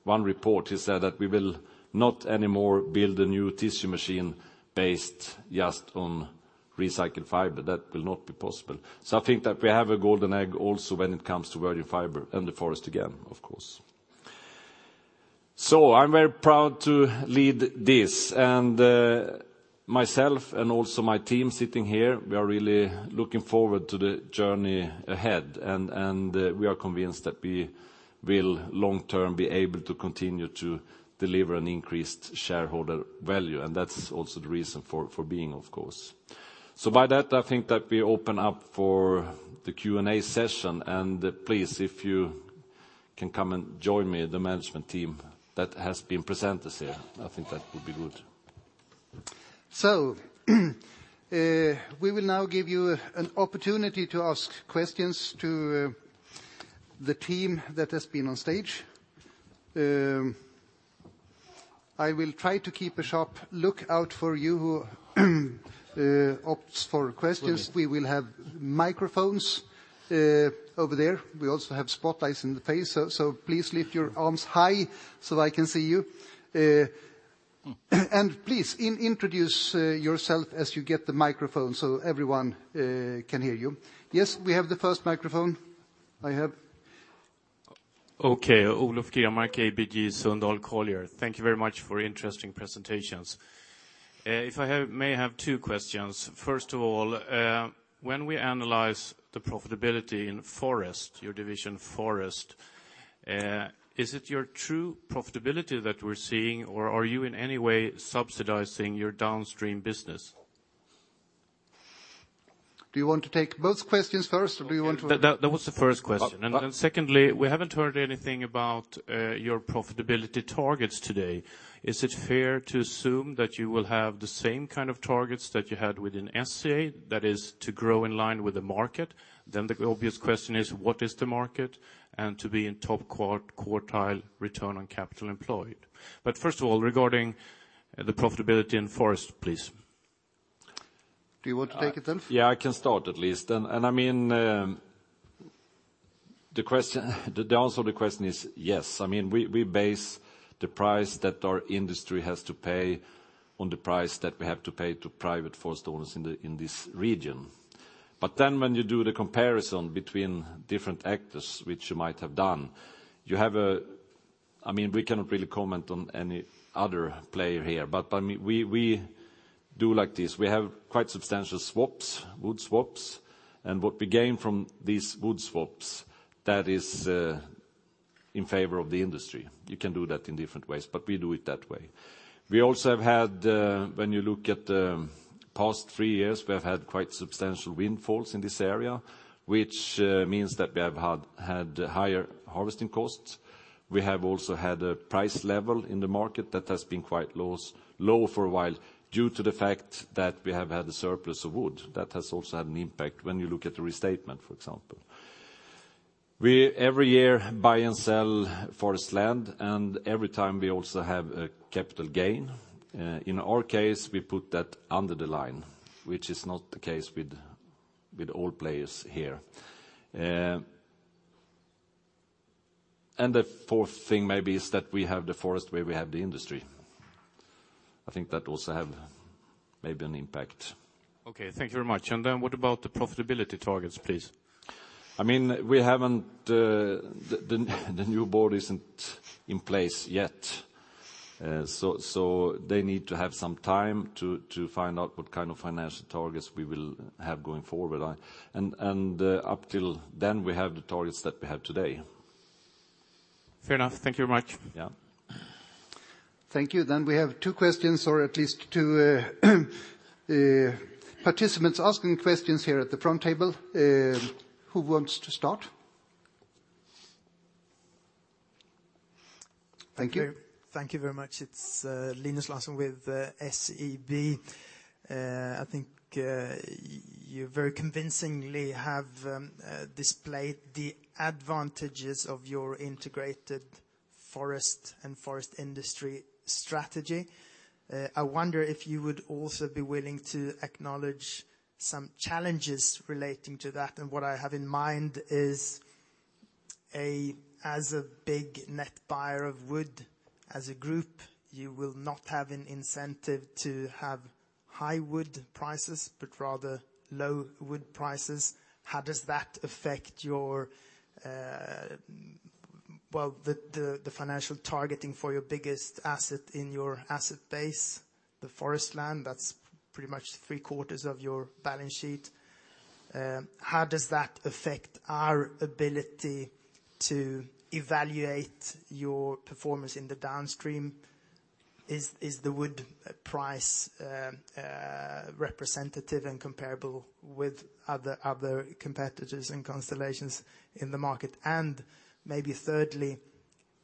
one report, he said that we will not anymore build a new tissue machine based just on recycled fiber. That will not be possible. I think that we have a golden egg also when it comes to virgin fiber and the forest again, of course. I'm very proud to lead this, myself and also my team sitting here, we are really looking forward to the journey ahead, we are convinced that we will long-term be able to continue to deliver an increased shareholder value, that's also the reason for being, of course. By that, I think that we open up for the Q&A session, please, if you can come and join me, the management team that has been presenters here. I think that would be good. We will now give you an opportunity to ask questions to the team that has been on stage. I will try to keep a sharp lookout for you who opt for questions. We will have microphones over there. We also have spotlights in the face, so please lift your arms high so I can see you. Please introduce yourself as you get the microphone so everyone can hear you. Yes, we have the first microphone. I have. Okay. Olof Grenmark, ABG Sundal Collier. Thank you very much for interesting presentations. If I may have two questions. First of all, when we analyze the profitability in Forest, your division Forest, is it your true profitability that we're seeing, or are you in any way subsidizing your downstream business? Do you want to take both questions first, or do you want to? That was the first question. Oh. Secondly, we haven't heard anything about your profitability targets today. Is it fair to assume that you will have the same kind of targets that you had within SCA, that is to grow in line with the market? The obvious question is, what is the market? To be in top quartile return on capital employed. First of all, regarding the profitability in forest, please. Do you want to take it, Ulf? Yeah, I can start at least. The answer to the question is yes. We base the price that our industry has to pay on the price that we have to pay to private forest owners in this region. When you do the comparison between different actors, which you might have done, we cannot really comment on any other player here, we do like this. We have quite substantial swaps, wood swaps, and what we gain from these wood swaps, that is in favor of the industry. You can do that in different ways, we do it that way. When you look at the past three years, we have had quite substantial windfalls in this area, which means that we have had higher harvesting costs. We have also had a price level in the market that has been quite low for a while due to the fact that we have had a surplus of wood. That has also had an impact when you look at the restatement, for example. We every year buy and sell forest land, and every time we also have a capital gain. In our case, we put that under the line, which is not the case with all players here. The fourth thing maybe is that we have the forest where we have the industry. I think that also have maybe an impact. Okay, thank you very much. What about the profitability targets, please? The new board isn't in place yet. They need to have some time to find out what kind of financial targets we will have going forward. Up till then, we have the targets that we have today. Fair enough. Thank you very much. Yeah. Thank you. We have two questions, or at least two participants asking questions here at the front table. Who wants to start? Thank you. Thank you very much. It's Linus Larsson with SEB. I think you very convincingly have displayed the advantages of your integrated forest and forest industry strategy. I wonder if you would also be willing to acknowledge some challenges relating to that, what I have in mind is, as a big net buyer of wood, as a group, you will not have an incentive to have high wood prices, but rather low wood prices. How does that affect the financial targeting for your biggest asset in your asset base, the forest land? That's pretty much three-quarters of your balance sheet. How does that affect our ability to evaluate your performance in the downstream? Is the wood price representative and comparable with other competitors and constellations in the market? Maybe thirdly,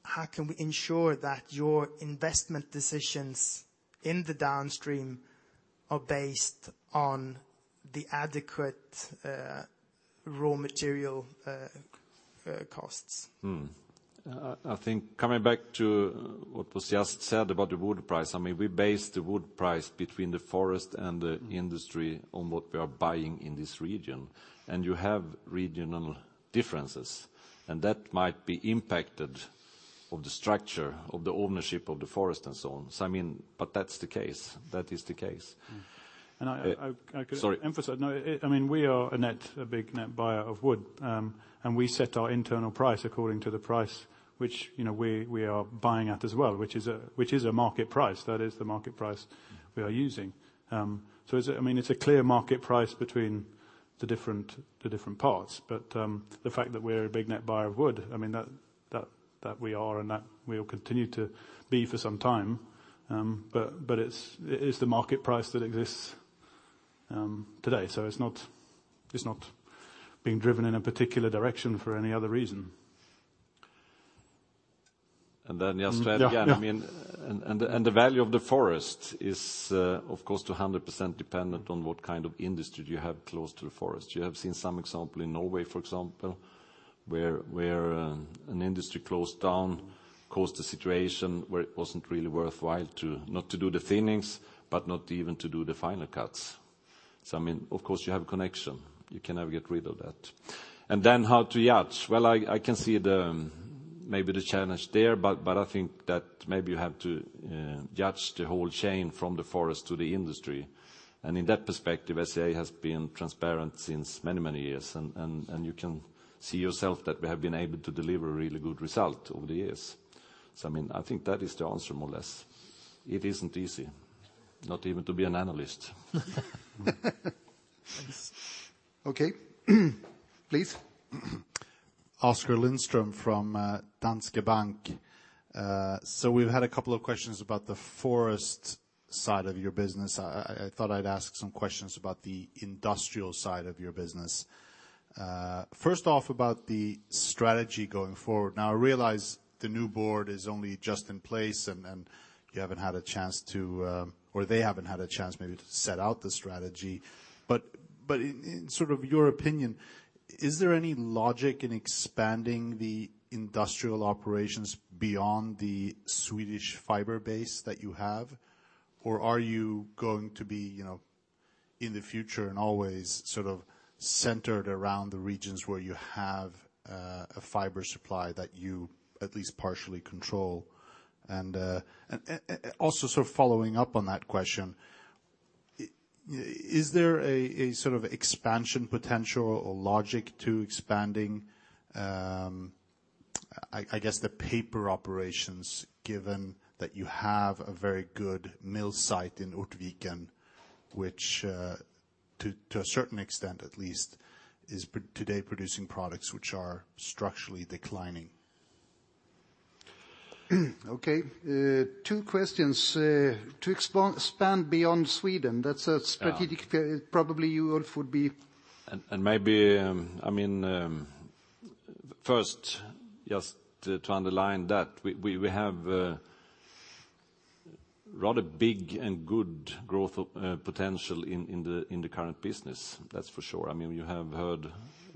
how can we ensure that your investment decisions in the downstream are based on the adequate raw material costs? costs. I think coming back to what was just said about the wood price, we base the wood price between the forest and the industry on what we are buying in this region. You have regional differences, that might be impacted of the structure of the ownership of the forest and so on. That's the case. And I- Sorry I could emphasize. We are a big net buyer of wood, and we set our internal price according to the price which we are buying at as well, which is a market price. That is the market price we are using. It's a clear market price between the different parts. The fact that we're a big net buyer of wood, that we are and that we will continue to be for some time. It's the market price that exists today, so it's not being driven in a particular direction for any other reason. Then just to add again. Yeah The value of the forest is, of course, 100% dependent on what kind of industry you have close to the forest. You have seen some example in Norway, for example, where an industry closed down, caused a situation where it wasn't really worthwhile not to do the thinnings, but not even to do the final cuts. Of course you have a connection. You can never get rid of that. Then how to judge? Well, I can see maybe the challenge there, but I think that maybe you have to judge the whole chain from the forest to the industry. In that perspective, SCA has been transparent since many years. You can see yourself that we have been able to deliver really good result over the years. I think that is the answer, more or less. It isn't easy, not even to be an analyst. Okay. Please. Oskar Lindström from Danske Bank. We've had a couple of questions about the forest side of your business. I thought I'd ask some questions about the industrial side of your business. First off, about the strategy going forward. I realize the new board is only just in place, and you haven't had a chance to, or they haven't had a chance maybe to set out the strategy. In your opinion, is there any logic in expanding the industrial operations beyond the Swedish fiber base that you have? Are you going to be, in the future and always, centered around the regions where you have a fiber supply that you at least partially control? Also following up on that question, is there an expansion potential or logic to expanding, I guess, the paper operations, given that you have a very good mill site in Ortviken which, to a certain extent at least, is today producing products which are structurally declining? Okay. Two questions. To expand beyond Sweden, that's a strategic. Yeah That's probably you, Ulf, would be. First, just to underline that, we have rather big and good growth potential in the current business. That's for sure. You have heard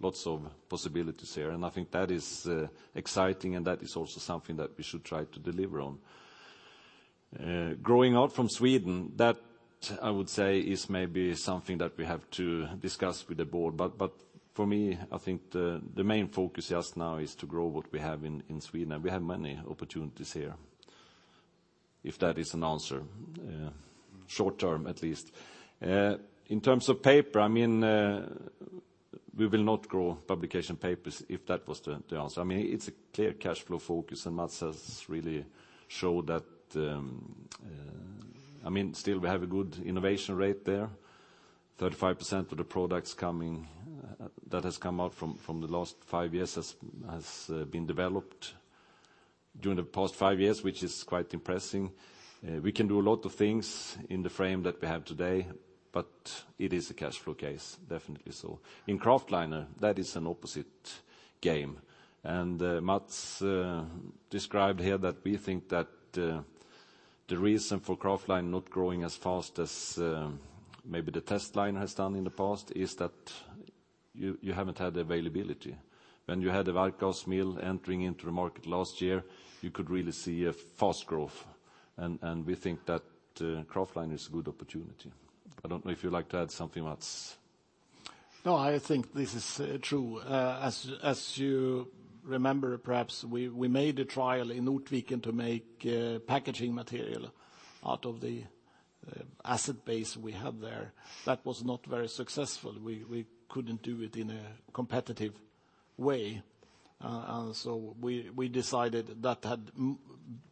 lots of possibilities here, and I think that is exciting, and that is also something that we should try to deliver on. Growing out from Sweden, that I would say is maybe something that we have to discuss with the board. For me, I think the main focus just now is to grow what we have in Sweden, and we have many opportunities here, if that is an answer. Short term, at least. In terms of paper, we will not grow publication papers if that was the answer. It's a clear cash flow focus, Mats Nordlander has really showed that still we have a good innovation rate there. 35% of the products that has come out from the last five years has been developed during the past five years, which is quite impressing. We can do a lot of things in the frame that we have today, but it is a cash flow case, definitely so. In Kraftliner, that is an opposite game. Mats described here that we think that the reason for Kraftliner not growing as fast as maybe the testliner has done in the past is that you haven't had availability. When you had the Varkaus mill entering into the market last year, you could really see a fast growth, and we think that Kraftliner is a good opportunity. I don't know if you'd like to add something, Mats. I think this is true. As you remember, perhaps, we made a trial in Ortviken to make packaging material out of the asset base we have there. That was not very successful. We couldn't do it in a competitive way. We decided that had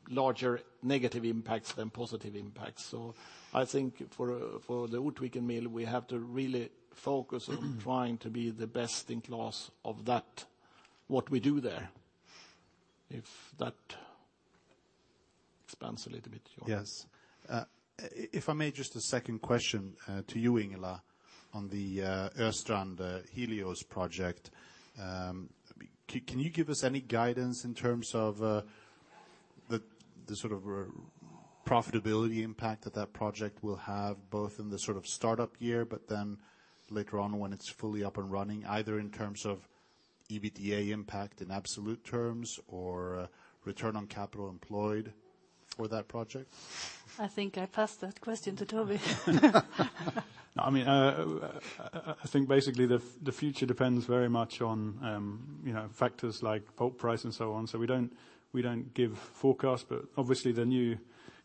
larger negative impacts than positive impacts. I think for the Ortviken mill, we have to really focus on trying to be the best in class of that, what we do there. If that expands a little bit. Yes. If I may, just a second question to you, Ingela, on the Östrand Project Helios. Can you give us any guidance in terms of the profitability impact that that project will have, both in the sort of startup year, but then later on when it's fully up and running, either in terms of EBITDA impact in absolute terms or return on capital employed for that project? I think I passed that question to Toby. I think basically the future depends very much on factors like pulp price and so on. We don't give forecasts, but obviously the new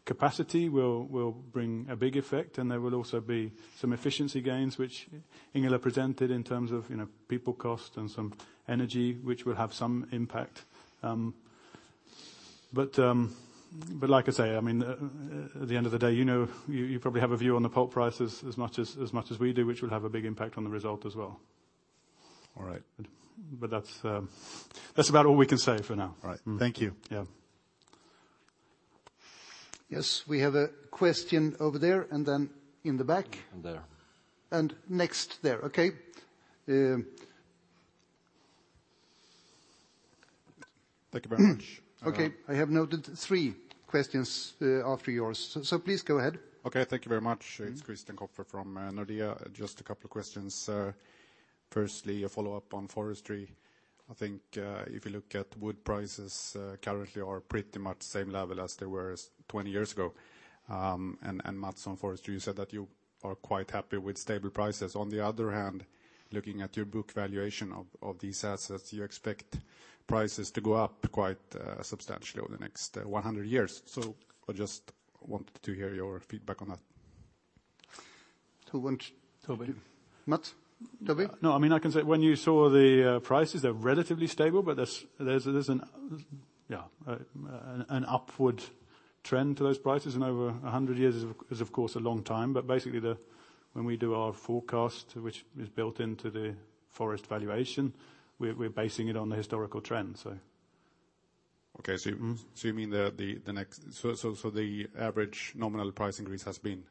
capacity will bring a big effect, and there will also be some efficiency gains, which Ingela presented in terms of people cost and some energy, which will have some impact. Like I say, at the end of the day, you probably have a view on the pulp prices as much as we do, which will have a big impact on the result as well. All right. That's about all we can say for now. All right. Thank you. Yeah. Yes. We have a question over there, and then in the back. There. Next there, okay? Thank you very much. Okay. I have noted three questions after yours. Please go ahead. Okay. Thank you very much. It's Christian Kopfer from Nordea. Just a couple of questions. Firstly, a follow-up on forestry. I think if you look at wood prices currently are pretty much the same level as they were 20 years ago. Mats, on forestry, you said that you are quite happy with stable prices. On the other hand, looking at your book valuation of these assets, you expect prices to go up quite substantially over the next 100 years. I just wanted to hear your feedback on that. Who want? Toby. Mats? Toby? No, I can say, when you saw the prices, they're relatively stable, but there's an upward trend to those prices. Over 100 years is of course a long time. Basically, when we do our forecast, which is built into the forest valuation, we're basing it on the historical trend. Okay. You mean the average nominal price increase has been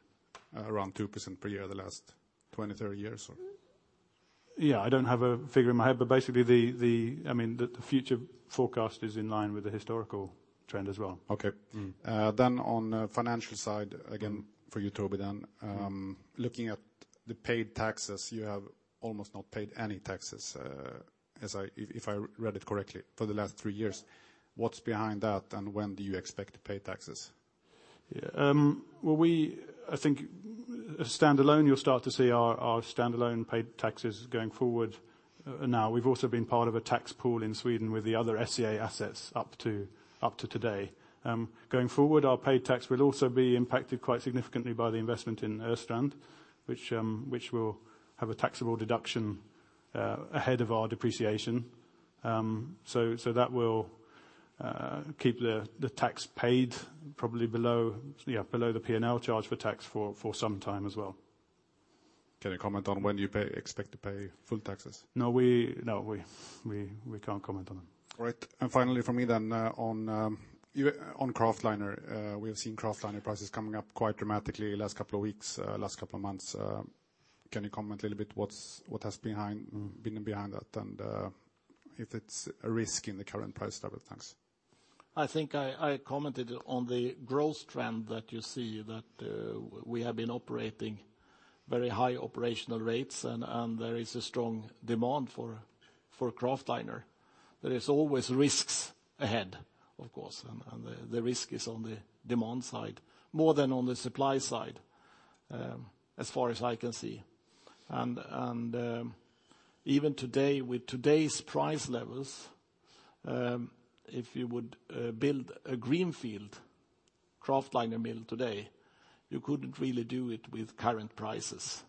around 2% per year the last 20, 30 years, or? Yeah, I don't have a figure in my head, basically the future forecast is in line with the historical trend as well. Okay. On the financial side, again for you, Toby, then. Looking at the paid taxes, you have almost not paid any taxes, if I read it correctly, for the last three years. What's behind that, and when do you expect to pay taxes? Yeah. I think standalone, you'll start to see our standalone paid taxes going forward now. We've also been part of a tax pool in Sweden with the other SCA assets up to today. Going forward, our paid tax will also be impacted quite significantly by the investment in Östrand, which will have a taxable deduction ahead of our depreciation. That will keep the tax paid probably below the P&L charge for tax for some time as well. Can you comment on when do you expect to pay full taxes? No, we can't comment on that. All right. Finally from me then, on Kraftliner. We have seen Kraftliner prices coming up quite dramatically the last couple of weeks, last couple of months. Can you comment a little bit what has been behind that, and if it's a risk in the current price level? Thanks. I think I commented on the growth trend that you see that we have been operating very high operational rates, and there is a strong demand for kraftliner. There is always risks ahead, of course, the risk is on the demand side more than on the supply side, as far as I can see. Even today, with today's price levels, if you would build a greenfield kraftliner mill today, you couldn't really do it with current prices.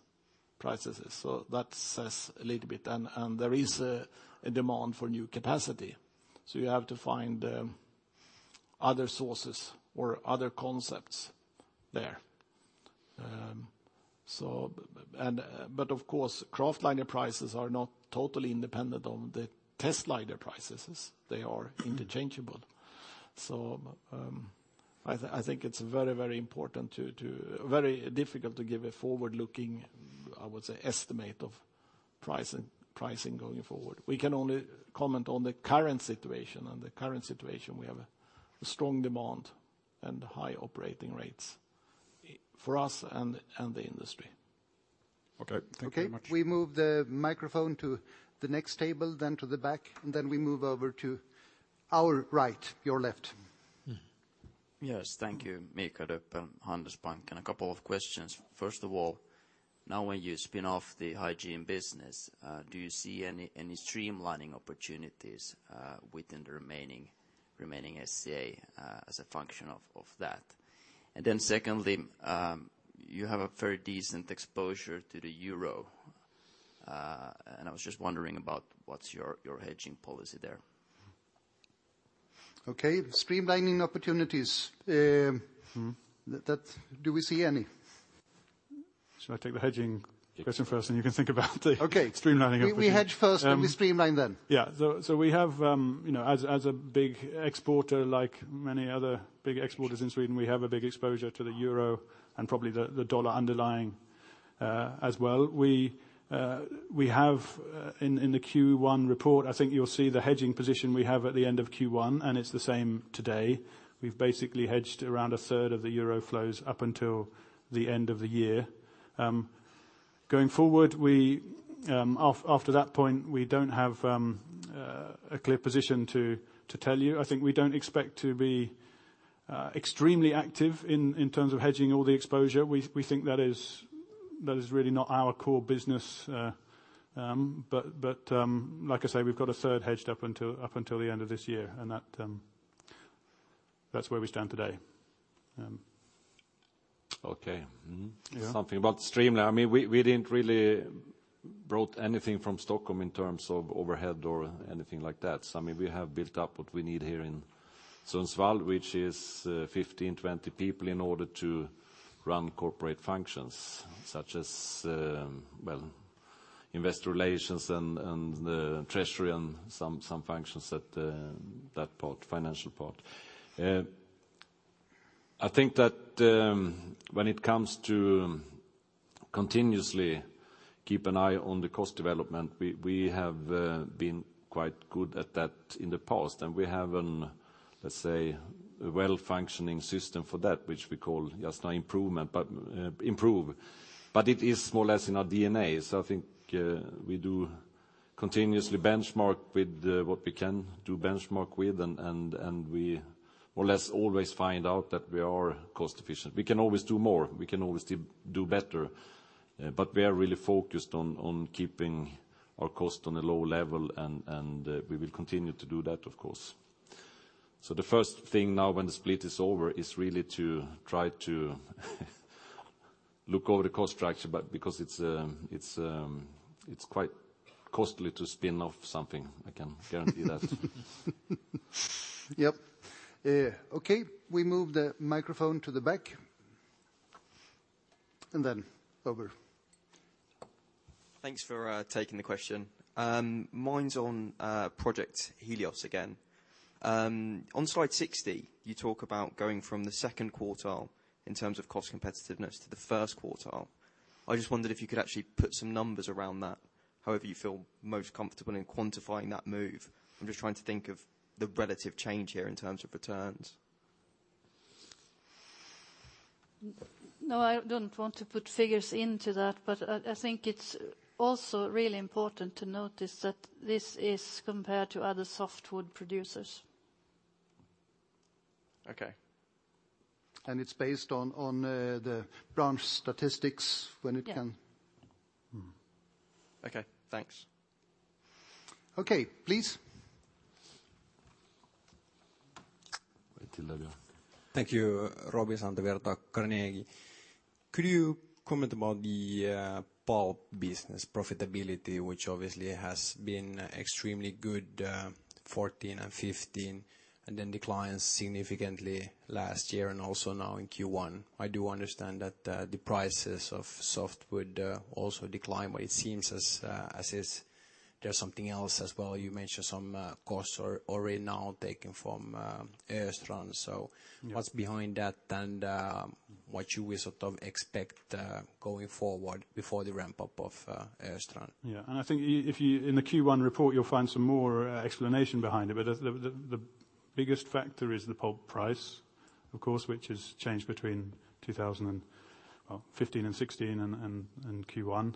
That says a little bit. There is a demand for new capacity, so you have to find other sources or other concepts there. Of course, kraftliner prices are not totally independent on the testliner prices. They are interchangeable. I think it's very difficult to give a forward-looking, I would say, estimate of pricing going forward. We can only comment on the current situation, the current situation, we have a strong demand and high operating rates for us and the industry. Okay. Thank you very much. Okay. We move the microphone to the next table, then to the back, then we move over to our right, your left. Yes. Thank you. [Mikael Doepel], Handelsbanken. A couple of questions. First of all, now when you spin off the hygiene business, do you see any streamlining opportunities within the remaining SCA as a function of that? Secondly, you have a very decent exposure to the euro, and I was just wondering about what's your hedging policy there? Okay. Streamlining opportunities. Do we see any? Should I take the hedging question first, and you can think about the streamlining opportunity? Okay. We hedge first, then we streamline then. As a big exporter, like many other big exporters in Sweden, we have a big exposure to the euro and probably the dollar underlying as well. We have in the Q1 report, I think you'll see the hedging position we have at the end of Q1, and it's the same today. We've basically hedged around a third of the EUR flows up until the end of the year. Going forward, after that point, we don't have a clear position to tell you. I think we don't expect to be extremely active in terms of hedging all the exposure. We think that is really not our core business. Like I say, we've got a third hedged up until the end of this year, and that's where we stand today. Okay. Yeah. Something about streamline. We didn't really bring anything from Stockholm in terms of overhead or anything like that. We have built up what we need here in Sundsvall, which is 15, 20 people in order to run corporate functions such as investor relations and the treasury, and some functions at the financial part. I think that when it comes to continuously keep an eye on the cost development, we have been quite good at that in the past, and we have, let's say, a well-functioning system for that, which we call just now improve. It is more or less in our DNA. I think we do continuously benchmark with what we can do benchmark with, and we more or less always find out that we are cost efficient. We can always do more. We can always do better. We are really focused on keeping our cost on a low level, and we will continue to do that, of course. The first thing now, when the split is over, is really to try to look over the cost structure, because it's quite costly to spin off something, I can guarantee that. Yep. Okay, we move the microphone to the back. Then over. Thanks for taking the question. Mine's on Project Helios again. On slide 60, you talk about going from the second quartile in terms of cost competitiveness to the first quartile. I just wondered if you could actually put some numbers around that, however you feel most comfortable in quantifying that move. I'm just trying to think of the relative change here in terms of returns. No, I don't want to put figures into that. I think it's also really important to notice that this is compared to other softwood producers. Okay. It's based on the branch statistics. Yeah. Okay. Thanks. Okay. Please. Thank you. Robin Santavirta, Carnegie. Could you comment about the pulp business profitability, which obviously has been extremely good 2014 and 2015, and then declines significantly last year and also now in Q1? I do understand that the prices of softwood also decline, but it seems as if there's something else as well. You mentioned some costs are already now taken from Östrand. What's behind that, and what you will sort of expect going forward before the ramp-up of Östrand? Yeah. I think in the Q1 report, you'll find some more explanation behind it. The biggest factor is the pulp price, of course, which has changed between 2015 and 2016 and Q1.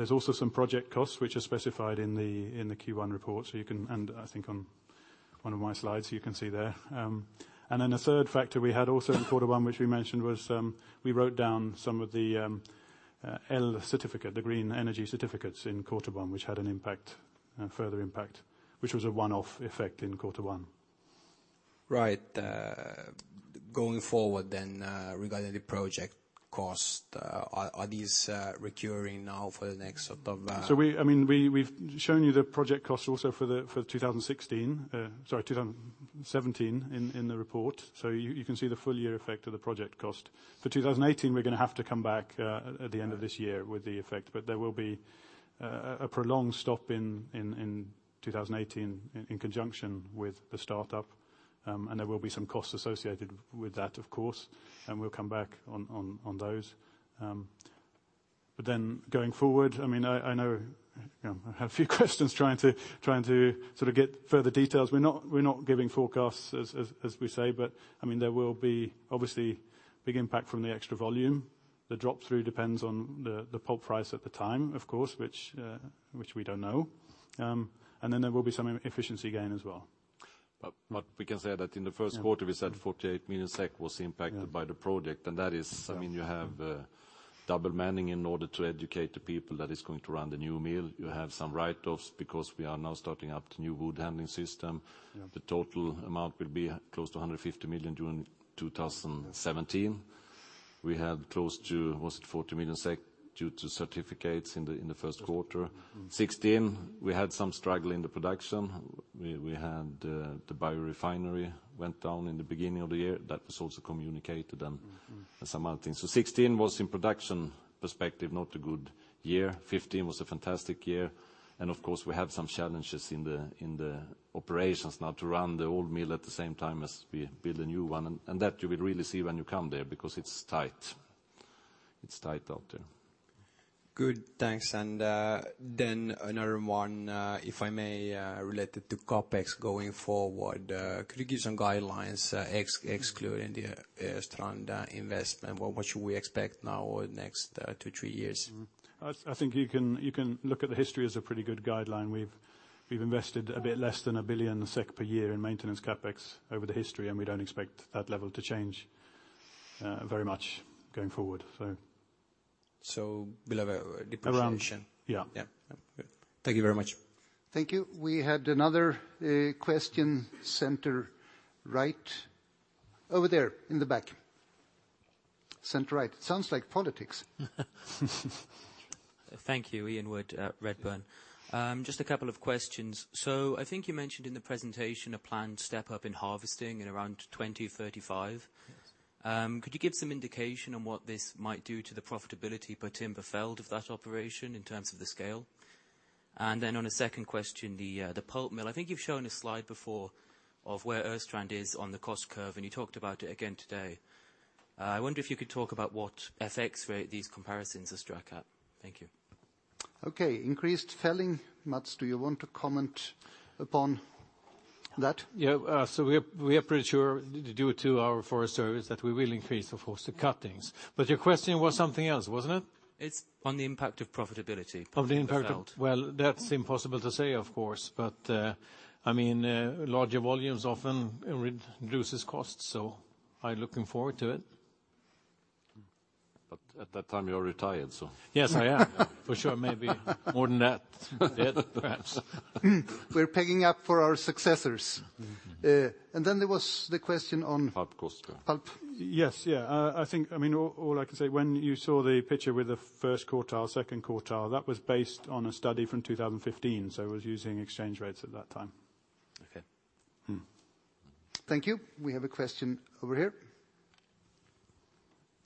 There's also some project costs, which are specified in the Q1 report, and I think on one of my slides you can see there. A third factor we had also in quarter one, which we mentioned, was we wrote down some of the el-certificate, the green energy certificates in quarter one, which had a further impact, which was a one-off effect in quarter one. Right. Going forward, regarding the project cost, are these recurring now for the next sort of- We've shown you the project cost also for 2016, sorry, 2017 in the report. You can see the full year effect of the project cost. For 2018, we're going to have to come back at the end of this year with the effect. There will be a prolonged stop in 2018 in conjunction with the startup. There will be some costs associated with that, of course. We'll come back on those. Going forward, I know I have a few questions trying to sort of get further details. We're not giving forecasts as we say, there will be obviously big impact from the extra volume. The drop-through depends on the pulp price at the time, of course, which we don't know. There will be some efficiency gain as well. We can say that in the first quarter, we said 48 million SEK was impacted by the project. That is, you have double manning in order to educate the people that is going to run the new mill. You have some write-offs because we are now starting up the new wood handling system. Yeah. The total amount will be close to 150 million during 2017. We had close to, was it 40 million SEK due to certificates in the first quarter? 2016, we had some struggle in the production. We had the biorefinery went down in the beginning of the year. That was also communicated and some other things. 2016 was in production perspective, not a good year. 2015 was a fantastic year. Of course, we have some challenges in the operations now to run the old mill at the same time as we build a new one. That you will really see when you come there because it's tight out there. Good, thanks. Another one, if I may, related to CapEx going forward. Could you give some guidelines excluding the Östrand investment? What should we expect now over the next two, three years? I think you can look at the history as a pretty good guideline. We've invested a bit less than 1 billion SEK per year in maintenance CapEx over the history, we don't expect that level to change very much going forward. Below depreciation. Around, yeah. Yeah. Thank you very much. Thank you. We had another question, center right. Over there, in the back. Center right. Sounds like politics. Thank you. Ian Wood at Redburn. Just a couple of questions. I think you mentioned in the presentation a planned step-up in harvesting in around 2035. Yes. Could you give some indication on what this might do to the profitability per timber felled of that operation in terms of the scale? On a second question, the pulp mill. I think you've shown a slide before of where Östrand is on the cost curve, and you talked about it again today. I wonder if you could talk about what FX rate these comparisons are struck at. Thank you. Okay, increased felling. Mats, do you want to comment upon that? Yeah. We are pretty sure due to our forest service that we will increase, of course, the cuttings. Your question was something else, wasn't it? It's on the impact of profitability of the timber felled. Of the impact of Well, that's impossible to say, of course. Larger volumes often reduces costs, so I'm looking forward to it. At that time, you're retired, so. Yes, I am. For sure, maybe more than that. Dead, perhaps. We're picking up for our successors. There was the question. Pulp cost. pulp. Yes. I think all I can say, when you saw the picture with the first quartile, second quartile, that was based on a study from 2015, so it was using exchange rates at that time. Okay. Thank you. We have a question over here.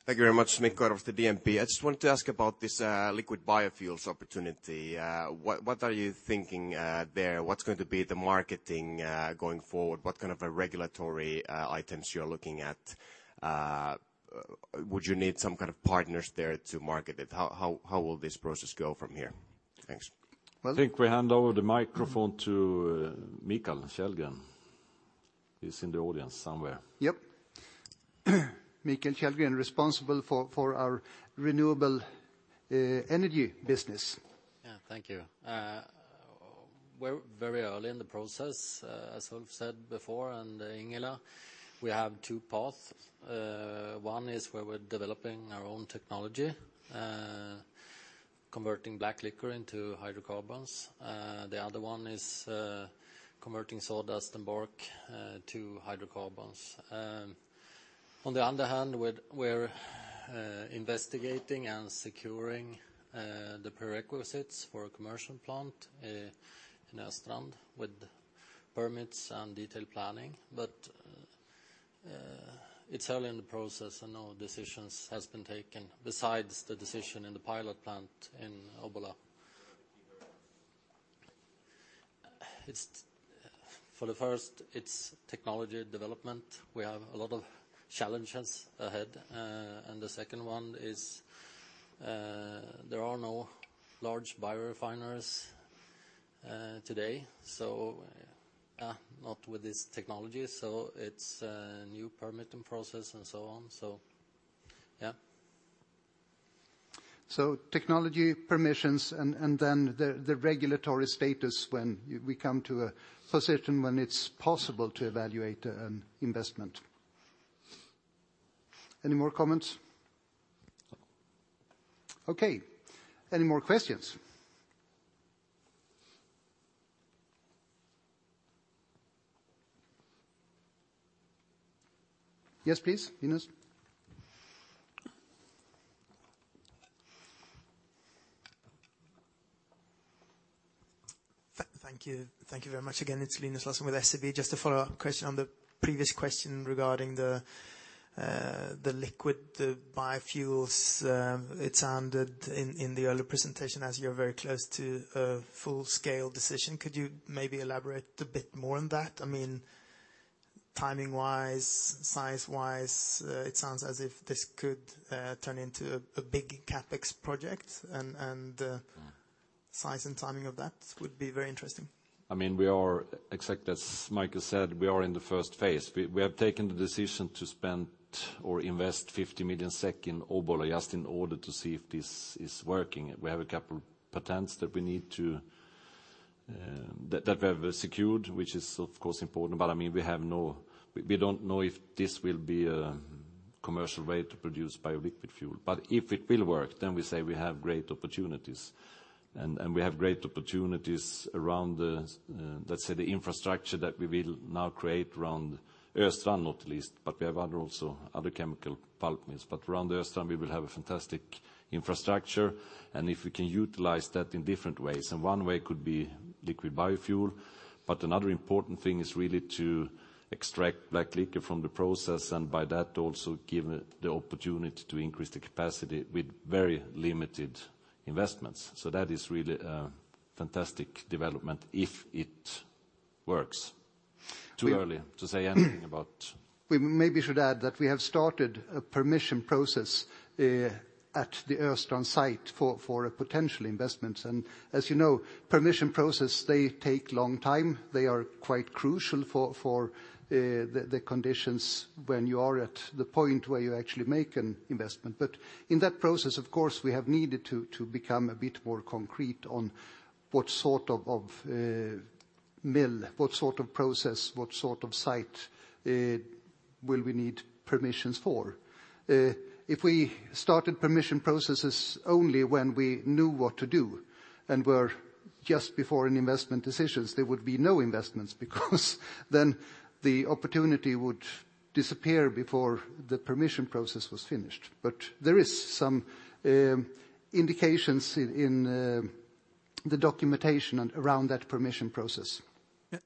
Thank you very much. [Mikar] of the DNB. I just wanted to ask about this liquid biofuels opportunity. What are you thinking there? What's going to be the marketing going forward? What kind of regulatory items you're looking at? Would you need some kind of partners there to market it? How will this process go from here? Thanks. Well- I think we hand over the microphone to Mikael Källgren. He's in the audience somewhere. Yep. Mikael Källgren, responsible for our renewable energy business. Yeah. Thank you. We're very early in the process, as Ulf said before, and Ingela. We have two paths. One is where we're developing our own technology, converting black liquor into hydrocarbons. The other one is converting sawdust and bark to hydrocarbons. On the other hand, we're investigating and securing the prerequisites for a commercial plant in Östrand with permits and detailed planning. It's early in the process, and no decisions has been taken besides the decision in the pilot plant in Obbola. For the first, it's technology development. We have a lot of challenges ahead. The second one is there are no large biorefineries today, not with this technology, so it's a new permitting process and so on. Yeah. Technology permissions and then the regulatory status when we come to a position when it's possible to evaluate an investment. Any more comments? No. Okay. Any more questions? Yes, please, Linus. Thank you. Thank you very much again. It's Linus Larsson with SEB. Just a follow-up question on the previous question regarding the liquid biofuels. It sounded in the earlier presentation as you're very close to a full-scale decision. Could you maybe elaborate a bit more on that? I mean, timing-wise, size-wise, it sounds as if this could turn into a big CapEx project, and size and timing of that would be very interesting. We are exactly as Mikael Källgren said, we are in the first phase. We have taken the decision to spend or invest 50 million SEK in Obbola just in order to see if this is working. We have a couple patents that we have secured, which is, of course, important. We don't know if this will be a commercial way to produce liquid biofuel. If it will work, then we say we have great opportunities. We have great opportunities around, let's say, the infrastructure that we will now create around Östrand, not least, but we have also other chemical pulp mills. Around Östrand, we will have a fantastic infrastructure, and if we can utilize that in different ways, and one way could be liquid biofuel. Another important thing is really to extract black liquor from the process, and by that, also give the opportunity to increase the capacity with very limited investments. That is really a fantastic development if it works. Too early to say anything about. We maybe should add that we have started a permission process at the Östrand site for a potential investment. As you know, permission process, they take a long time. They are quite crucial for the conditions when you are at the point where you actually make an investment. In that process, of course, we have needed to become a bit more concrete on what sort of mill, what sort of process, what sort of site will we need permissions for. If we started permission processes only when we knew what to do and were just before any investment decisions, there would be no investments because then the opportunity would disappear before the permission process was finished. There is some indications in the documentation around that permission process.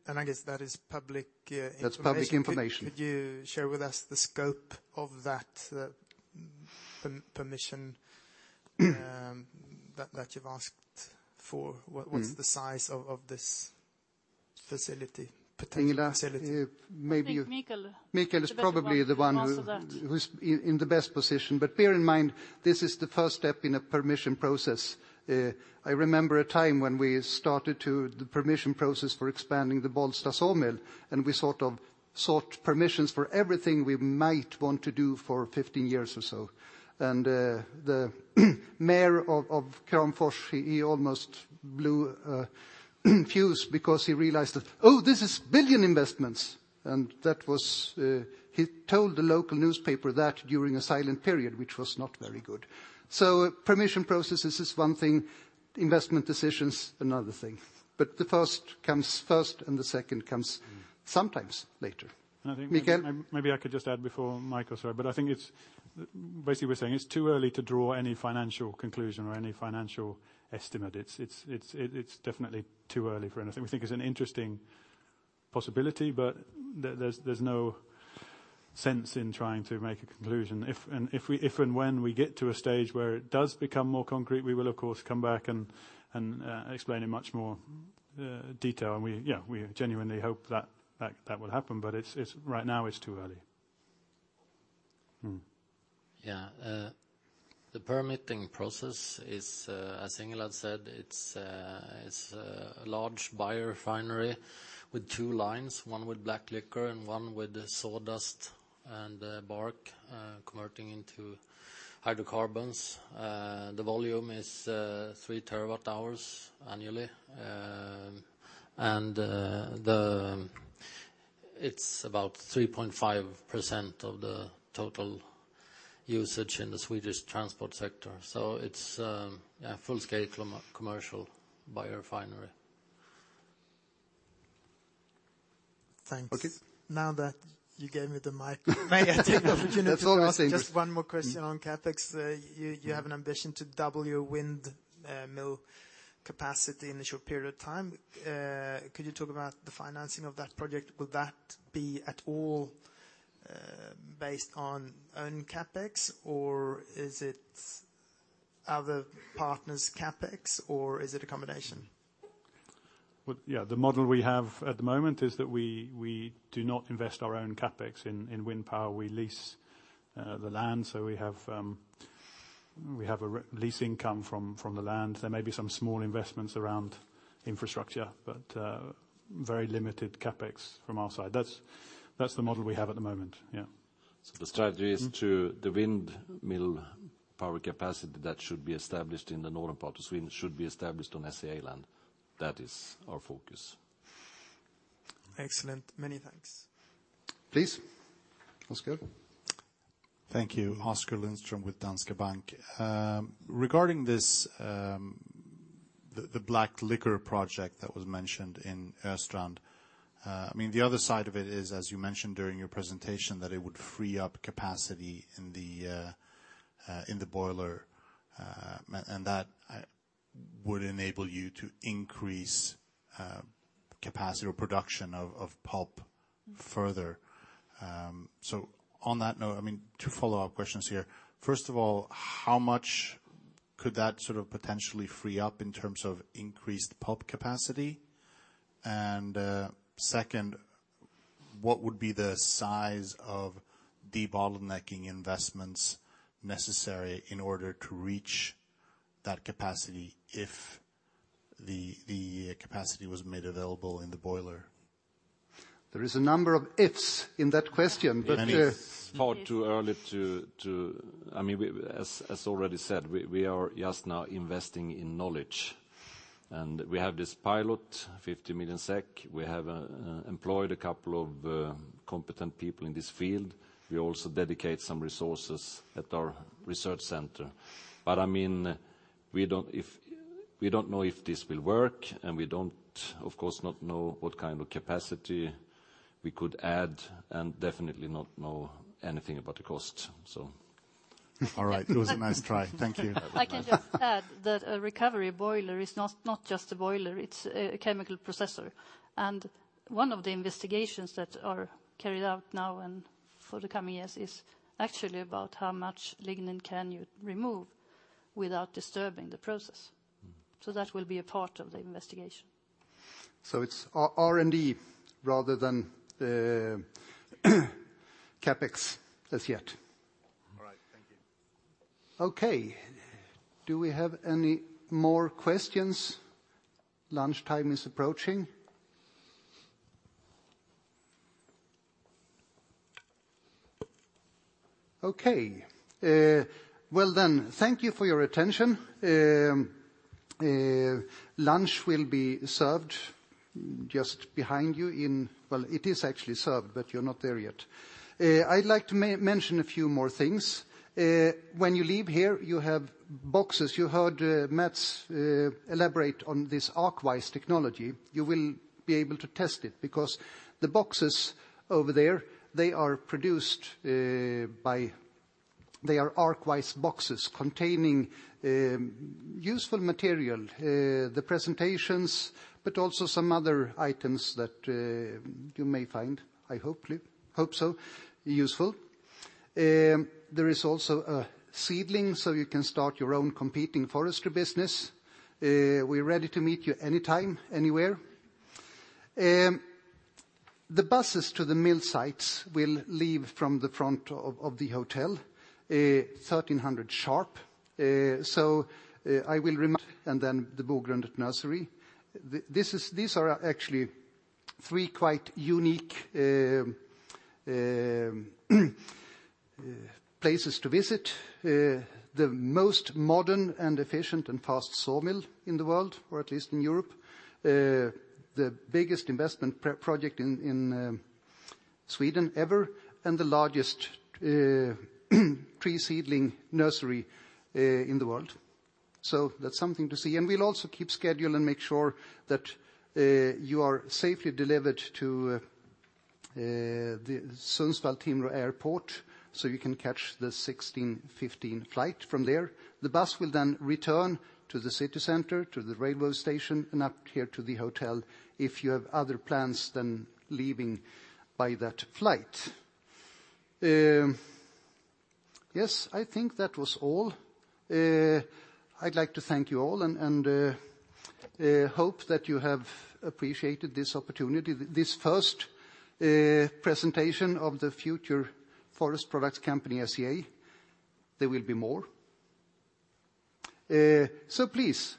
I guess that is public information. That's public information. Could you share with us the scope of that permission that you've asked for? What is the size of this potential facility? Ingela, maybe you. I think Mikael. Mikael is probably the one. The better one to answer that. Bear in mind, this is the first step in a permission process. I remember a time when we started the permission process for expanding the Bollsta Sawmill, we sought permissions for everything we might want to do for 50 years or so. The mayor of Kramfors, he almost blew a fuse because he realized that, oh, this is billion investments. He told the local newspaper that during a silent period, which was not very good. Permission processes is one thing, investment decisions, another thing. The first comes first, and the second comes sometimes later. Mikael? Maybe I could just add before Mikael. Sorry. I think it's basically we're saying it's too early to draw any financial conclusion or any financial estimate. It's definitely too early for anything. We think it's an interesting possibility, but there's no sense in trying to make a conclusion. If and when we get to a stage where it does become more concrete, we will, of course, come back and explain in much more detail. We genuinely hope that will happen. Right now it's too early. Yeah. The permitting process is, as Ingela said, it's a large biorefinery with two lines, one with black liquor and one with sawdust and bark converting into hydrocarbons. The volume is three terawatt hours annually, and it's about 3.5% of the total usage in the Swedish transport sector. It's a full-scale commercial biorefinery. Thanks. Okay. Now that you gave me the mic- May I take the opportunity- That's all I said To ask just one more question on CapEx? You have an ambition to double your windmill capacity in a short period of time. Could you talk about the financing of that project? Would that be at all based on own CapEx, or is it other partners' CapEx, or is it a combination? Well, yeah. The model we have at the moment is that we do not invest our own CapEx in wind power. We lease the land, so we have a lease income from the land. There may be some small investments around infrastructure, but very limited CapEx from our side. That's the model we have at the moment. Yeah. The strategy is to the windmill power capacity that should be established in the northern part of Sweden should be established on SCA land. That is our focus. Excellent. Many thanks. Please, Oskar. Thank you. Oskar Lindström with Danske Bank. Regarding the black liquor project that was mentioned in Östrand, the other side of it is, as you mentioned during your presentation, that it would free up capacity in the boiler. That would enable you to increase capacity or production of pulp further. On that note, two follow-up questions here. First of all, how much could that sort of potentially free up in terms of increased pulp capacity? Second, what would be the size of de-bottlenecking investments necessary in order to reach that capacity if the capacity was made available in the boiler? There is a number of ifs in that question. It's far too early. As already said, we are just now investing in knowledge, and we have this pilot, 50 million SEK. We have employed a couple of competent people in this field. We also dedicate some resources at our research center. We don't know if this will work, and we don't, of course not know what kind of capacity we could add, and definitely not know anything about the cost. All right. It was a nice try. Thank you. I can just add that a recovery boiler is not just a boiler, it's a chemical processor. One of the investigations that are carried out now and for the coming years is actually about how much lignin can you remove without disturbing the process. That will be a part of the investigation. It's R&D rather than the CapEx as yet. All right. Thank you. Okay. Do we have any more questions? Lunchtime is approaching. Okay. Thank you for your attention. Lunch will be served just behind you. Well, it is actually served, but you're not there yet. I'd like to mention a few more things. When you leave here, you have boxes. You heard Mats elaborate on this Arcwise technology. You will be able to test it because the boxes over there, they are Arcwise boxes containing useful material, the presentations, but also some other items that you may find, I hope so, useful. There is also a seedling so you can start your own competing forestry business. We're ready to meet you anytime, anywhere. The buses to the mill sites will leave from the front of the hotel, 1:00 P.M. sharp, and then to the Bogrundet Nursery. These are actually three quite unique places to visit. The most modern and efficient and fast sawmill in the world, or at least in Europe. The biggest investment project in Sweden ever, and the largest tree seedling nursery in the world. That's something to see. We'll also keep schedule and make sure that you are safely delivered to the Sundsvall Timrå Airport so you can catch the 4:15 P.M. flight from there. The bus will return to the city center, to the railway station, and up here to the hotel if you have other plans than leaving by that flight. Yes, I think that was all. I'd like to thank you all and hope that you have appreciated this opportunity, this first presentation of the future Forest Products company, SCA. There will be more.